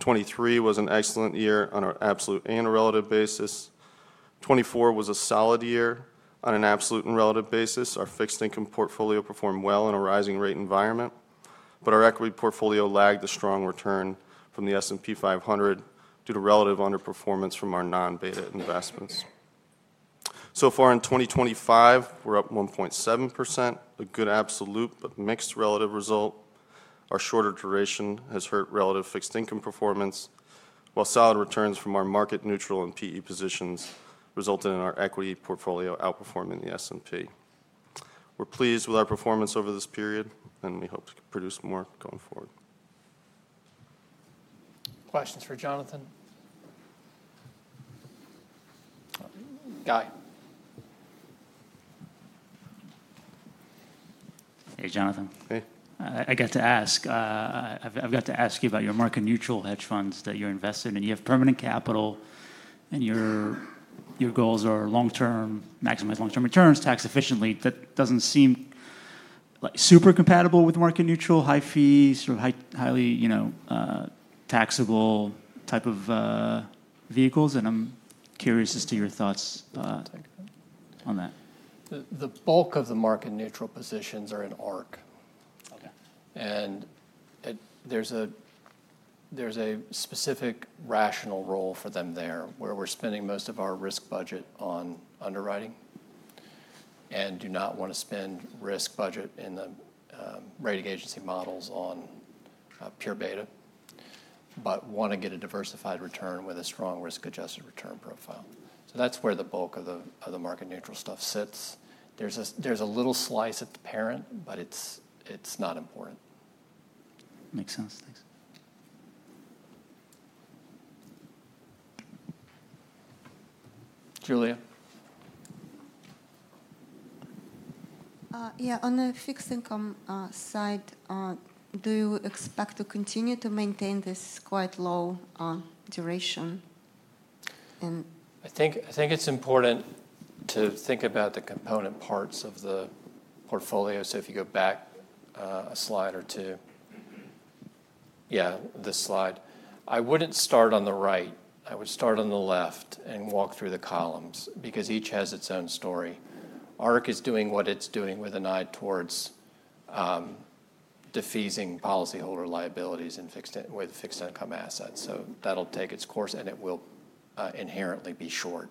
2023 was an excellent year on an absolute and a relative basis. 2024 was a solid year on an absolute and relative basis. Our fixed income portfolio performed well in a rising rate environment, but our equity portfolio lagged the strong return from the S&P 500 due to relative underperformance from our non-beta investments. So far in 2025, we're up 1.7%, a good absolute but mixed relative result. Our shorter duration has hurt relative fixed income performance, while solid returns from our market-neutral and PE positions resulted in our equity portfolio outperforming the S&P. We're pleased with our performance over this period, and we hope to produce more going forward. Questions for Jonathan? Hey, Jonathan. Hey. I got to ask. I've got to ask you about your market-neutral hedge funds that you're invested in. You have permanent capital, and your goals are long-term, maximize long-term returns, tax efficiently. That doesn't seem super compatible with market-neutral, high-fee, sort of highly taxable type of vehicles. And I'm curious as to your thoughts on that. The bulk of the market-neutral positions are in Ark. There's a specific rational role for them there where we're spending most of our risk budget on underwriting and do not want to spend risk budget in the rating agency models on pure beta, but want to get a diversified return with a strong risk-adjusted return profile. That's where the bulk of the market-neutral stuff sits. There's a little slice at the parent, but it's not important. Makes sense. Thanks. Julia. Yeah. On the fixed income side, do you expect to continue to maintain this quite low duration? I think it's important to think about the component parts of the portfolio. If you go back a slide or two, yeah, this slide. I wouldn't start on the right. I would start on the left and walk through the columns because each has its own story. Ark is doing what it's doing with an eye towards defeasing policyholder liabilities with fixed income assets. That'll take its course, and it will inherently be short.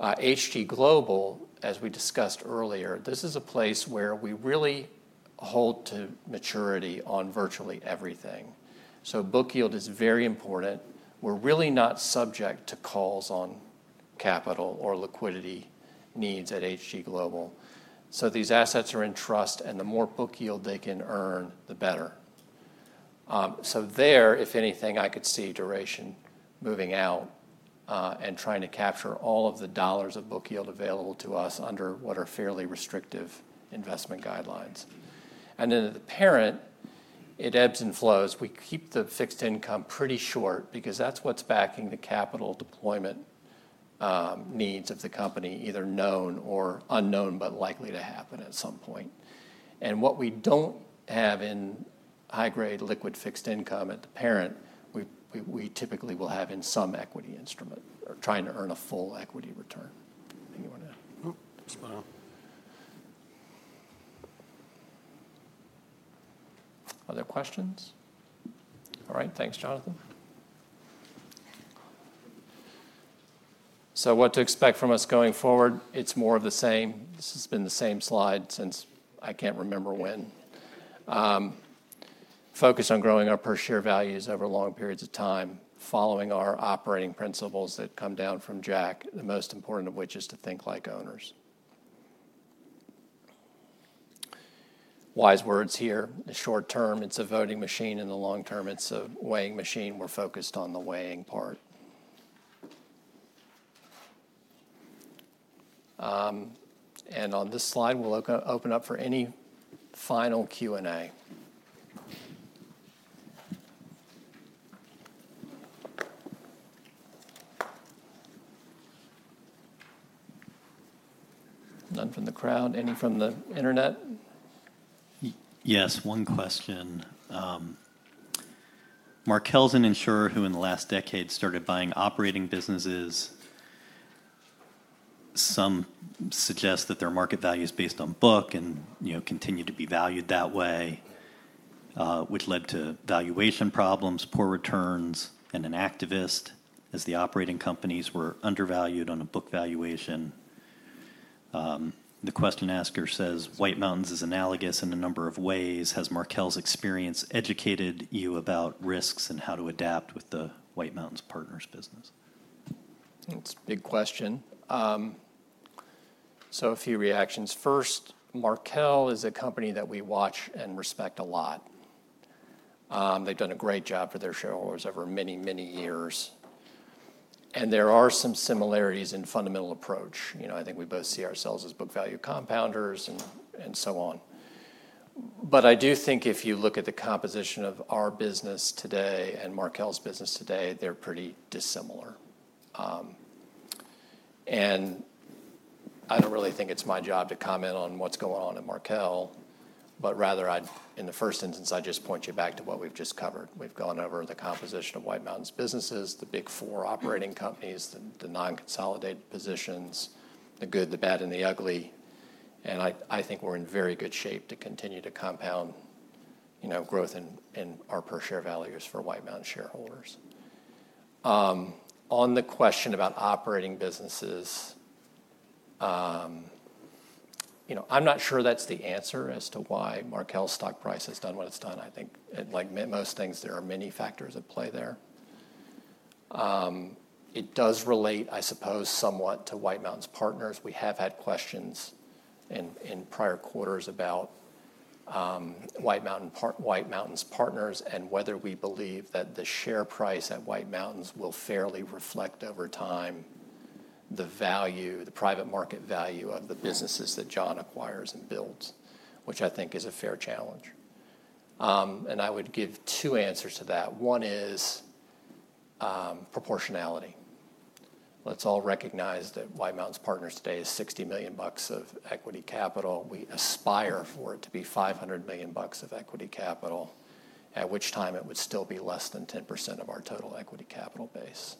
HG Global, as we discussed earlier, this is a place where we really hold to maturity on virtually everything. Book yield is very important. We're really not subject to calls on capital or liquidity needs at HG Global. These assets are in trust, and the more book yield they can earn, the better. There, if anything, I could see duration moving out and trying to capture all of the dollars of book yield available to us under what are fairly restrictive investment guidelines. At the pa ent, it ebbs and flows. We keep the fixed income pretty short because that's what's backing the capital deployment needs of the company, either known or unknown, but likely to happen at some point. What we don't have in high-grade liquid fixed income at the parent, we typically will have in some equity instrument or trying to earn a full equity return. Anyone else? Other questions? All right. Thanks, Jonathan. What to expect from us going forward? It's more of the same. This has been the same slide since I can't remember when. Focus on growing our per-share values over long periods of time, following our operating principles that come down from Jack, the most important of which is to think like owners. Wise words here. Short term, it's a voting machine. In the long term, it's a weighing machine. We're focused on the weighing part. On this slide, we'll open up for any final Q&A. None from the crowd? Any from the internet? Yes. One question. Markel's an insurer who in the last decade started buying operating businesses. Some suggest that their market value is based on book and continue to be valued that way, which led to valuation problems, poor returns, and an activist as the operating companies were undervalued on a book valuation. The question asker says, "White Mountains is analogous in a number of ways. Has Markel's experience educated you about risks and how to adapt with the White Mountains Partners business?" That's a big question. A few reactions. First, Markel is a company that we watch and respect a lot. They've done a great job for their shareholders over many, many years. There are some similarities in fundamental approach. I think we both see ourselves as book value compounders and so on. I do think if you look at the composition of our business today and Markel's business today, they're pretty dissimilar. I do not really think it's my job to comment on what's going on at Markel, but rather, in the first instance, I just point you back to what we've just covered. We've gone over the composition of White Mountains businesses, the big four operating companies, the non-consolidated positions, the good, the bad, and the ugly. I think we're in very good shape to continue to compound growth in our per-share values for White Mountains shareholders. On the question about operating businesses, I'm not sure that's the answer as to why Markel's stock price has done what it's done. I think, like most things, there are many factors at play there. It does relate, I suppose, somewhat to White Mountains Partners. We have had questions in prior quarters about White Mountains Partners and whether we believe that the share price at White Mountains will fairly reflect over time the value, the private market value of the businesses that John acquires and builds, which I think is a fair challenge. I would give two answers to that. One is proportionality. Let's all recognize that White Mountains Partners today is $60 million of equity capital. We aspire for it to be $500 million of equity capital, at which time it would still be less than 10% of our total equity capital base.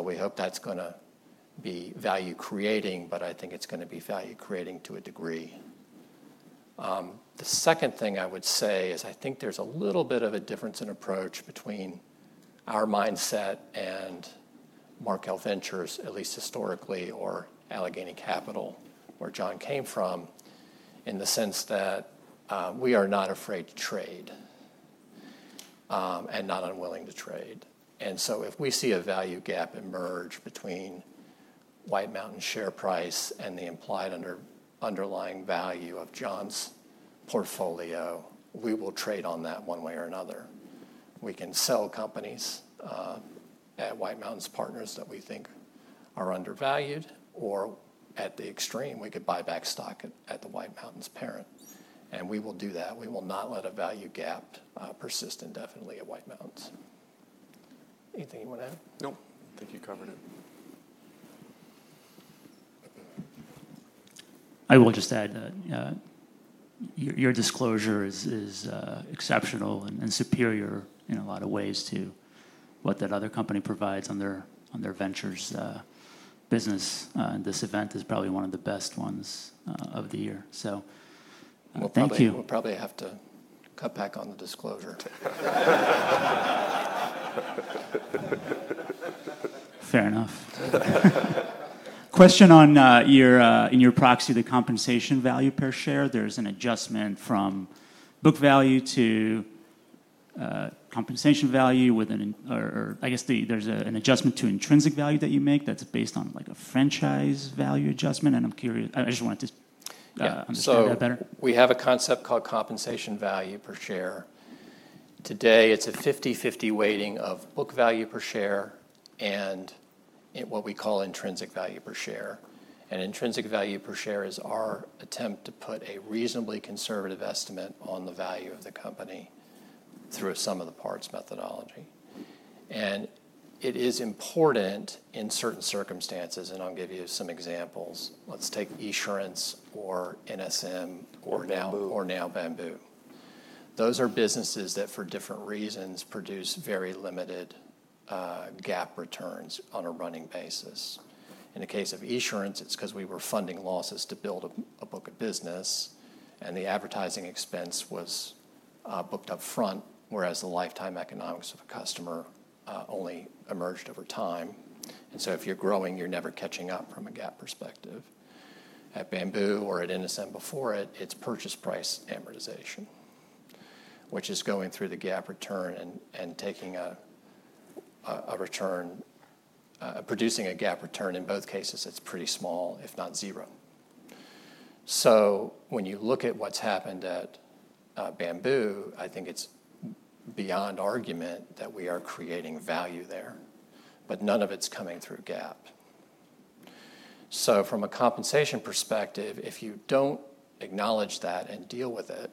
We hope that's going to be value-creating, but I think it's going to be value-creating to a degree. The second thing I would say is I think there's a little bit of a difference in approach between our mindset and Markel Ventures, at least historically, or Alleghany Capital, where John came from, in the sense that we are not afraid to trade and not unwilling to trade. If we see a value gap emerge between White Mountains' share price and the implied underlying value of John's portfolio, we will trade on that one way or another. We can sell companies at White Mountains Partners that we think are undervalued, or at the extreme, we could buy back stock at the White Mountains parent. We will do that. We will not let a value gap persist indefinitely at White Mountains. Anything you want to add? Nope. I think you covered it. I will just add that your disclosure is exceptional and superior in a lot of ways to what that other company provides on their ventures business. This event is probably one of the best ones of the year. Thank you. We'll probably have to cut back on the disclosure. Fair enough. Question on your proxy to compensation value per share. There's an adjustment from book value to compensation value with an or I guess there's an adjustment to intrinsic value that you make that's based on a franchise value adjustment. I'm curious. I just wanted to understand that better. We have a concept called compensation value per share. Today, it's a 50/50 weighting of book value per share and what we call intrinsic value per share. Intrinsic value per share is our attempt to put a reasonably conservative estimate on the value of the company through some of the parts methodology. It is important in certain circumstances, and I'll give you some examples. Let's take Esurance or NSM or now Bamboo. Those are businesses that, for different reasons, produce very limited GAAP returns on a running basis. In the case of Esurance, it's because we were funding losses to build a book of business, and the advertising expense was booked upfront, whereas the lifetime economics of a customer only emerged over time. If you're growing, you're never catching up from a GAAP perspective. At Bamboo or at NSM before it, it's purchase price amortization, which is going through the GAAP return and producing a GAAP return in both cases that's pretty small, if not zero. When you look at what's happened at Bamboo, I think it's beyond argument that we are creating value there, but none of it's coming through GAAP. From a compensation perspective, if you don't acknowledge that and deal with it,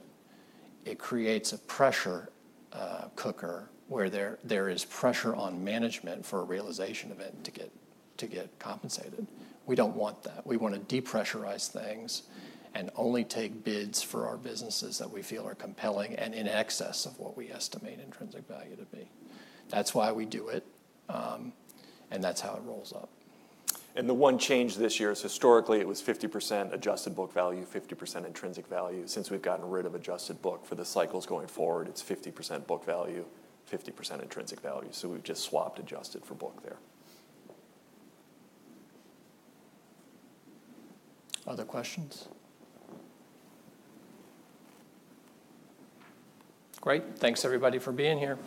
it creates a pressure cooker where there is pressure on management for a realization event to get compensated. We don't want that. We want to depressurize things and only take bids for our businesses that we feel are compelling and in excess of what we estimate intrinsic value to be. That's why we do it, and that's how it rolls up. The one change this year is historically it was 50% adjusted book value, 50% intrinsic value. Since we've gotten rid of adjusted book for the cycles going forward, it's 50% book value, 50% intrinsic value. We've just swapped adjusted for book there. Other questions? Great. Thanks, everybody, for being here.